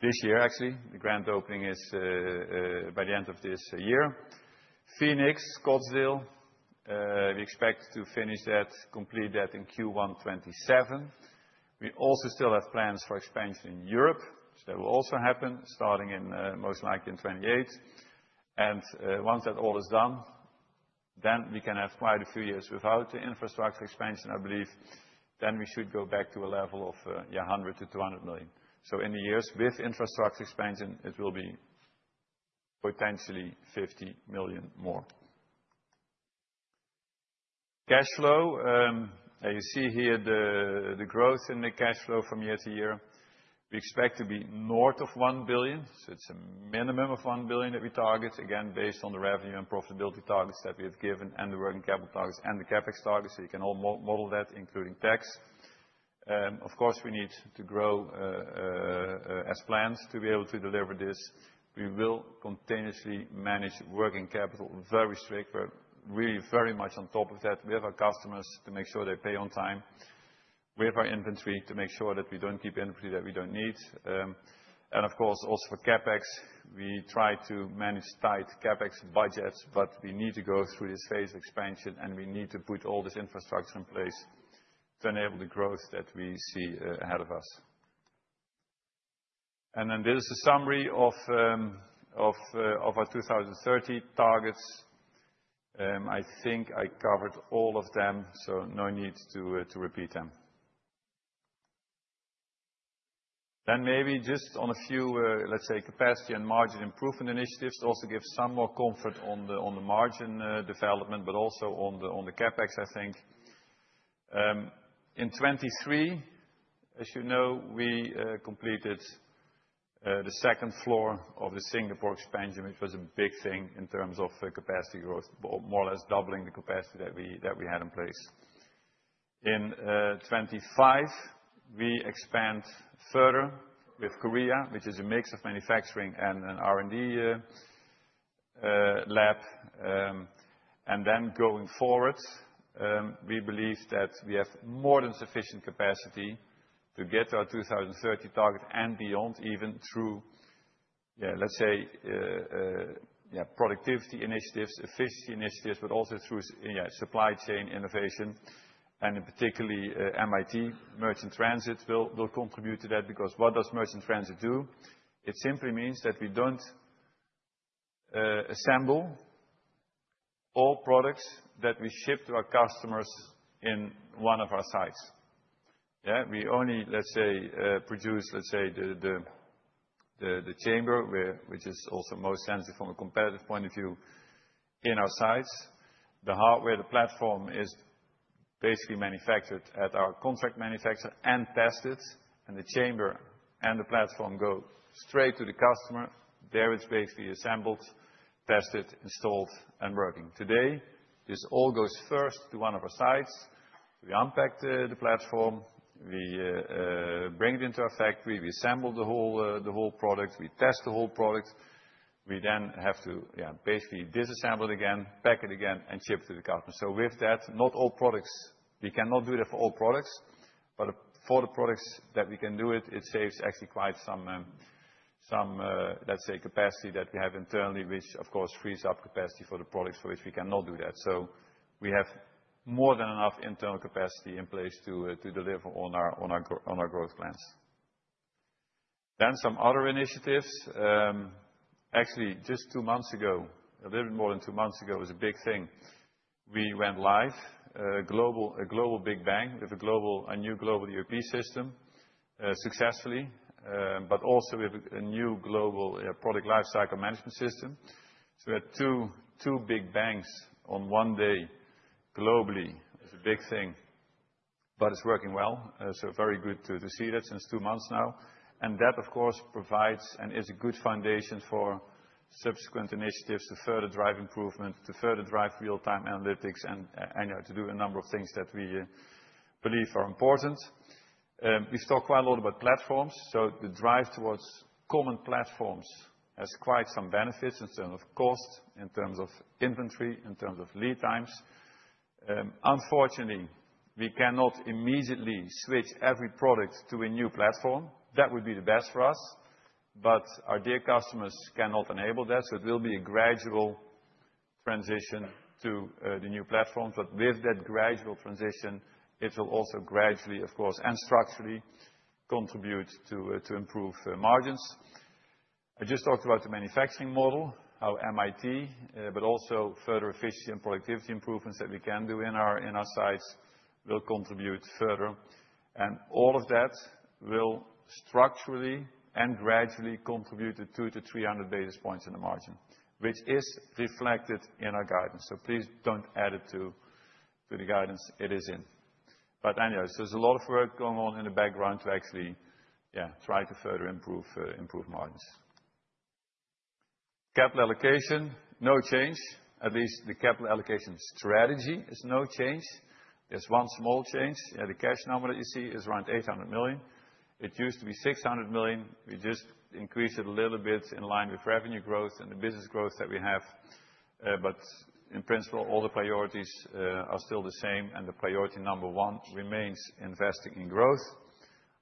this year, actually. The grand opening is by the end of this year. Phoenix, Scottsdale, we expect to finish that, complete that in Q1 2027. We also still have plans for expansion in Europe, which that will also happen, starting most likely in 2028. Once that all is done, then we can have quite a few years without the infrastructure expansion, I believe. Then we should go back to a level of 100 million-200 million. So in the years with infrastructure expansion, it will be potentially 50 million more. Cash flow, you see here the growth in the cash flow from year to year. We expect to be north of one billion. So it's a minimum of one billion that we target, again, based on the revenue and profitability targets that we have given and the working capital targets and the CapEx targets. So you can all model that, including tax. Of course, we need to grow as planned to be able to deliver this. We will continuously manage working capital very strict. We're really very much on top of that with our customers to make sure they pay on time. We have our inventory to make sure that we don't keep inventory that we don't need, and of course, also for CapEx, we try to manage tight CapEx budgets, but we need to go through this phase of expansion, and we need to put all this infrastructure in place to enable the growth that we see ahead of us, and then this is a summary of our 2030 targets. I think I covered all of them, so no need to repeat them, then maybe just on a few, let's say, capacity and margin improvement initiatives also give some more comfort on the margin development, but also on the CapEx, I think. In 2023, as you know, we completed the second floor of the Singapore expansion, which was a big thing in terms of capacity growth, more or less doubling the capacity that we had in place. In 2025, we expand further with Korea, which is a mix of manufacturing and an R&D lab. And then going forward, we believe that we have more than sufficient capacity to get to our 2030 target and beyond even through, yeah, let's say, yeah, productivity initiatives, efficiency initiatives, but also through, yeah, supply chain innovation. And particularly MIT, Merge-in-Transit will contribute to that because what does Merge-in-Transit do? It simply means that we don't assemble all products that we ship to our customers in one of our sites. Yeah, we only, let's say, produce, let's say, the chamber, which is also most sensitive from a competitive point of view in our sites. The hardware, the platform is basically manufactured at our contract manufacturer and tested, and the chamber and the platform go straight to the customer. There it's basically assembled, tested, installed, and working. Today, this all goes first to one of our sites. We unpack the platform, we bring it into our factory, we assemble the whole product, we test the whole product. We then have to, yeah, basically disassemble it again, pack it again, and ship to the customer. So with that, not all products, we cannot do that for all products, but for the products that we can do it, it saves actually quite some, let's say, capacity that we have internally, which, of course, frees up capacity for the products for which we cannot do that, so we have more than enough internal capacity in place to deliver on our growth plans, then some other initiatives. Actually, just two months ago, a little bit more than two months ago, it was a big thing. We went live, a global big bang with a new global ERP system successfully, but also with a new global product lifecycle management system, so we had two big bangs on one day globally. It's a big thing, but it's working well, so very good to see that since two months now. And that, of course, provides and is a good foundation for subsequent initiatives to further drive improvement, to further drive real-time analytics, and to do a number of things that we believe are important. We've talked quite a lot about platforms, so the drive towards common platforms has quite some benefits in terms of cost, in terms of inventory, in terms of lead times. Unfortunately, we cannot immediately switch every product to a new platform. That would be the best for us, but our dear customers cannot enable that. It will be a gradual transition to the new platforms. But with that gradual transition, it will also gradually, of course, and structurally contribute to improve margins. I just talked about the manufacturing model, how it, but also further efficiency and productivity improvements that we can do in our sites will contribute further. And all of that will structurally and gradually contribute to 200-300 basis points in the margin, which is reflected in our guidance. So please don't add it to the guidance. It is in. But anyway, so there's a lot of work going on in the background to actually, yeah, try to further improve margins. Capital allocation, no change. At least the capital allocation strategy is no change. There's one small change. Yeah, the cash number that you see is around 800 million. It used to be 600 million. We just increased it a little bit in line with revenue growth and the business growth that we have. But in principle, all the priorities are still the same, and the priority number one remains investing in growth,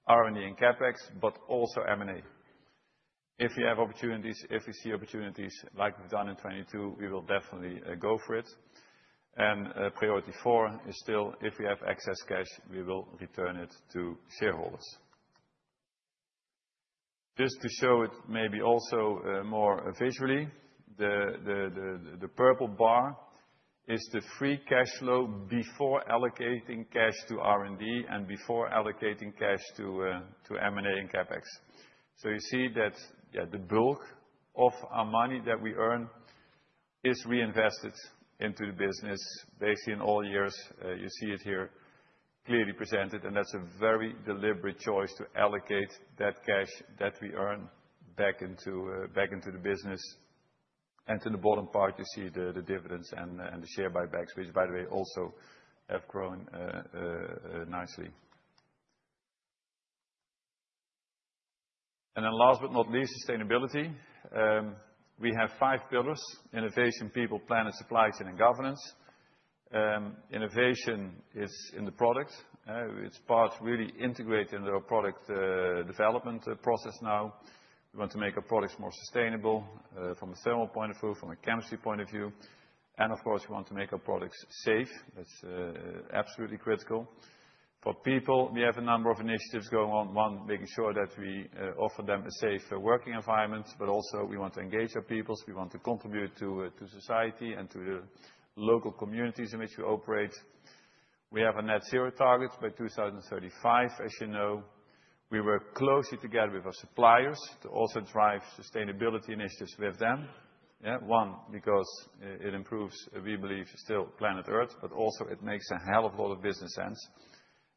R&D and CapEx, but also M&A. If we have opportunities, if we see opportunities like we've done in 2022, we will definitely go for it. And priority four is still, if we have excess cash, we will return it to shareholders. Just to show it maybe also more visually, the purple bar is the free cash flow before allocating cash to R&D and before allocating cash to M&A and CapEx. So you see that, yeah, the bulk of our money that we earn is reinvested into the business. Basically, in all years, you see it here clearly presented, and that's a very deliberate choice to allocate that cash that we earn back into the business, and to the bottom part, you see the dividends and the share buybacks, which, by the way, also have grown nicely, and then last but not least, sustainability. We have five pillars: innovation, people, planet, supply chain, and governance. Innovation is in the product. It's part really integrated into our product development process now. We want to make our products more sustainable from a thermal point of view, from a chemistry point of view. And of course, we want to make our products safe. That's absolutely critical. For people, we have a number of initiatives going on, one making sure that we offer them a safe working environment, but also we want to engage our peoples. We want to contribute to society and to the local communities in which we operate. We have a net zero target by 2035, as you know. We work closely together with our suppliers to also drive sustainability initiatives with them. Yeah, one, because it improves, we believe, still planet Earth, but also it makes a hell of a lot of business sense,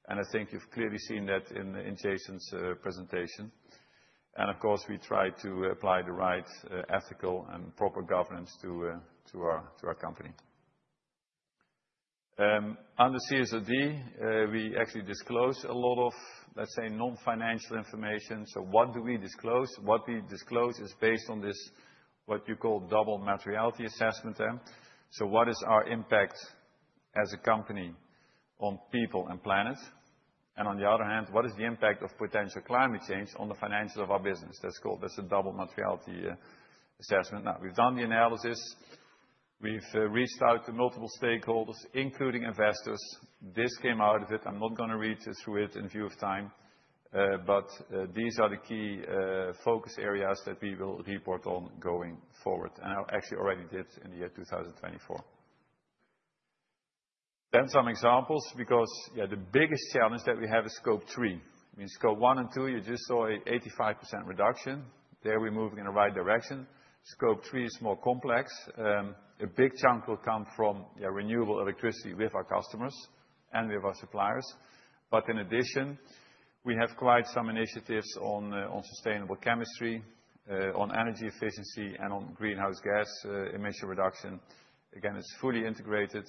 and I think you've clearly seen that in Jason's presentation. Of course, we try to apply the right ethical and proper governance to our company. Under CSRD, we actually disclose a lot of, let's say, non-financial information, so what do we disclose? What we disclose is based on this, what you call double materiality assessment. What is our impact as a company on people and planet? On the other hand, what is the impact of potential climate change on the financials of our business? That's called a double materiality assessment. Now, we've done the analysis. We've reached out to multiple stakeholders, including investors. This came out of it. I'm not going to read through it in view of time, but these are the key focus areas that we will report on going forward, and I actually already did in the year 2024. Then some examples, because yeah, the biggest challenge that we have is Scope 3. I mean, Scope 1 and 2, you just saw an 85% reduction. There we're moving in the right direction. Scope 3 is more complex. A big chunk will come from renewable electricity with our customers and with our suppliers. But in addition, we have quite some initiatives on sustainable chemistry, on energy efficiency, and on greenhouse gas emission reduction. Again, it's fully integrated.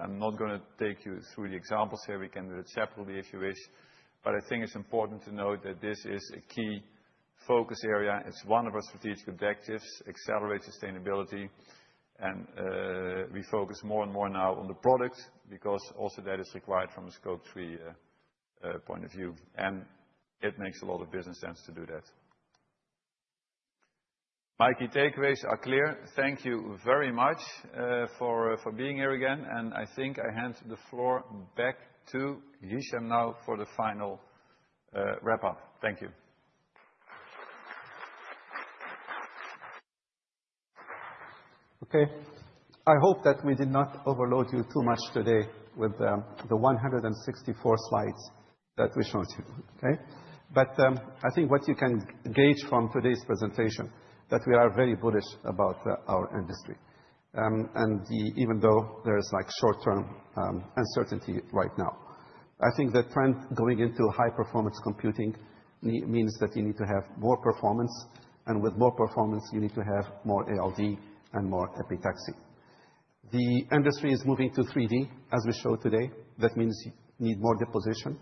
I'm not going to take you through the examples here. We can do it separately if you wish. But I think it's important to note that this is a key focus area. It's one of our strategic objectives: accelerate sustainability. And we focus more and more now on the product because also that is required from a Scope 3 point of view. And it makes a lot of business sense to do that. My key takeaways are clear. Thank you very much for being here again. And I think I hand the floor back to Hichem now for the final wrap-up. Thank you. Okay. I hope that we did not overload you too much today with the 164 slides that we showed you. Okay? But I think what you can gauge from today's presentation is that we are very bullish about our industry, even though there is short-term uncertainty right now. I think the trend going into high-performance computing means that you need to have more performance. And with more performance, you need to have more ALD and more epitaxy. The industry is moving to 3D, as we showed today. That means you need more deposition.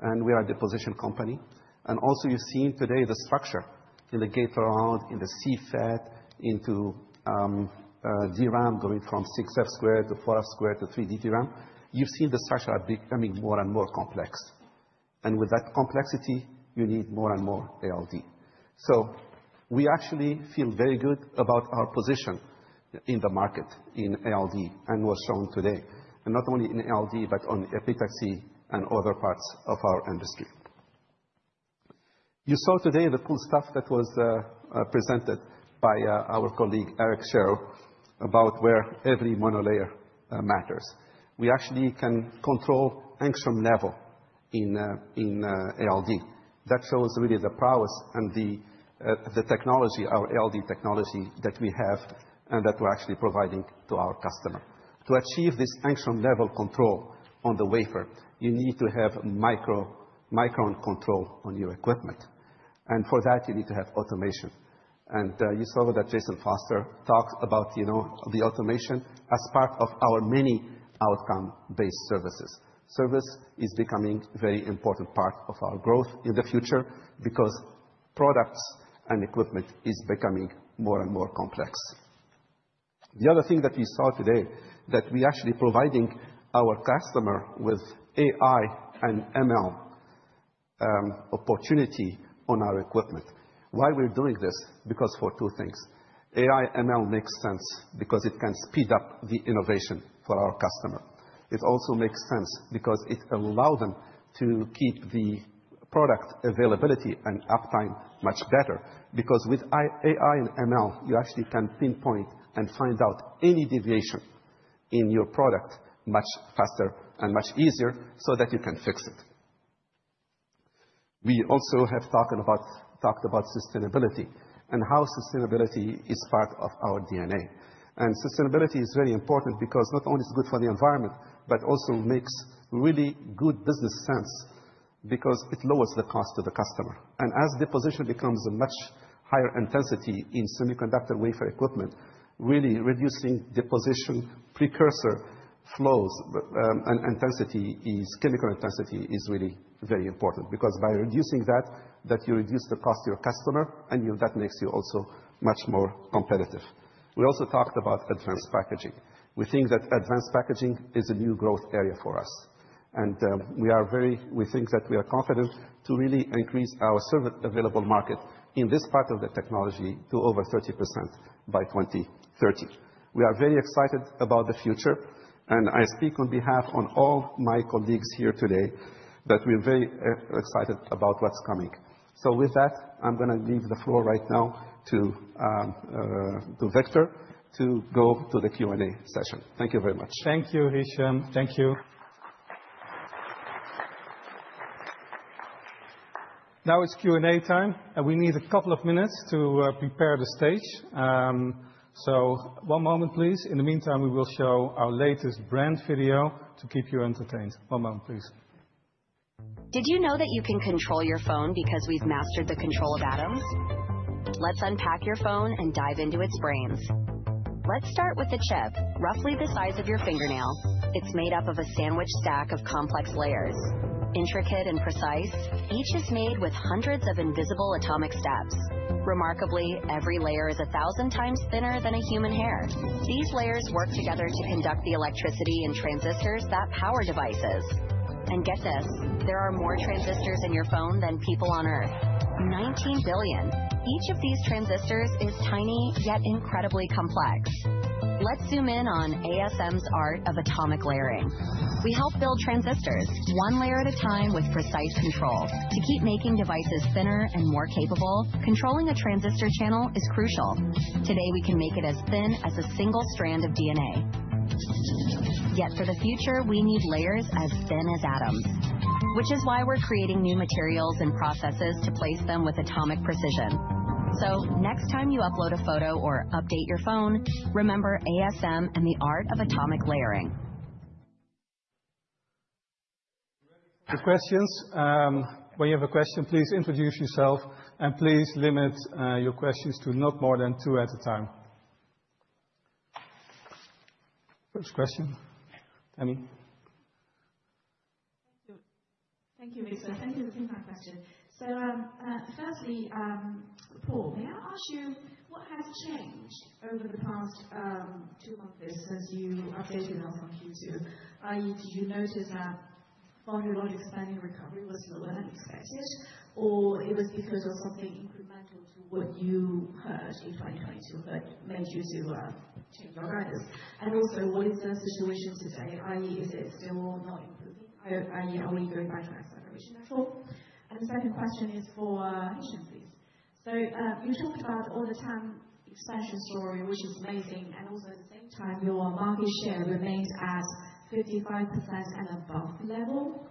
And we are a deposition company. And also, you've seen today the structure in the Gate-All-Around, in the CFET, into DRAM going from 6F² to 4F² to 3D DRAM. You've seen the structure becoming more and more complex. And with that complexity, you need more and more ALD. So we actually feel very good about our position in the market in ALD and what's shown today. And not only in ALD, but on epitaxy and other parts of our industry. You saw today the cool stuff that was presented by our colleague Eric Shero about where every monolayer matters. We actually can control angstrom level in ALD. That shows really the prowess and the technology, our ALD technology that we have and that we're actually providing to our customer. To achieve this angstrom level control on the wafer, you need to have micro-control on your equipment. And for that, you need to have automation. And you saw that Jason Foster talked about the automation as part of our many outcome-based services. Service is becoming a very important part of our growth in the future because products and equipment are becoming more and more complex. The other thing that we saw today is that we are actually providing our customer with AI and ML opportunity on our equipment. Why we're doing this? Because for two things. AI and ML make sense because it can speed up the innovation for our customer. It also makes sense because it allows them to keep the product availability and uptime much better. Because with AI and ML, you actually can pinpoint and find out any deviation in your product much faster and much easier so that you can fix it. We also have talked about sustainability and how sustainability is part of our DNA, and sustainability is very important because not only is it good for the environment, but also makes really good business sense because it lowers the cost to the customer, and as deposition becomes a much higher intensity in semiconductor wafer equipment, really reducing deposition precursor flows and chemical intensity is really very important because by reducing that, you reduce the cost to your customer, and that makes you also much more competitive. We also talked about advanced packaging. We think that advanced packaging is a new growth area for us, and we think that we are confident to really increase our available market in this part of the technology to over 30% by 2030. We are very excited about the future, and I speak on behalf of all my colleagues here today that we're very excited about what's coming, so with that, I'm going to leave the floor right now to Victor to go to the Q&A session. Thank you very much. Thank you, Hichem. Thank you. Now it's Q&A time, and we need a couple of minutes to prepare the stage. So one moment, please. In the meantime, we will show our latest brand video to keep you entertained. One moment, please. Did you know that you can control your phone because we've mastered the control of atoms? Let's unpack your phone and dive into its brains. Let's start with the chip, roughly the size of your fingernail. It's made up of a sandwich stack of complex layers. Intricate and precise, each is made with hundreds of invisible atomic steps. Remarkably, every layer is a thousand times thinner than a human hair. These layers work together to conduct the electricity in transistors that power devices. And get this, there are more transistors in your phone than people on Earth, 19 billion. Each of these transistors is tiny, yet incredibly complex. Let's zoom in on ASM's art of atomic layering. We help build transistors, one layer at a time with precise control. To keep making devices thinner and more capable, controlling a transistor channel is crucial. Today, we can make it as thin as a single strand of DNA. Yet for the future, we need layers as thin as atoms, which is why we're creating new materials and processes to place them with atomic precision. So next time you upload a photo or update your phone, remember ASM and the art of atomic layering. Your questions. When you have a question, please introduce yourself and please limit your questions to not more than two at a time. First question, Tammy. Thank you. Thank you, Victor. Thank you for taking my question. So firstly, Paul, may I ask you what has changed over the past two months since you updated us on Q2? i.e., did you notice that volume logic spending recovery was lower than expected, or it was because of something incremental to what you heard in 2022 that made you change your guidance? And also, what is the situation today? i.e., is it still not improving? I.e., are we going back to acceleration control? And the second question is for Hichem, please. So you talked about all the time expansion story, which is amazing. And also at the same time, your market share remains at 55% and above level.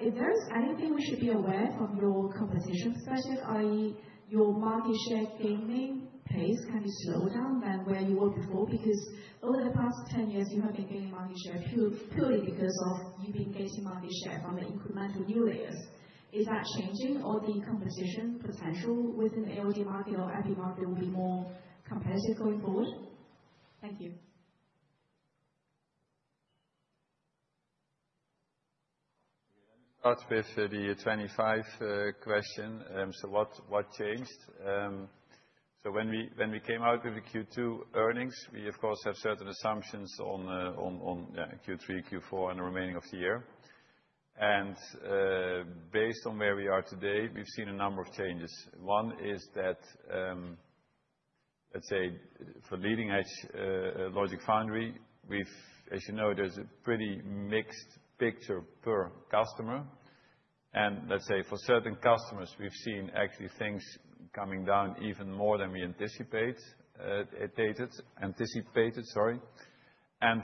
Is there anything we should be aware of from your competition perspective? I.e., your market share gaining pace can be slowed down than where you were before because over the past 10 years, you have been gaining market share purely because of you being getting market share from the incremental new layers. Is that changing, or the competition potential within the ALD market or Epi market will be more competitive going forward? Thank you. Let me start with the first question. So what changed? So when we came out with the Q2 earnings, we, of course, have certain assumptions on Q3, Q4, and the remaining of the year. Based on where we are today, we've seen a number of changes. One is that, let's say, for leading-edge logic foundry, as you know, there's a pretty mixed picture per customer. Let's say for certain customers, we've seen actually things coming down even more than we anticipated.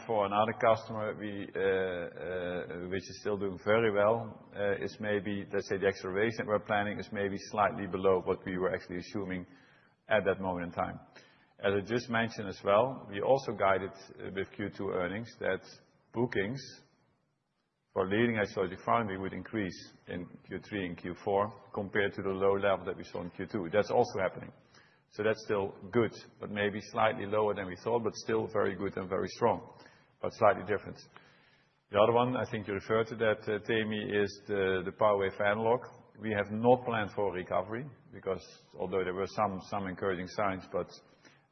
For another customer, which is still doing very well, let's say the acceleration we're planning is maybe slightly below what we were actually assuming at that moment in time. As I just mentioned as well, we also guided with Q2 earnings that bookings for leading-edge logic foundry would increase in Q3 and Q4 compared to the low level that we saw in Q2. That's also happening. That's still good, but maybe slightly lower than we thought, but still very good and very strong, but slightly different. The other one, I think you referred to that, Tammy, is the power semi-analog. We have not planned for recovery because although there were some encouraging signs,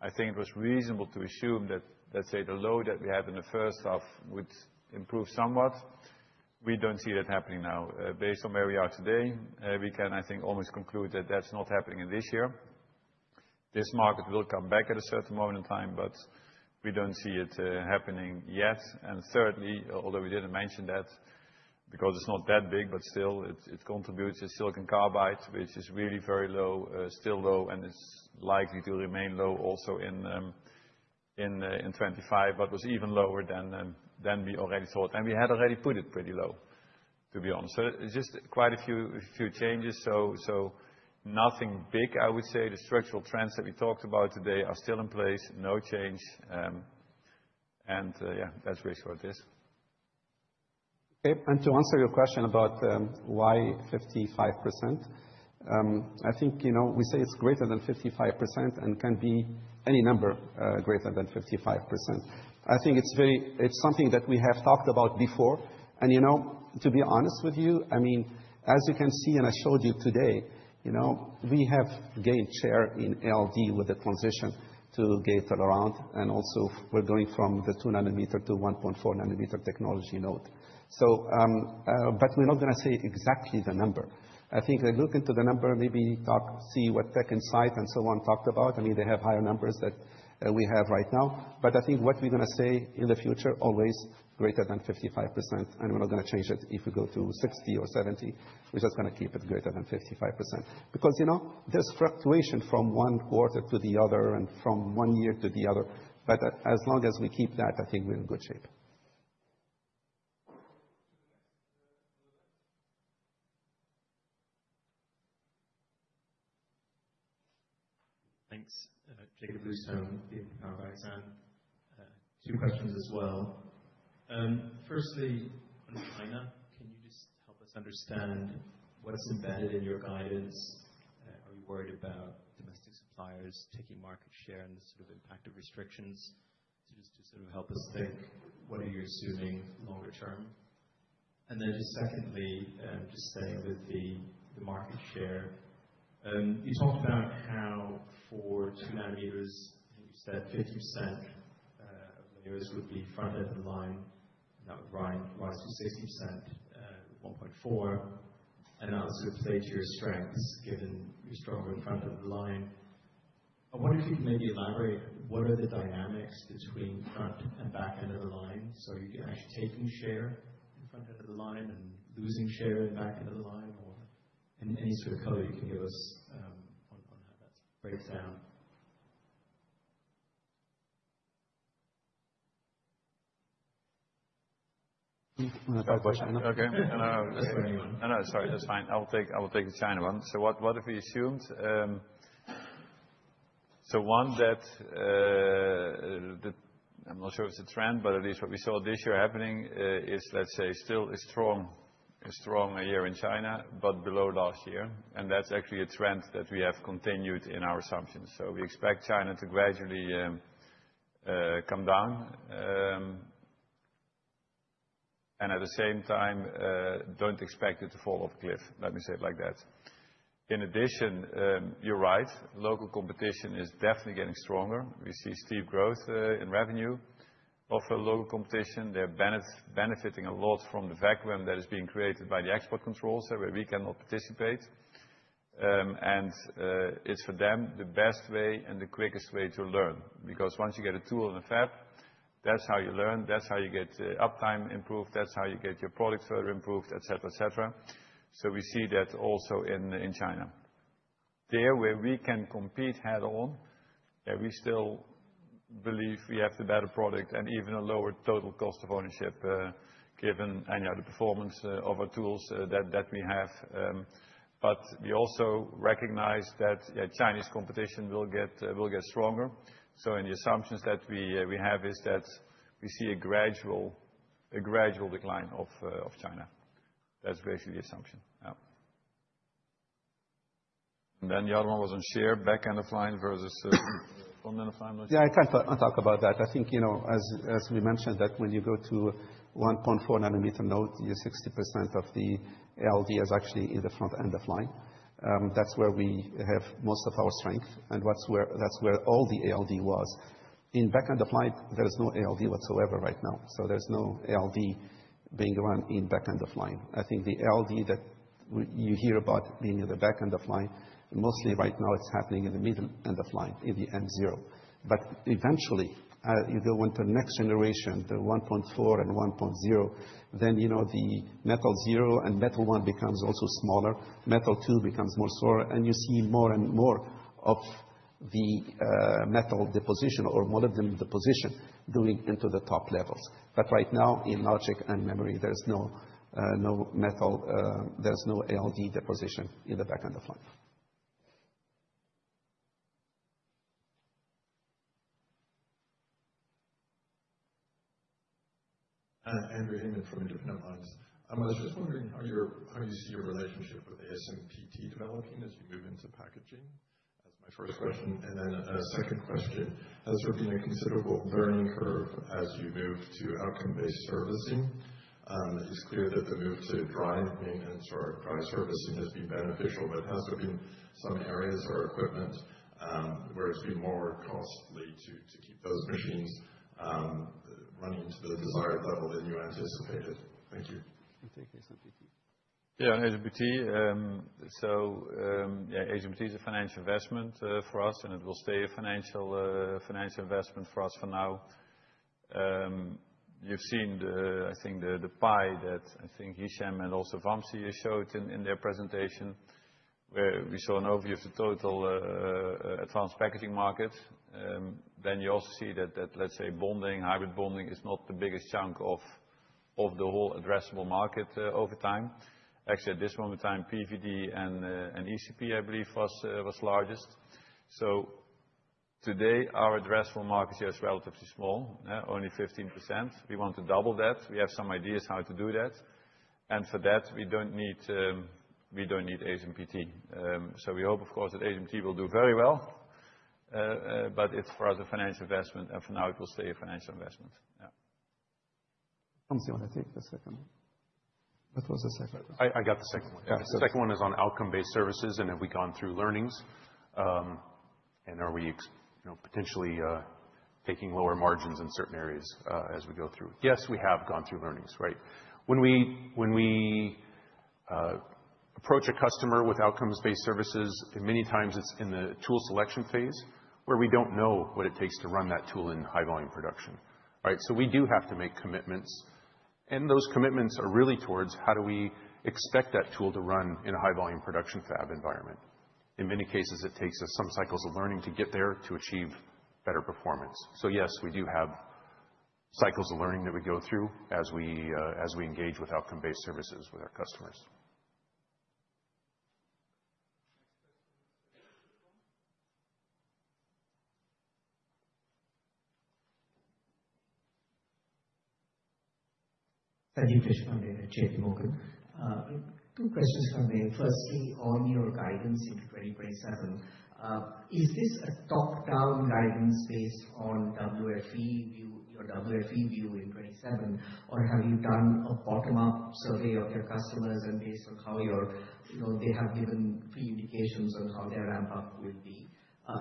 I think it was reasonable to assume that, let's say, the load that we had in the first half would improve somewhat. We don't see that happening now. Based on where we are today, we can, I think, almost conclude that that's not happening in this year. This market will come back at a certain moment in time, but we don't see it happening yet. And thirdly, although we didn't mention that because it's not that big, but still, it contributes to Silicon Carbide, which is really very low, still low, and it's likely to remain low also in 2025, but was even lower than we already thought. And we had already put it pretty low, to be honest. So just quite a few changes. So nothing big, I would say. The structural trends that we talked about today are still in place. No change. And yeah, that's really what it is. Okay. And to answer your question about why 55%, I think we say it's greater than 55% and can be any number greater than 55%. I think it's something that we have talked about before. And to be honest with you, I mean, as you can see and I showed you today, we have gained share in ALD with the transition to Gate-All-Around. And also, we're going from the 2-nanometer to 1.4-nanometer technology node. But we're not going to say exactly the number. I think I look into the number, maybe see what TechInsights and so on talked about. I mean, they have higher numbers than we have right now. But I think what we're going to say in the future, always greater than 55%. And we're not going to change it. If we go to 60% or 70%, we're just going to keep it greater than 55%. Because there's fluctuation from one quarter to the other and from one year to the other. But as long as we keep that, I think we're in good shape. Thanks, Jakob Bluestone BNP Paribas. Two questions as well. Firstly, on China, can you just help us understand what's embedded in your guidance? Are you worried about domestic suppliers taking market share and the sort of impact of restrictions? Just to sort of help us think, what are you assuming longer term? And then secondly, just staying with the market share, you talked about how for two nanometers, you said 50% of layers would be front-end of the line, and that would rise to 60%, 1.4. And that would sort of play to your strengths given you're stronger in front-end of the line. I wonder if you can maybe elaborate what are the dynamics between front and back-end of the line? So you can actually taking share in front-end of the line and losing share in back-end of the line, or any sort of color you can give us on how that breaks down. Okay. Sorry, that's fine. I'll take the China one. So what have we assumed? So one that I'm not sure it's a trend, but at least what we saw this year happening is, let's say, still a strong year in China, but below last year. And that's actually a trend that we have continued in our assumptions. So we expect China to gradually come down. And at the same time, don't expect it to fall off a cliff, let me say it like that. In addition, you're right. Local competition is definitely getting stronger. We see steep growth in revenue of local competition. They're benefiting a lot from the vacuum that is being created by the export controls, where we cannot participate. And it's for them the best way and the quickest way to learn. Because once you get a tool in the fab, that's how you learn. That's how you get uptime improved. That's how you get your product further improved, et cetera, et cetera. So we see that also in China. There, where we can compete head-on, we still believe we have the better product and even a lower total cost of ownership given the performance of our tools that we have. But we also recognize that Chinese competition will get stronger. So in the assumptions that we have is that we see a gradual decline of China. That's basically the assumption. And then the other one was on share back-end of line versus front-end of line. Yeah, I can talk about that. I think, as we mentioned, that when you go to 1.4-nanometer node, you're 60% of the ALD is actually in the front-end of line. That's where we have most of our strength. And that's where all the ALD was. In back-end of line, there is no ALD whatsoever right now. So there's no ALD being run in back-end of line. I think the ALD that you hear about being in the back-end of line, mostly right now, it's happening in the middle end of line in the M0. But eventually, you go into the next generation, the 1.4 and 1.0, then the metal zero and metal one becomes also smaller. Metal two becomes more sparse. And you see more and more of the metal deposition or molybdenum deposition going into the top levels. But right now, in logic and memory, there's no metal, there's no ALD deposition in the back-end of line. Andrew Hayman from Independent Minds. I was just wondering how you see your relationship with ASMPT developing as you move into packaging, as my first question. And then a second question, has there been a considerable learning curve as you move to outcome-based services? It's clear that the move to dry maintenance or dry servicing has been beneficial, but has there been some areas or equipment where it's been more costly to keep those machines running to the desired level than you anticipated? Thank you. Yeah, ASMPT. So ASMPT is a financial investment for us, and it will stay a financial investment for us for now. You've seen, I think, the pie that I think Hichem and also Vamsi showed in their presentation, where we saw an overview of the total advanced packaging market. Then you also see that, let's say, bonding, hybrid bonding is not the biggest chunk of the whole addressable market over time. Actually, at this moment in time, PVD and ECP, I believe, was largest. So today, our addressable market share is relatively small, only 15%. We want to double that. We have some ideas how to do that, and for that, we don't need ASMPT. So we hope, of course, that ASMPT will do very well, but it's for us a financial investment, and for now, it will stay a financial investment. Vamsi, you want to take the second one? What was the second one? I got the second one. The second one is on outcome-based services, and have we gone through learnings and are we potentially taking lower margins in certain areas as we go through? Yes, we have gone through learnings, right? When we approach a customer with outcomes-based services, many times it's in the tool selection phase where we don't know what it takes to run that tool in high-volume production. So we do have to make commitments. And those commitments are really towards how do we expect that tool to run in a high-volume production fab environment. In many cases, it takes us some cycles of learning to get there to achieve better performance. So yes, we do have cycles of learning that we go through as we engage with outcome-based services with our customers. Thank you, Sandeep Deshpande at JPMorgan. Two questions for me. Firstly, on your guidance in 2027, is this a top-down guidance based on WFE view, your WFE view in 2027, or have you done a bottom-up survey of your customers and based on how they have given pre-indications on how their ramp-up will be?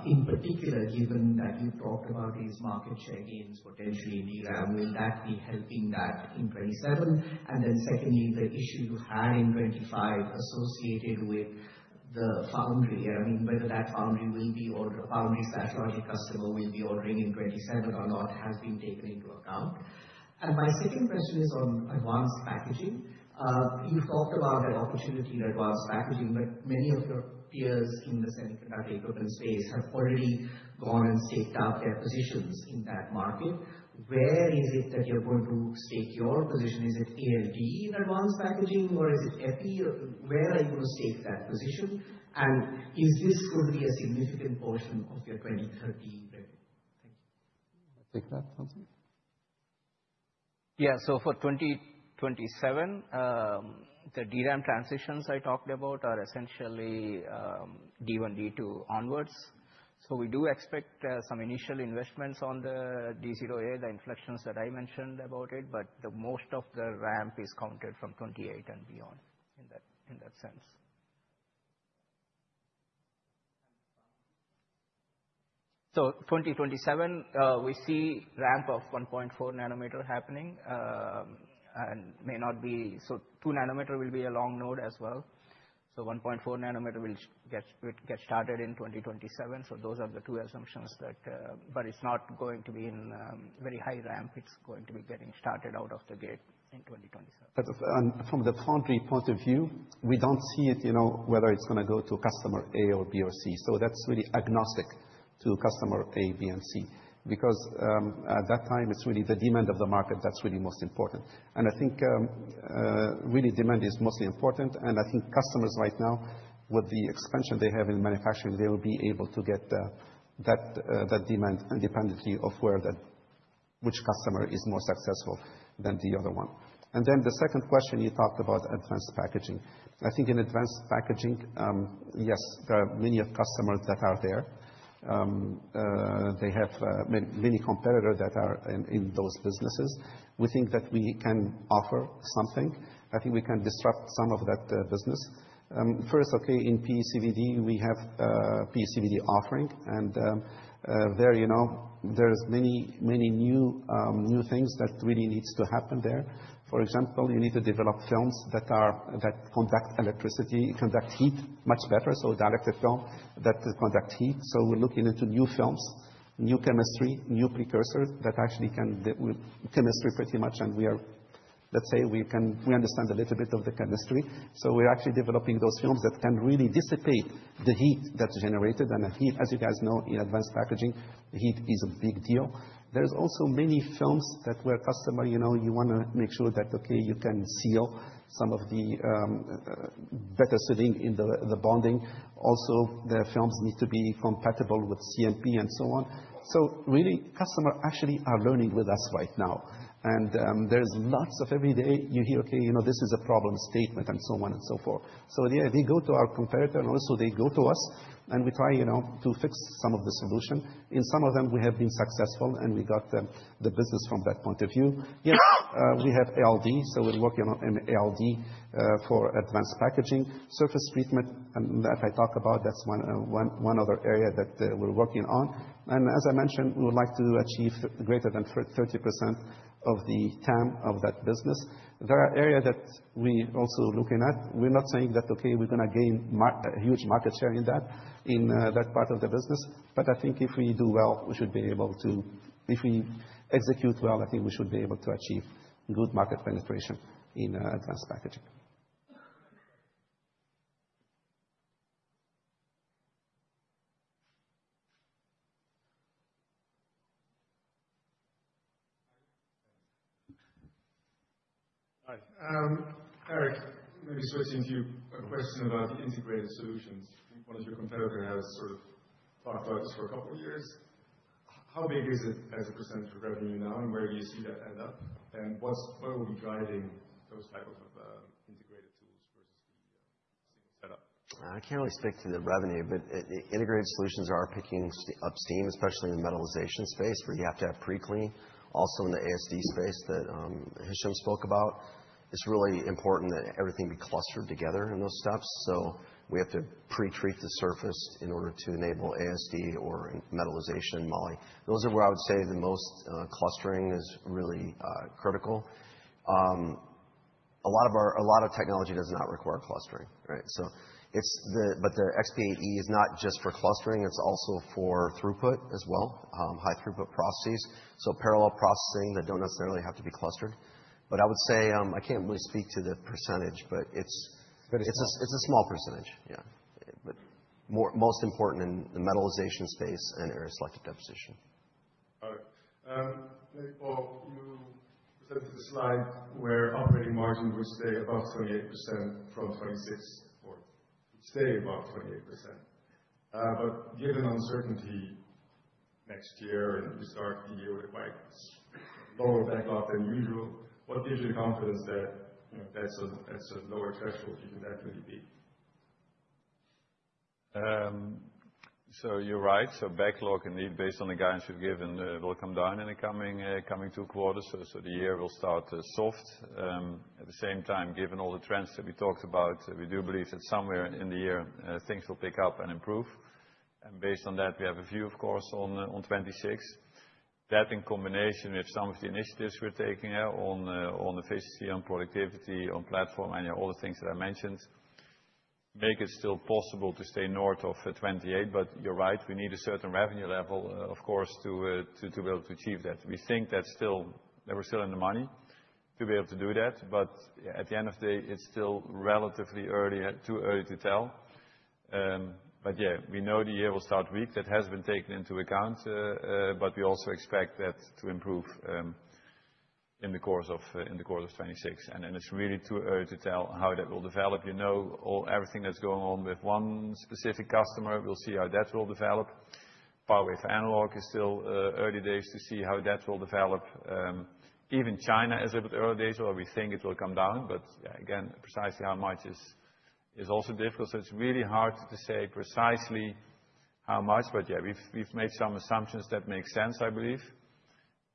In particular, given that you talked about these market share gains, potentially in DRAM, will that be helping that in 2027? Then secondly, the issue you had in 2025 associated with the foundry, I mean, whether that foundry will be ordered, a foundry/logic customer will be ordering in 2027 or not has been taken into account. My second question is on advanced packaging. You've talked about an opportunity in advanced packaging, but many of your peers in the semiconductor equipment space have already gone and staked out their positions in that market. Where is it that you're going to stake your position? Is it ALD in advanced packaging, or is it Epi? Where are you going to stake that position? Is this going to be a significant portion of your 2030 revenue? Thank you. Yeah, so for 2027, the DRAM transitions I talked about are essentially D1, D2 onwards. We do expect some initial investments on the D0a, the inflections that I mentioned about it, but most of the ramp is counted from 2028 and beyond in that sense. 2027, we see ramp of 1.4 nm happening and may not be so 2 nm will be a long node as well. 1.4 nm will get started in 2027. Those are the two assumptions that, but it's not going to be in very high ramp. It's going to be getting started out of the gate in 2027. From the foundry point of view, we don't see it whether it's going to go to customer A or B or C. That's really agnostic to customer A, B, and C. Because at that time, it's really the demand of the market that's really most important. I think really demand is mostly important. And I think customers right now, with the expansion they have in manufacturing, they will be able to get that demand independently of which customer is more successful than the other one. And then the second question you talked about advanced packaging. I think in advanced packaging, yes, there are many customers that are there. They have many competitors that are in those businesses. We think that we can offer something. I think we can disrupt some of that business. First, okay, in PECVD, we have PECVD offering. And there are many, many new things that really need to happen there. For example, you need to develop films that conduct electricity, conduct heat much better. So a dielectric film that conducts heat. So we're looking into new films, new chemistry, new precursors that actually can do chemistry pretty much. And let's say we understand a little bit of the chemistry. So we're actually developing those films that can really dissipate the heat that's generated. And the heat, as you guys know, in advanced packaging, heat is a big deal. There's also many films that, where customers, you want to make sure that, okay, you can seal some of the better sealing in the bonding. Also, the films need to be compatible with CMP and so on. So really, customers actually are learning with us right now. And there's lots of; every day you hear, okay, this is a problem statement and so on and so forth. So they go to our competitor, and also they go to us, and we try to fix some of the solution. In some of them, we have been successful, and we got the business from that point of view. Yes, we have ALD, so we're working on ALD for advanced packaging, surface treatment. That I talk about, that's one other area that we're working on. And as I mentioned, we would like to achieve greater than 30% of the TAM of that business. There are areas that we are also looking at. We're not saying that, okay, we're going to gain huge market share in that part of the business. But I think if we do well, we should be able to, if we execute well, I think we should be able to achieve good market penetration in advanced packaging. Hi, Eric. Maybe switching to a question about the integrated solutions. One of your competitors has sort of talked about this for a couple of years. How big is it as a percentage of revenue now, and where do you see that end up? And what will be driving those type of integrated tools versus the single setup? I can't really speak to the revenue, but integrated solutions are picking up steam, especially in the metallization space, where you have to have pre-clean. Also, in the ASD space that Hichem spoke about, it's really important that everything be clustered together in those steps. We have to pre-treat the surface in order to enable ASD or metallization, Moly. Those are where I would say the most clustering is really critical. A lot of technology does not require clustering. The XP8E is not just for clustering. It's also for throughput as well, high throughput processes. Parallel processing that don't necessarily have to be clustered. I would say I can't really speak to the percentage, but it's a small percentage. Yeah. Most important in the metallization space and area selective deposition. All right. Nick, Paul, you presented the slide where operating margin would stay above 28% from 26th quarter. It would stay above 28%. But given uncertainty next year and we start the year with a quite lower backlog than usual, what gives you the confidence that that's a lower threshold you can definitely beat? So you're right. So backlog, and based on the guidance you've given, it will come down in the coming two quarters. So the year will start soft. At the same time, given all the trends that we talked about, we do believe that somewhere in the year, things will pick up and improve. And based on that, we have a view, of course, on 26. That in combination with some of the initiatives we're taking on efficiency, on productivity, on platform, and all the things that I mentioned, make it still possible to stay north of 28%. But you're right. We need a certain revenue level, of course, to be able to achieve that. We think that we're still in the money to be able to do that. But at the end of the day, it's still relatively early, too early to tell. But yeah, we know the year will start weak. That has been taken into account. But we also expect that to improve in the course of 2026. And it's really too early to tell how that will develop. Everything that's going on with one specific customer, we'll see how that will develop. PowerWave Analog is still early days to see how that will develop. Even China is a little bit early days, or we think it will come down. But again, precisely how much is also difficult. So it's really hard to say precisely how much. But yeah, we've made some assumptions that make sense, I believe.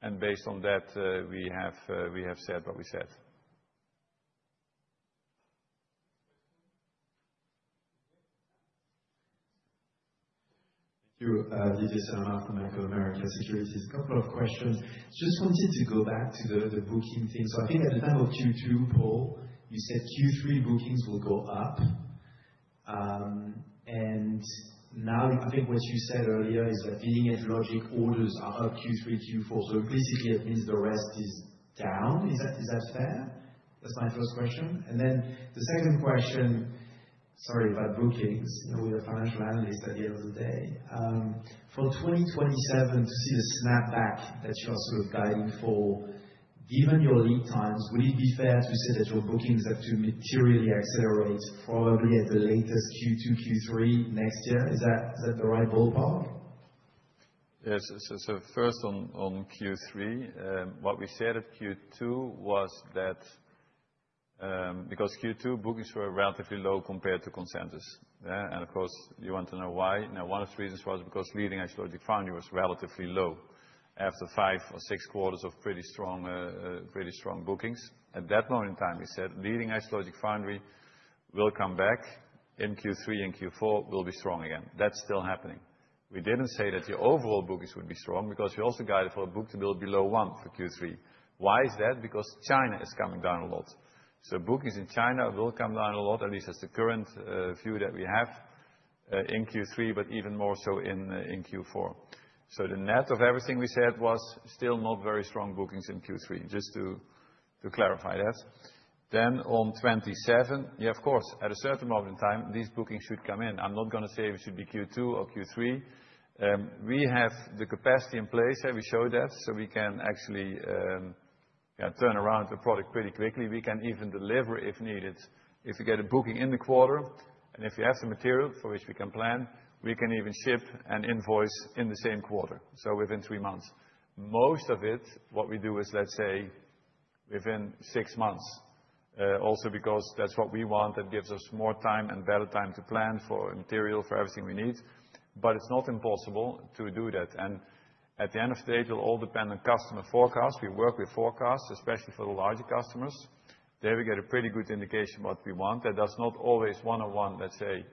And based on that, we have said what we said. Thank you. Didier Scemama from Bank of America Securities. A couple of questions. Just wanted to go back to the booking thing. So I think at the time of Q2, Paul, you said Q3 bookings will go up. And now I think what you said earlier is that leading-edge logic orders are up Q3, Q4. So implicitly, that means the rest is down. Is that fair? That's my first question. And then the second question, sorry, about bookings. We're the financial analysts at the end of the day. For 2027, to see the snapback that you're sort of guiding for, given your lead times, would it be fair to say that your bookings have to materially accelerate, probably at the latest Q2, Q3 next year? Is that the right ballpark? Yes. So first on Q3, what we said at Q2 was that because Q2 bookings were relatively low compared to consensus. And of course, you want to know why. Now, one of the reasons was because leading logic foundry was relatively low after five or six quarters of pretty strong bookings. At that moment in time, we said leading logic foundry will come back in Q3 and Q4, will be strong again. That's still happening. We didn't say that our overall bookings would be strong because we also guided for a book-to-bill below one for Q3. Why is that? Because China is coming down a lot. So bookings in China will come down a lot, at least as the current view that we have in Q3, but even more so in Q4. So the net of everything we said was still not very strong bookings in Q3, just to clarify that. Then on 2027, yeah, of course, at a certain moment in time, these bookings should come in. I'm not going to say it should be Q2 or Q3. We have the capacity in place. We showed that. So we can actually turn around the product pretty quickly. We can even deliver if needed. If you get a booking in the quarter, and if you have some material for which we can plan, we can even ship an invoice in the same quarter, so within three months. Most of it, what we do is, let's say, within six months, also because that's what we want. That gives us more time and better time to plan for material, for everything we need. But it's not impossible to do that. At the end of the day, it will all depend on customer forecasts. We work with forecasts, especially for the larger customers. There we get a pretty good indication of what we want. That does not always one-on-one, let's say,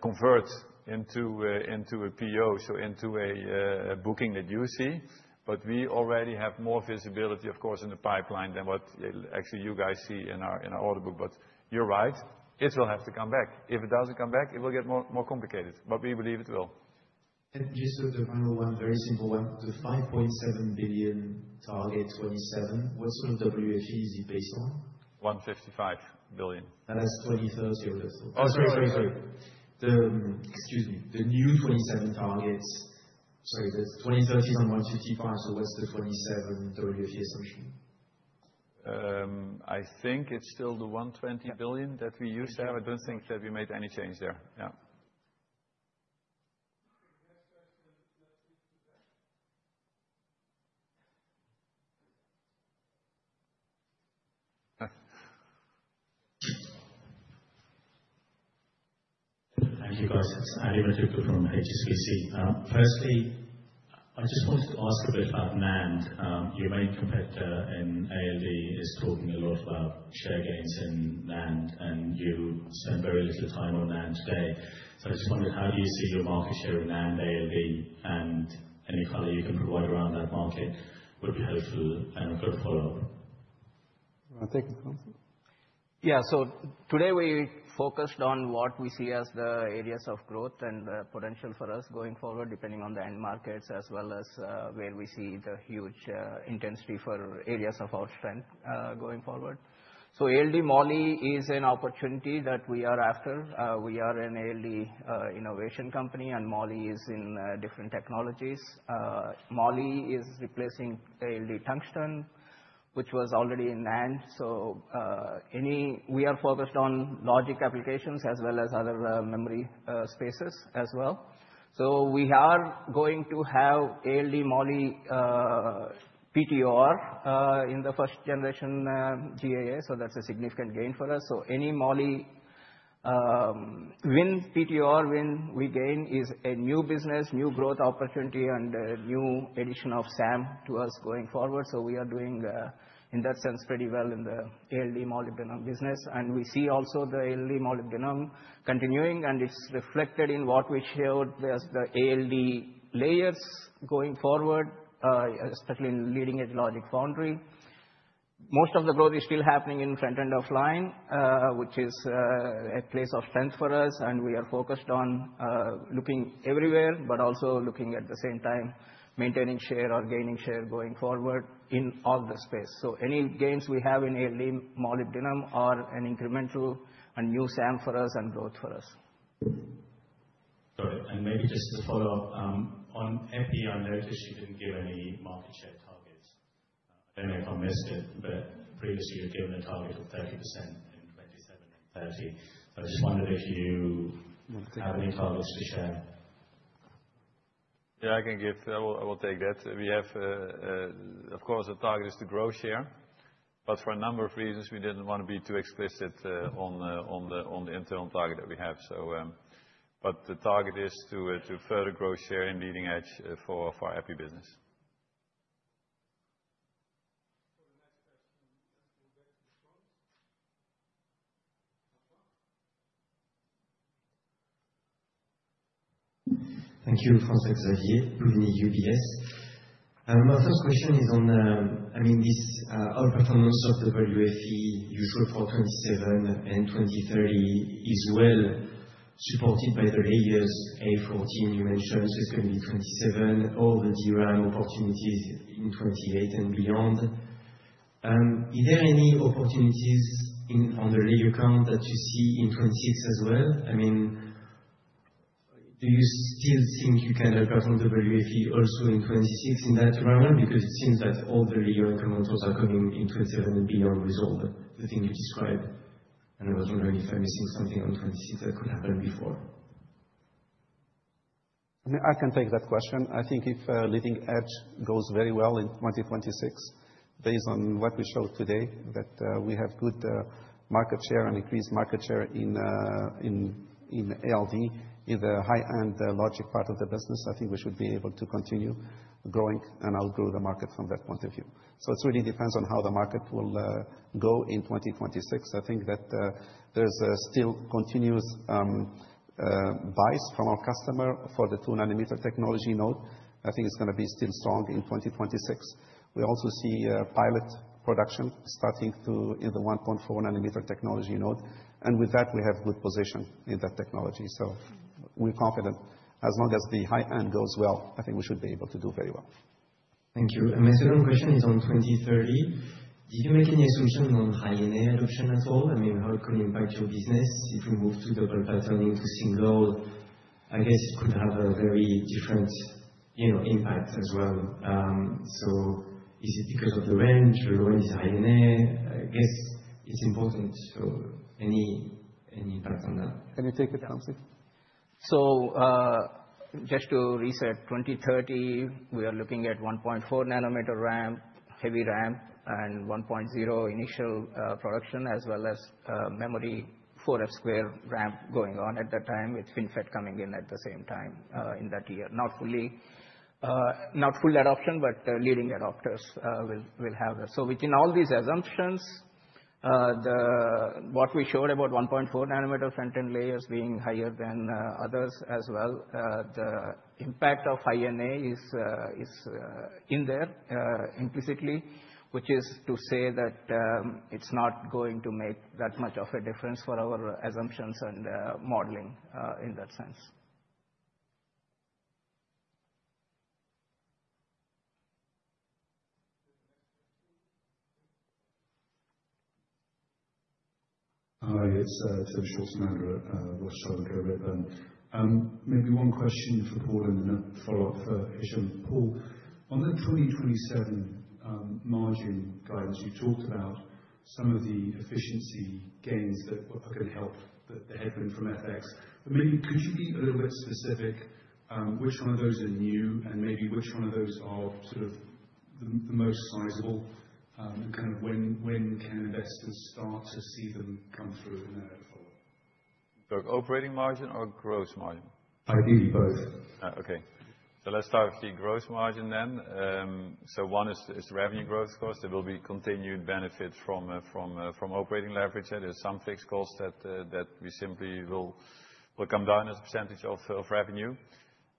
convert into a PO, so into a booking that you see. But we already have more visibility, of course, in the pipeline than what actually you guys see in our order book. But you're right. It will have to come back. If it doesn't come back, it will get more complicated. But we believe it will. Just the final one, very simple one. The 5.7 billion target 2027, what sort of WFE is it based on? $155 billion. That's 2030 or that's the. Oh, sorry, sorry, sorry. Excuse me. The new 2027 targets, sorry, the 2030 is on $155 billion. So what's the 2027 WFE assumption? I think it's still the $120 billion that we used to have. I don't think that we made any change there. Yeah. Thank you, guys. I'm Adithya Metuku from HSBC. Firstly, I just wanted to ask a bit about NAND. Your main competitor in ALD is talking a lot about share gains in NAND, and you spend very little time on NAND today. So I just wondered, how do you see your market share in NAND, ALD, and any color you can provide around that market? Would be helpful and a good follow-up. Yeah, so today we focused on what we see as the areas of growth and potential for us going forward, depending on the end markets, as well as where we see the huge intensity for areas of our strength going forward. So ALD, Moly is an opportunity that we are after. We are an ALD innovation company, and Moly is in different technologies. Moly is replacing ALD Tungsten, which was already in NAND. So we are focused on logic applications as well as other memory spaces as well. So we are going to have ALD, Moly, PTOR in the first-generation GAA. So that's a significant gain for us. So any Moly win PTOR win we gain is a new business, new growth opportunity, and a new addition of SAM to us going forward. So we are doing, in that sense, pretty well in the ALD, Molybdenum business. And we see also the ALD, Molybdenum continuing, and it's reflected in what we showed as the ALD layers going forward, especially in leading-edge logic foundry. Most of the growth is still happening in front-end of line, which is a place of strength for us. And we are focused on looking everywhere, but also looking at the same time maintaining share or gaining share going forward in all the space. So any gains we have in ALD, Molybdenum are an incremental and new SAM for us and growth for us. Sorry. And maybe just to follow up, on Epi, I noticed you didn't give any market share targets. I don't know if I missed it, but previously, you had given a target of 30% in 2027 and 2030. So I just wondered if you have any targets to share. Yeah, I can give. I will take that. We have, of course, a target is to grow share, but for a number of reasons, we didn't want to be too explicit on the internal target that we have. But the target is to further grow share in leading edge for our Epi business. For the next question, let's go back to the phones. Thank you, François-Xavier Bouvignies, UBS. My first question is on, I mean, this outperformance of the WFE you showed for 2027 and 2030 is well supported by the ALD layers you mentioned. So it's going to be 2027, all the DRAM opportunities in 2028 and beyond. Is there any opportunities on the logic that you see in 2026 as well? I mean, do you still think you can outperform the WFE also in 2026 in that round? Because it seems that all the logic and memory are coming in 2027 and beyond with all the things you described. And I was wondering if I'm missing something on 2026 that could happen before. I mean, I can take that question. I think if leading edge goes very well in 2026, based on what we showed today, that we have good market share and increased market share in ALD in the high-end logic part of the business. I think we should be able to continue growing and outgrow the market from that point of view. So it really depends on how the market will go in 2026. I think that there's still continuous bias from our customer for the 2-nanometer technology node. I think it's going to be still strong in 2026. We also see pilot production starting in the 1.4-nanometer technology node. And with that, we have good position in that technology. So we're confident. As long as the high-end goes well, I think we should be able to do very well. Thank you. My second question is on 2030. Did you make any assumptions on High-NA adoption at all? I mean, how it could impact your business if you move to double pattern into single? I guess it could have a very different impact as well. So is it because of the range? The range is high-end? I guess it's important. So any impact on that? Can you take it, Vamsi? So just to reset, 2030, we are looking at 1.4-nanometer ramp, heavy ramp, and 1.0 initial production, as well as memory 4F² ramp going on at that time with FinFET coming in at the same time in that year. Not full adoption, but leading adopters will have that. So within all these assumptions, what we showed about 1.4-nanometer front-end layers being higher than others as well, the impact of high-end AI is in there implicitly, which is to say that it's not going to make that much of a difference for our assumptions and modeling in that sense. Hi, it's Timm Schulze-Melander, Rothschild & Co Redburn. Maybe one question for Paul in the follow-up for HSBC. Paul, on the 2027 margin guidance, you talked about some of the efficiency gains that are going to help the headwind from FX. But maybe could you be a little bit specific which one of those are new and maybe which one of those are sort of the most sizable and kind of when can investors start to see them come through in their models? So operating margin or gross margin? Ideally, both. Okay. So let's start with the gross margin then. So, one is revenue growth costs. There will be continued benefits from operating leverage. There's some fixed costs that we simply will come down as a percentage of revenue.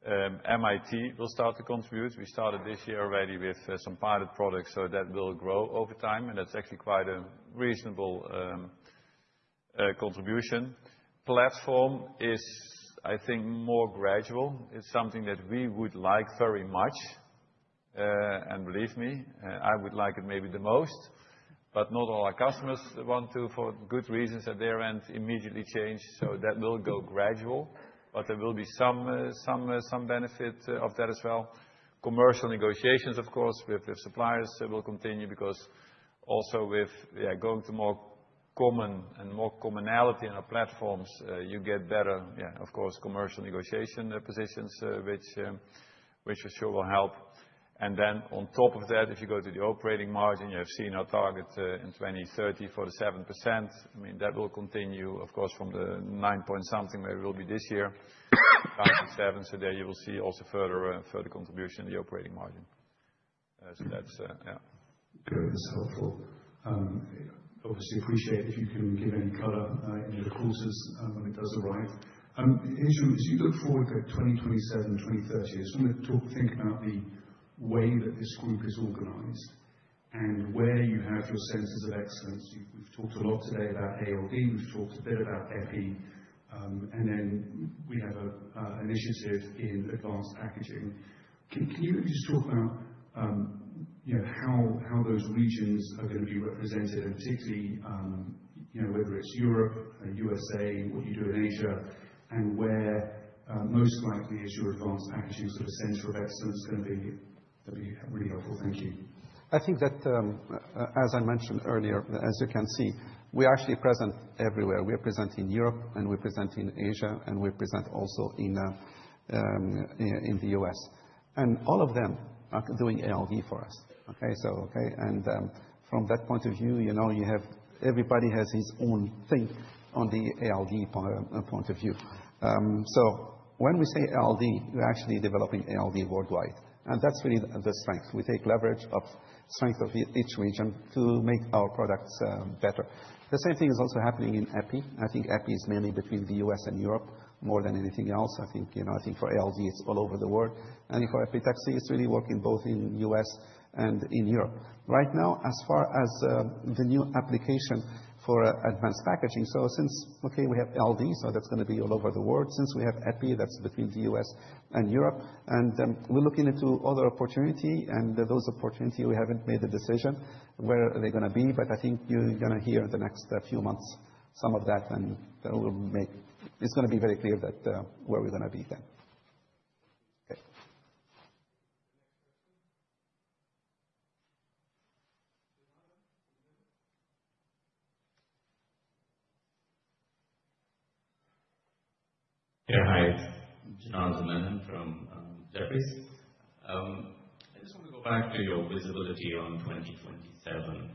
MIT will start to contribute. We started this year already with some pilot products, so that will grow over time, and that's actually quite a reasonable contribution. Platform is, I think, more gradual. It's something that we would like very much, and believe me, I would like it maybe the most, but not all our customers want to, for good reasons at their end, immediately change, so that will go gradual, but there will be some benefit of that as well. Commercial negotiations, of course, with suppliers will continue because also with going to more common and more commonality in our platforms, you get better, of course, commercial negotiation positions, which for sure will help. And then on top of that, if you go to the operating margin, you have seen our target in 2030 for the 7%. I mean, that will continue, of course, from the 9 point something where we will be this year, 5.7. So there you will see also further contribution in the operating margin. So that's, yeah. That's helpful. Obviously, appreciate if you can give any color into the courses when it does arrive. HSBC, as you look forward to 2027, 2030, I just want to think about the way that this group is organized and where you have your centers of excellence. We've talked a lot today about ALD. We've talked a bit about Epi. And then we have an initiative in advanced packaging. Can you maybe just talk about how those regions are going to be represented, and particularly whether it's Europe, USA, what you do in Asia, and where most likely is your advanced packaging sort of center of excellence going to be? That'd be really helpful. Thank you. I think that, as I mentioned earlier, as you can see, we are actually present everywhere. We are present in Europe, and we're present in Asia, and we're present also in the U.S., all of them are doing ALD for us. Okay? From that point of view, everybody has his own thing on the ALD point of view, so when we say ALD, we're actually developing ALD worldwide, and that's really the strength. We take leverage of strength of each region to make our products better. The same thing is also happening in Epi. I think Epi is mainly between the U.S. and Europe more than anything else. I think for ALD, it's all over the world and for Epitaxy, it's really working both in the U.S. and in Europe. Right now, as far as the new application for advanced packaging, so since we have ALD, so that's going to be all over the world, since we have Epi, that's between the U.S. and Europe. And we're looking into other opportunities and those opportunities, we haven't made a decision where they're going to be. But I think you're going to hear in the next few months some of that and it's going to be very clear where we're going to be then. Okay. Yeah, hi. Janardan Menon from Jefferies. I just want to go back to your visibility on 2027.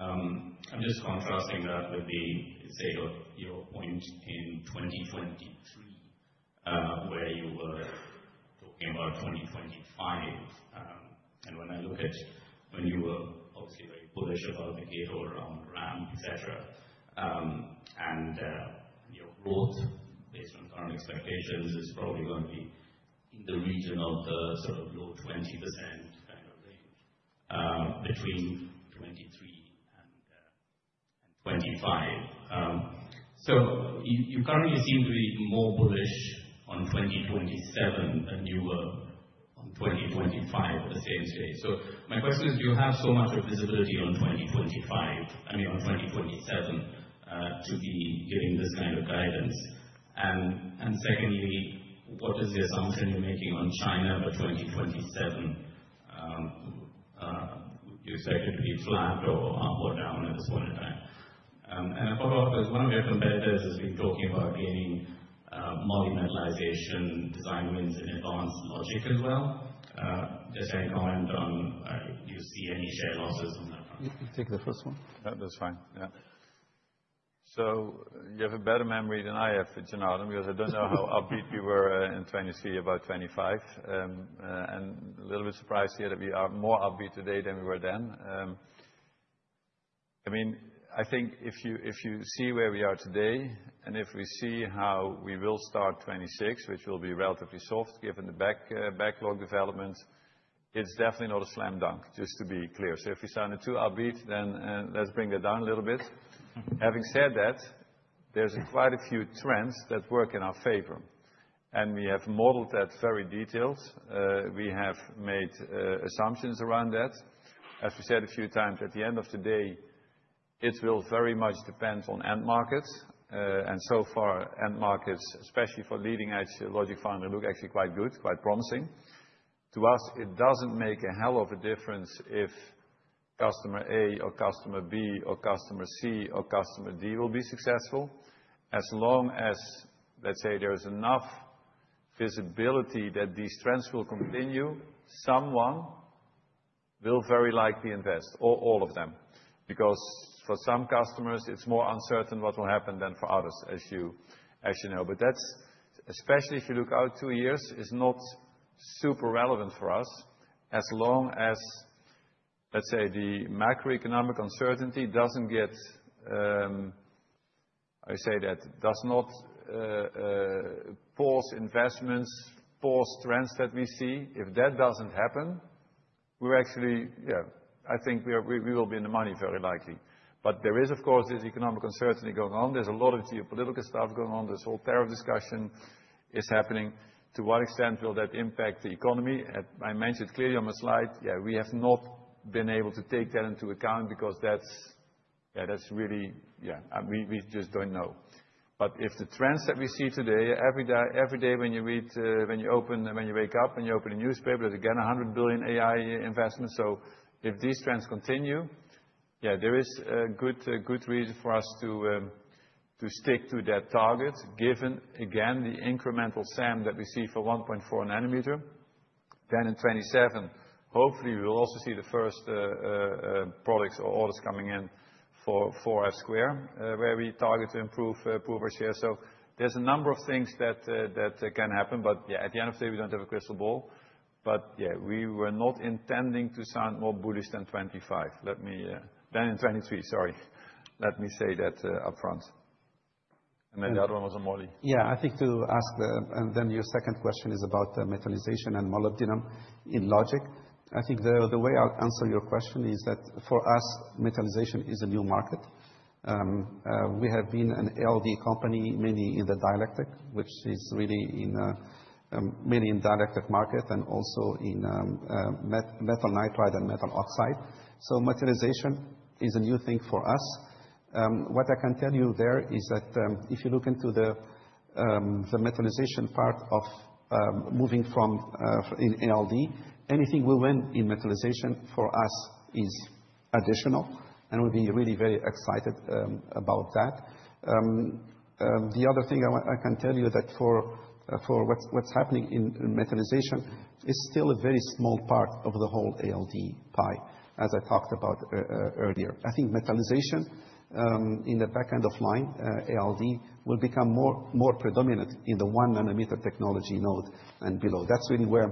I'm just contrasting that with the, say, your point in 2023, where you were talking about 2025. And when I look at when you were obviously very bullish about the GAA, DRAM, et cetera, and your growth based on current expectations is probably going to be in the region of the sort of low 20% kind of range between 2023 and 2025. So you currently seem to be more bullish on 2027 than you were on 2025 at the same stage. So my question is, do you have so much visibility on 2025, I mean, on 2027, to be giving this kind of guidance? And secondly, what is the assumption you're making on China for 2027? Would you expect it to be flat or up or down at this point in time? I thought about because one of your competitors has been talking about gaining moly metallization design wins in advanced logic as well. Just any comment on, do you see any share losses on that front? You can take the first one. That's fine. Yeah. So you have a better memory than I have, Jonardan, because I don't know how upbeat we were in 2023, about 2025. And a little bit surprised here that we are more upbeat today than we were then. I mean, I think if you see where we are today and if we see how we will start 2026, which will be relatively soft given the backlog developments, it's definitely not a slam dunk, just to be clear. So if we sounded too upbeat, then let's bring it down a little bit. Having said that, there's quite a few trends that work in our favor. We have modeled that very detailed. We have made assumptions around that. As we said a few times, at the end of the day, it will very much depend on end markets. So far, end markets, especially for leading-edge logic foundry, look actually quite good, quite promising. To us, it doesn't make a hell of a difference if customer A or customer B or customer C or customer D will be successful. As long as, let's say, there's enough visibility that these trends will continue, someone will very likely invest, or all of them. Because for some customers, it's more uncertain what will happen than for others, as you know. That's, especially if you look out two years, is not super relevant for us as long as, let's say, the macroeconomic uncertainty does not pause investments, pause trends that we see. If that doesn't happen, we're actually, yeah, I think we will be in the money very likely. But there is, of course, this economic uncertainty going on. There's a lot of geopolitical stuff going on. This whole tariff discussion is happening. To what extent will that impact the economy? I mentioned clearly on the slide, yeah, we have not been able to take that into account because that's really, yeah, we just don't know. But if the trends that we see today, every day when you read, when you open, when you wake up, when you open a newspaper, there's again $100 billion AI investments. So if these trends continue, yeah, there is a good reason for us to stick to that target, given, again, the incremental SAM that we see for 1.4-nanometer. Then in 2027, hopefully, we will also see the first products or orders coming in for 4F², where we target to improve our share. So there's a number of things that can happen. But yeah, at the end of the day, we don't have a crystal ball. But yeah, we were not intending to sound more bullish than 2025. Then in 2023, sorry, let me say that upfront. And then the other one was a Moly. Yeah, I think to ask, and then your second question is about metallization and molybdenum in logic. I think the way I'll answer your question is that for us, metallization is a new market. We have been an ALD company, mainly in the dielectric, which is really mainly in dielectric market and also in metal nitride and metal oxide. So metallization is a new thing for us. What I can tell you there is that if you look into the metallization part of moving from in ALD, anything we win in metallization for us is additional, and we'll be really very excited about that. The other thing I can tell you that for what's happening in metallization, it's still a very small part of the whole ALD pie, as I talked about earlier. I think metallization in the back end of line ALD will become more predominant in the 1-nanometer technology node and below. That's really where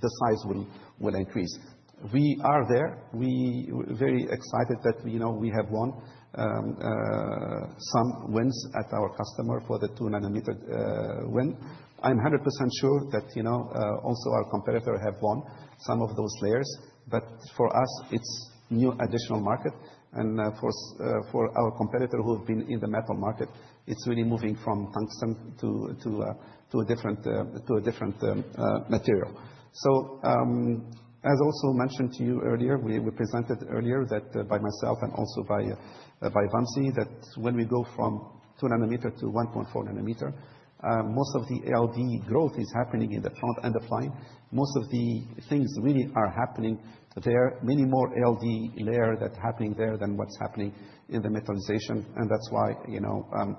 the size will increase. We are there. We're very excited that we have won some wins at our customer for the 2-nanometer win. I'm 100% sure that also our competitor has won some of those layers, but for us, it's new additional market. For our competitor who have been in the metal market, it's really moving from tungsten to a different material. So as also mentioned to you earlier, we presented earlier that by myself and also by Vamsi that when we go from 2-nanometer to 1.4-nanometer, most of the ALD growth is happening in the front end of line. Most of the things really are happening there, many more ALD layer that's happening there than what's happening in the metallization. And that's why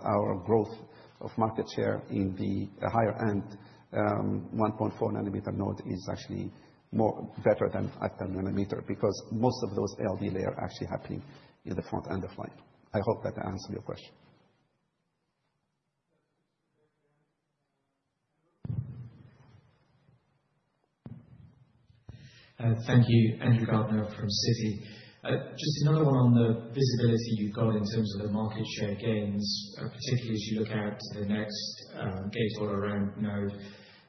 our growth of market share in the higher-end 1.4-nanometer node is actually better than at the nanometer because most of those ALD layer are actually happening in the front end of line. I hope that answered your question. Thank you, Andrew Gardiner from Citi. Just another one on the visibility you've got in terms of the market share gains, particularly as you look at the next Gate-All-Around node.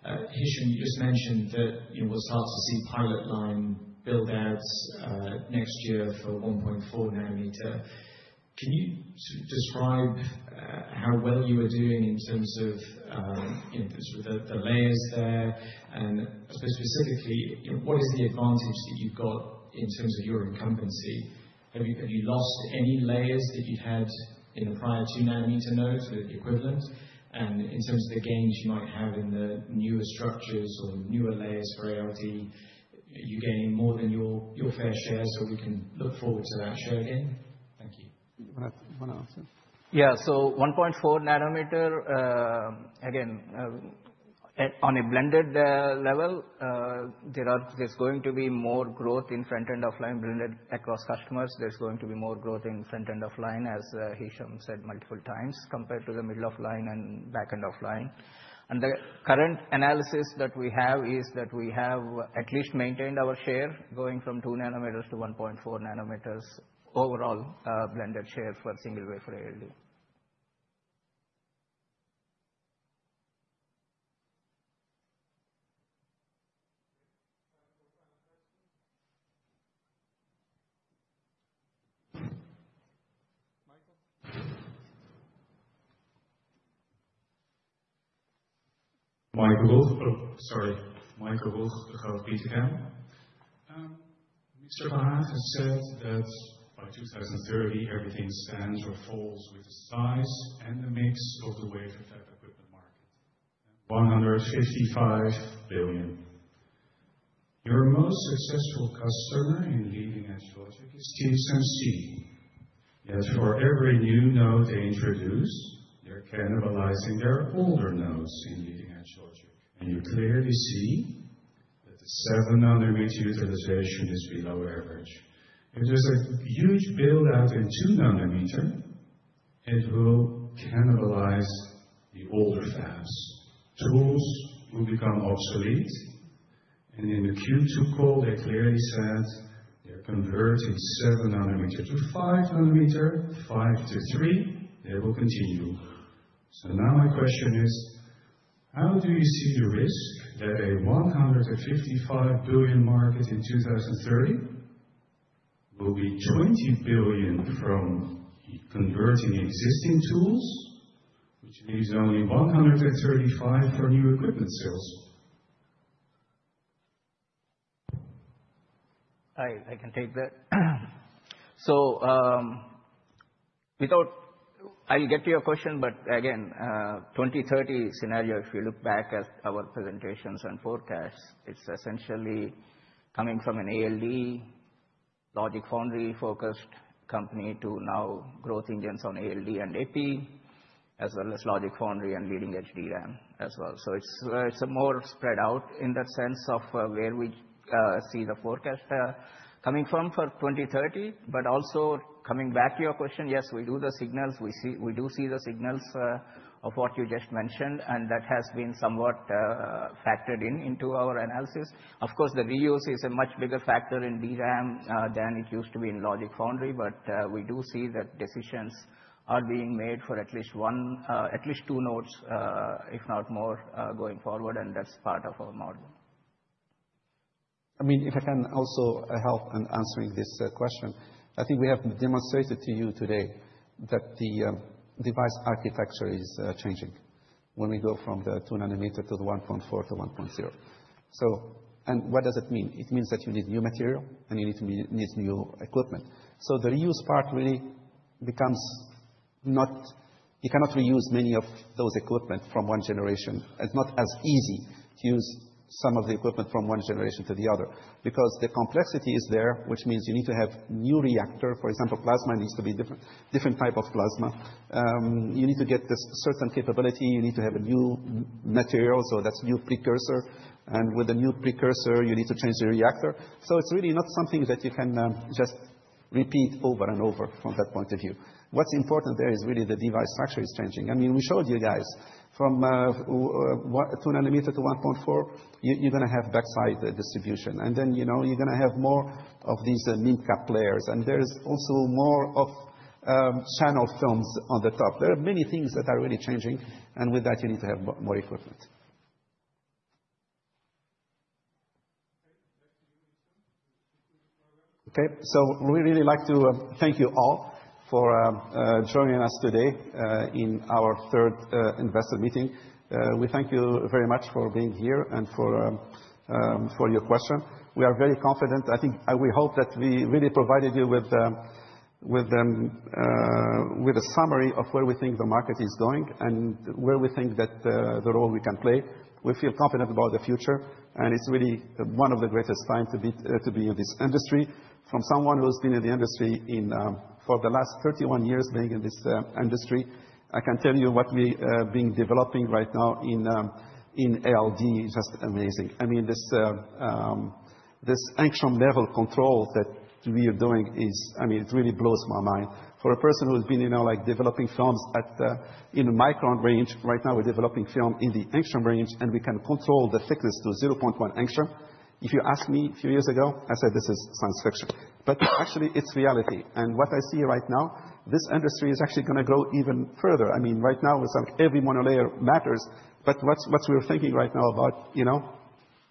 Hichem, you just mentioned that we'll start to see pilot line build-outs next year for 1.4-nanometer. Can you sort of describe how well you are doing in terms of the layers there? And I suppose specifically, what is the advantage that you've got in terms of your incumbency? Have you lost any layers that you had in the prior 2-nanometer nodes or the equivalent? And in terms of the gains you might have in the newer structures or newer layers for ALD, are you gaining more than your fair share so we can look forward to that share gain? Thank you. One answer. Yeah, so 1.4-nanometer, again, on a blended level, there's going to be more growth in front-end of line blended across customers. There's going to be more growth in front-end of line, as Hichem said multiple times, compared to the middle of line and back-end of line. The current analysis that we have is that we have at least maintained our share going from 2-nanometers to 1.4-nanometers overall blended share for single wafer for ALD. Michael Roeg. Sorry. Michael Roeg of Degroof Petercam. Mr. Bahar has said that by 2030, everything stands or falls with the size and the mix of the wafer fab equipment market, $155 billion. Your most successful customer in leading-edge logic is TSMC. Yet for every new node they introduce, they're cannibalizing their older nodes in leading-edge logic. You clearly see that the 7-nanometer utilization is below average. If there's a huge build-out in 2-nanometer, it will cannibalize the older fabs. Tools will become obsolete. In the Q2 call, they clearly said they're converting 7-nanometer to 5-nanometer, 5 to 3. They will continue. So now my question is, how do you see the risk that a $155 billion market in 2030 will be $20 billion from converting existing tools, which leaves only $135 billion for new equipment sales? I can take that. So I'll get to your question, but again, 2030 scenario, if you look back at our presentations and forecasts, it's essentially coming from an ALD logic foundry-focused company to now growth engines on ALD and AP, as well as logic foundry and leading-edge DRAM as well. So it's more spread out in that sense of where we see the forecast coming from for 2030. But also coming back to your question, yes, we do the signals. We do see the signals of what you just mentioned. And that has been somewhat factored into our analysis. Of course, the reuse is a much bigger factor in DRAM than it used to be in logic foundry. But we do see that decisions are being made for at least two nodes, if not more, going forward. And that's part of our model. I mean, if I can also help in answering this question, I think we have demonstrated to you today that the device architecture is changing when we go from the 2-nanometer to the 1.4 to 1.0. And what does it mean? It means that you need new material and you need new equipment. So the reuse part really becomes not you cannot reuse many of those equipment from one generation. It's not as easy to use some of the equipment from one generation to the other because the complexity is there, which means you need to have new reactor. For example, plasma needs to be a different type of plasma. You need to get this certain capability. You need to have a new material. So that's a new precursor. And with a new precursor, you need to change the reactor. So it's really not something that you can just repeat over and over from that point of view. What's important there is really the device structure is changing. I mean, we showed you guys from 2-nanometer to 1.4, you're going to have backside distribution. And then you're going to have more of these MIM cap layers. And there's also more of channel films on the top. There are many things that are really changing. With that, you need to have more equipment. Okay. We really like to thank you all for joining us today in our third investor meeting. We thank you very much for being here and for your question. We are very confident. I think we hope that we really provided you with a summary of where we think the market is going and where we think that the role we can play. We feel confident about the future. It's really one of the greatest times to be in this industry. From someone who's been in the industry for the last 31 years being in this industry, I can tell you what we are developing right now in ALD is just amazing. I mean, this angstrom-level control that we are doing is, I mean, it really blows my mind. For a person who's been developing films in the micron range, right now we're developing film in the angstrom range. And we can control the thickness to 0.1 angstrom. If you asked me a few years ago, I said this is science fiction. But actually, it's reality, and what I see right now, this industry is actually going to grow even further. I mean, right now, it's like every monolayer matters, but what we were thinking right now about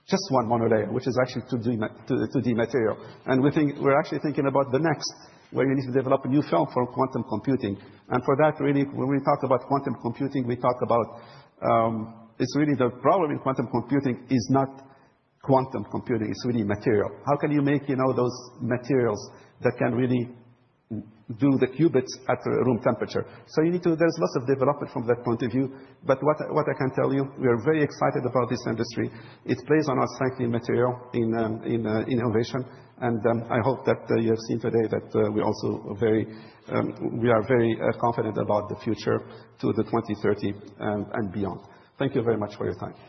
just one monolayer, which is actually 2D material, and we're actually thinking about the next, where you need to develop a new film for quantum computing, and for that, really, when we talk about quantum computing, we talk about, it's really the problem in quantum computing is not quantum computing. It's really material. How can you make those materials that can really do the qubits at room temperature? So there's lots of development from that point of view. But what I can tell you, we are very excited about this industry. It plays on our strength in material, in innovation. And I hope that you have seen today that we are very confident about the future to the 2030 and beyond. Thank you very much for your time.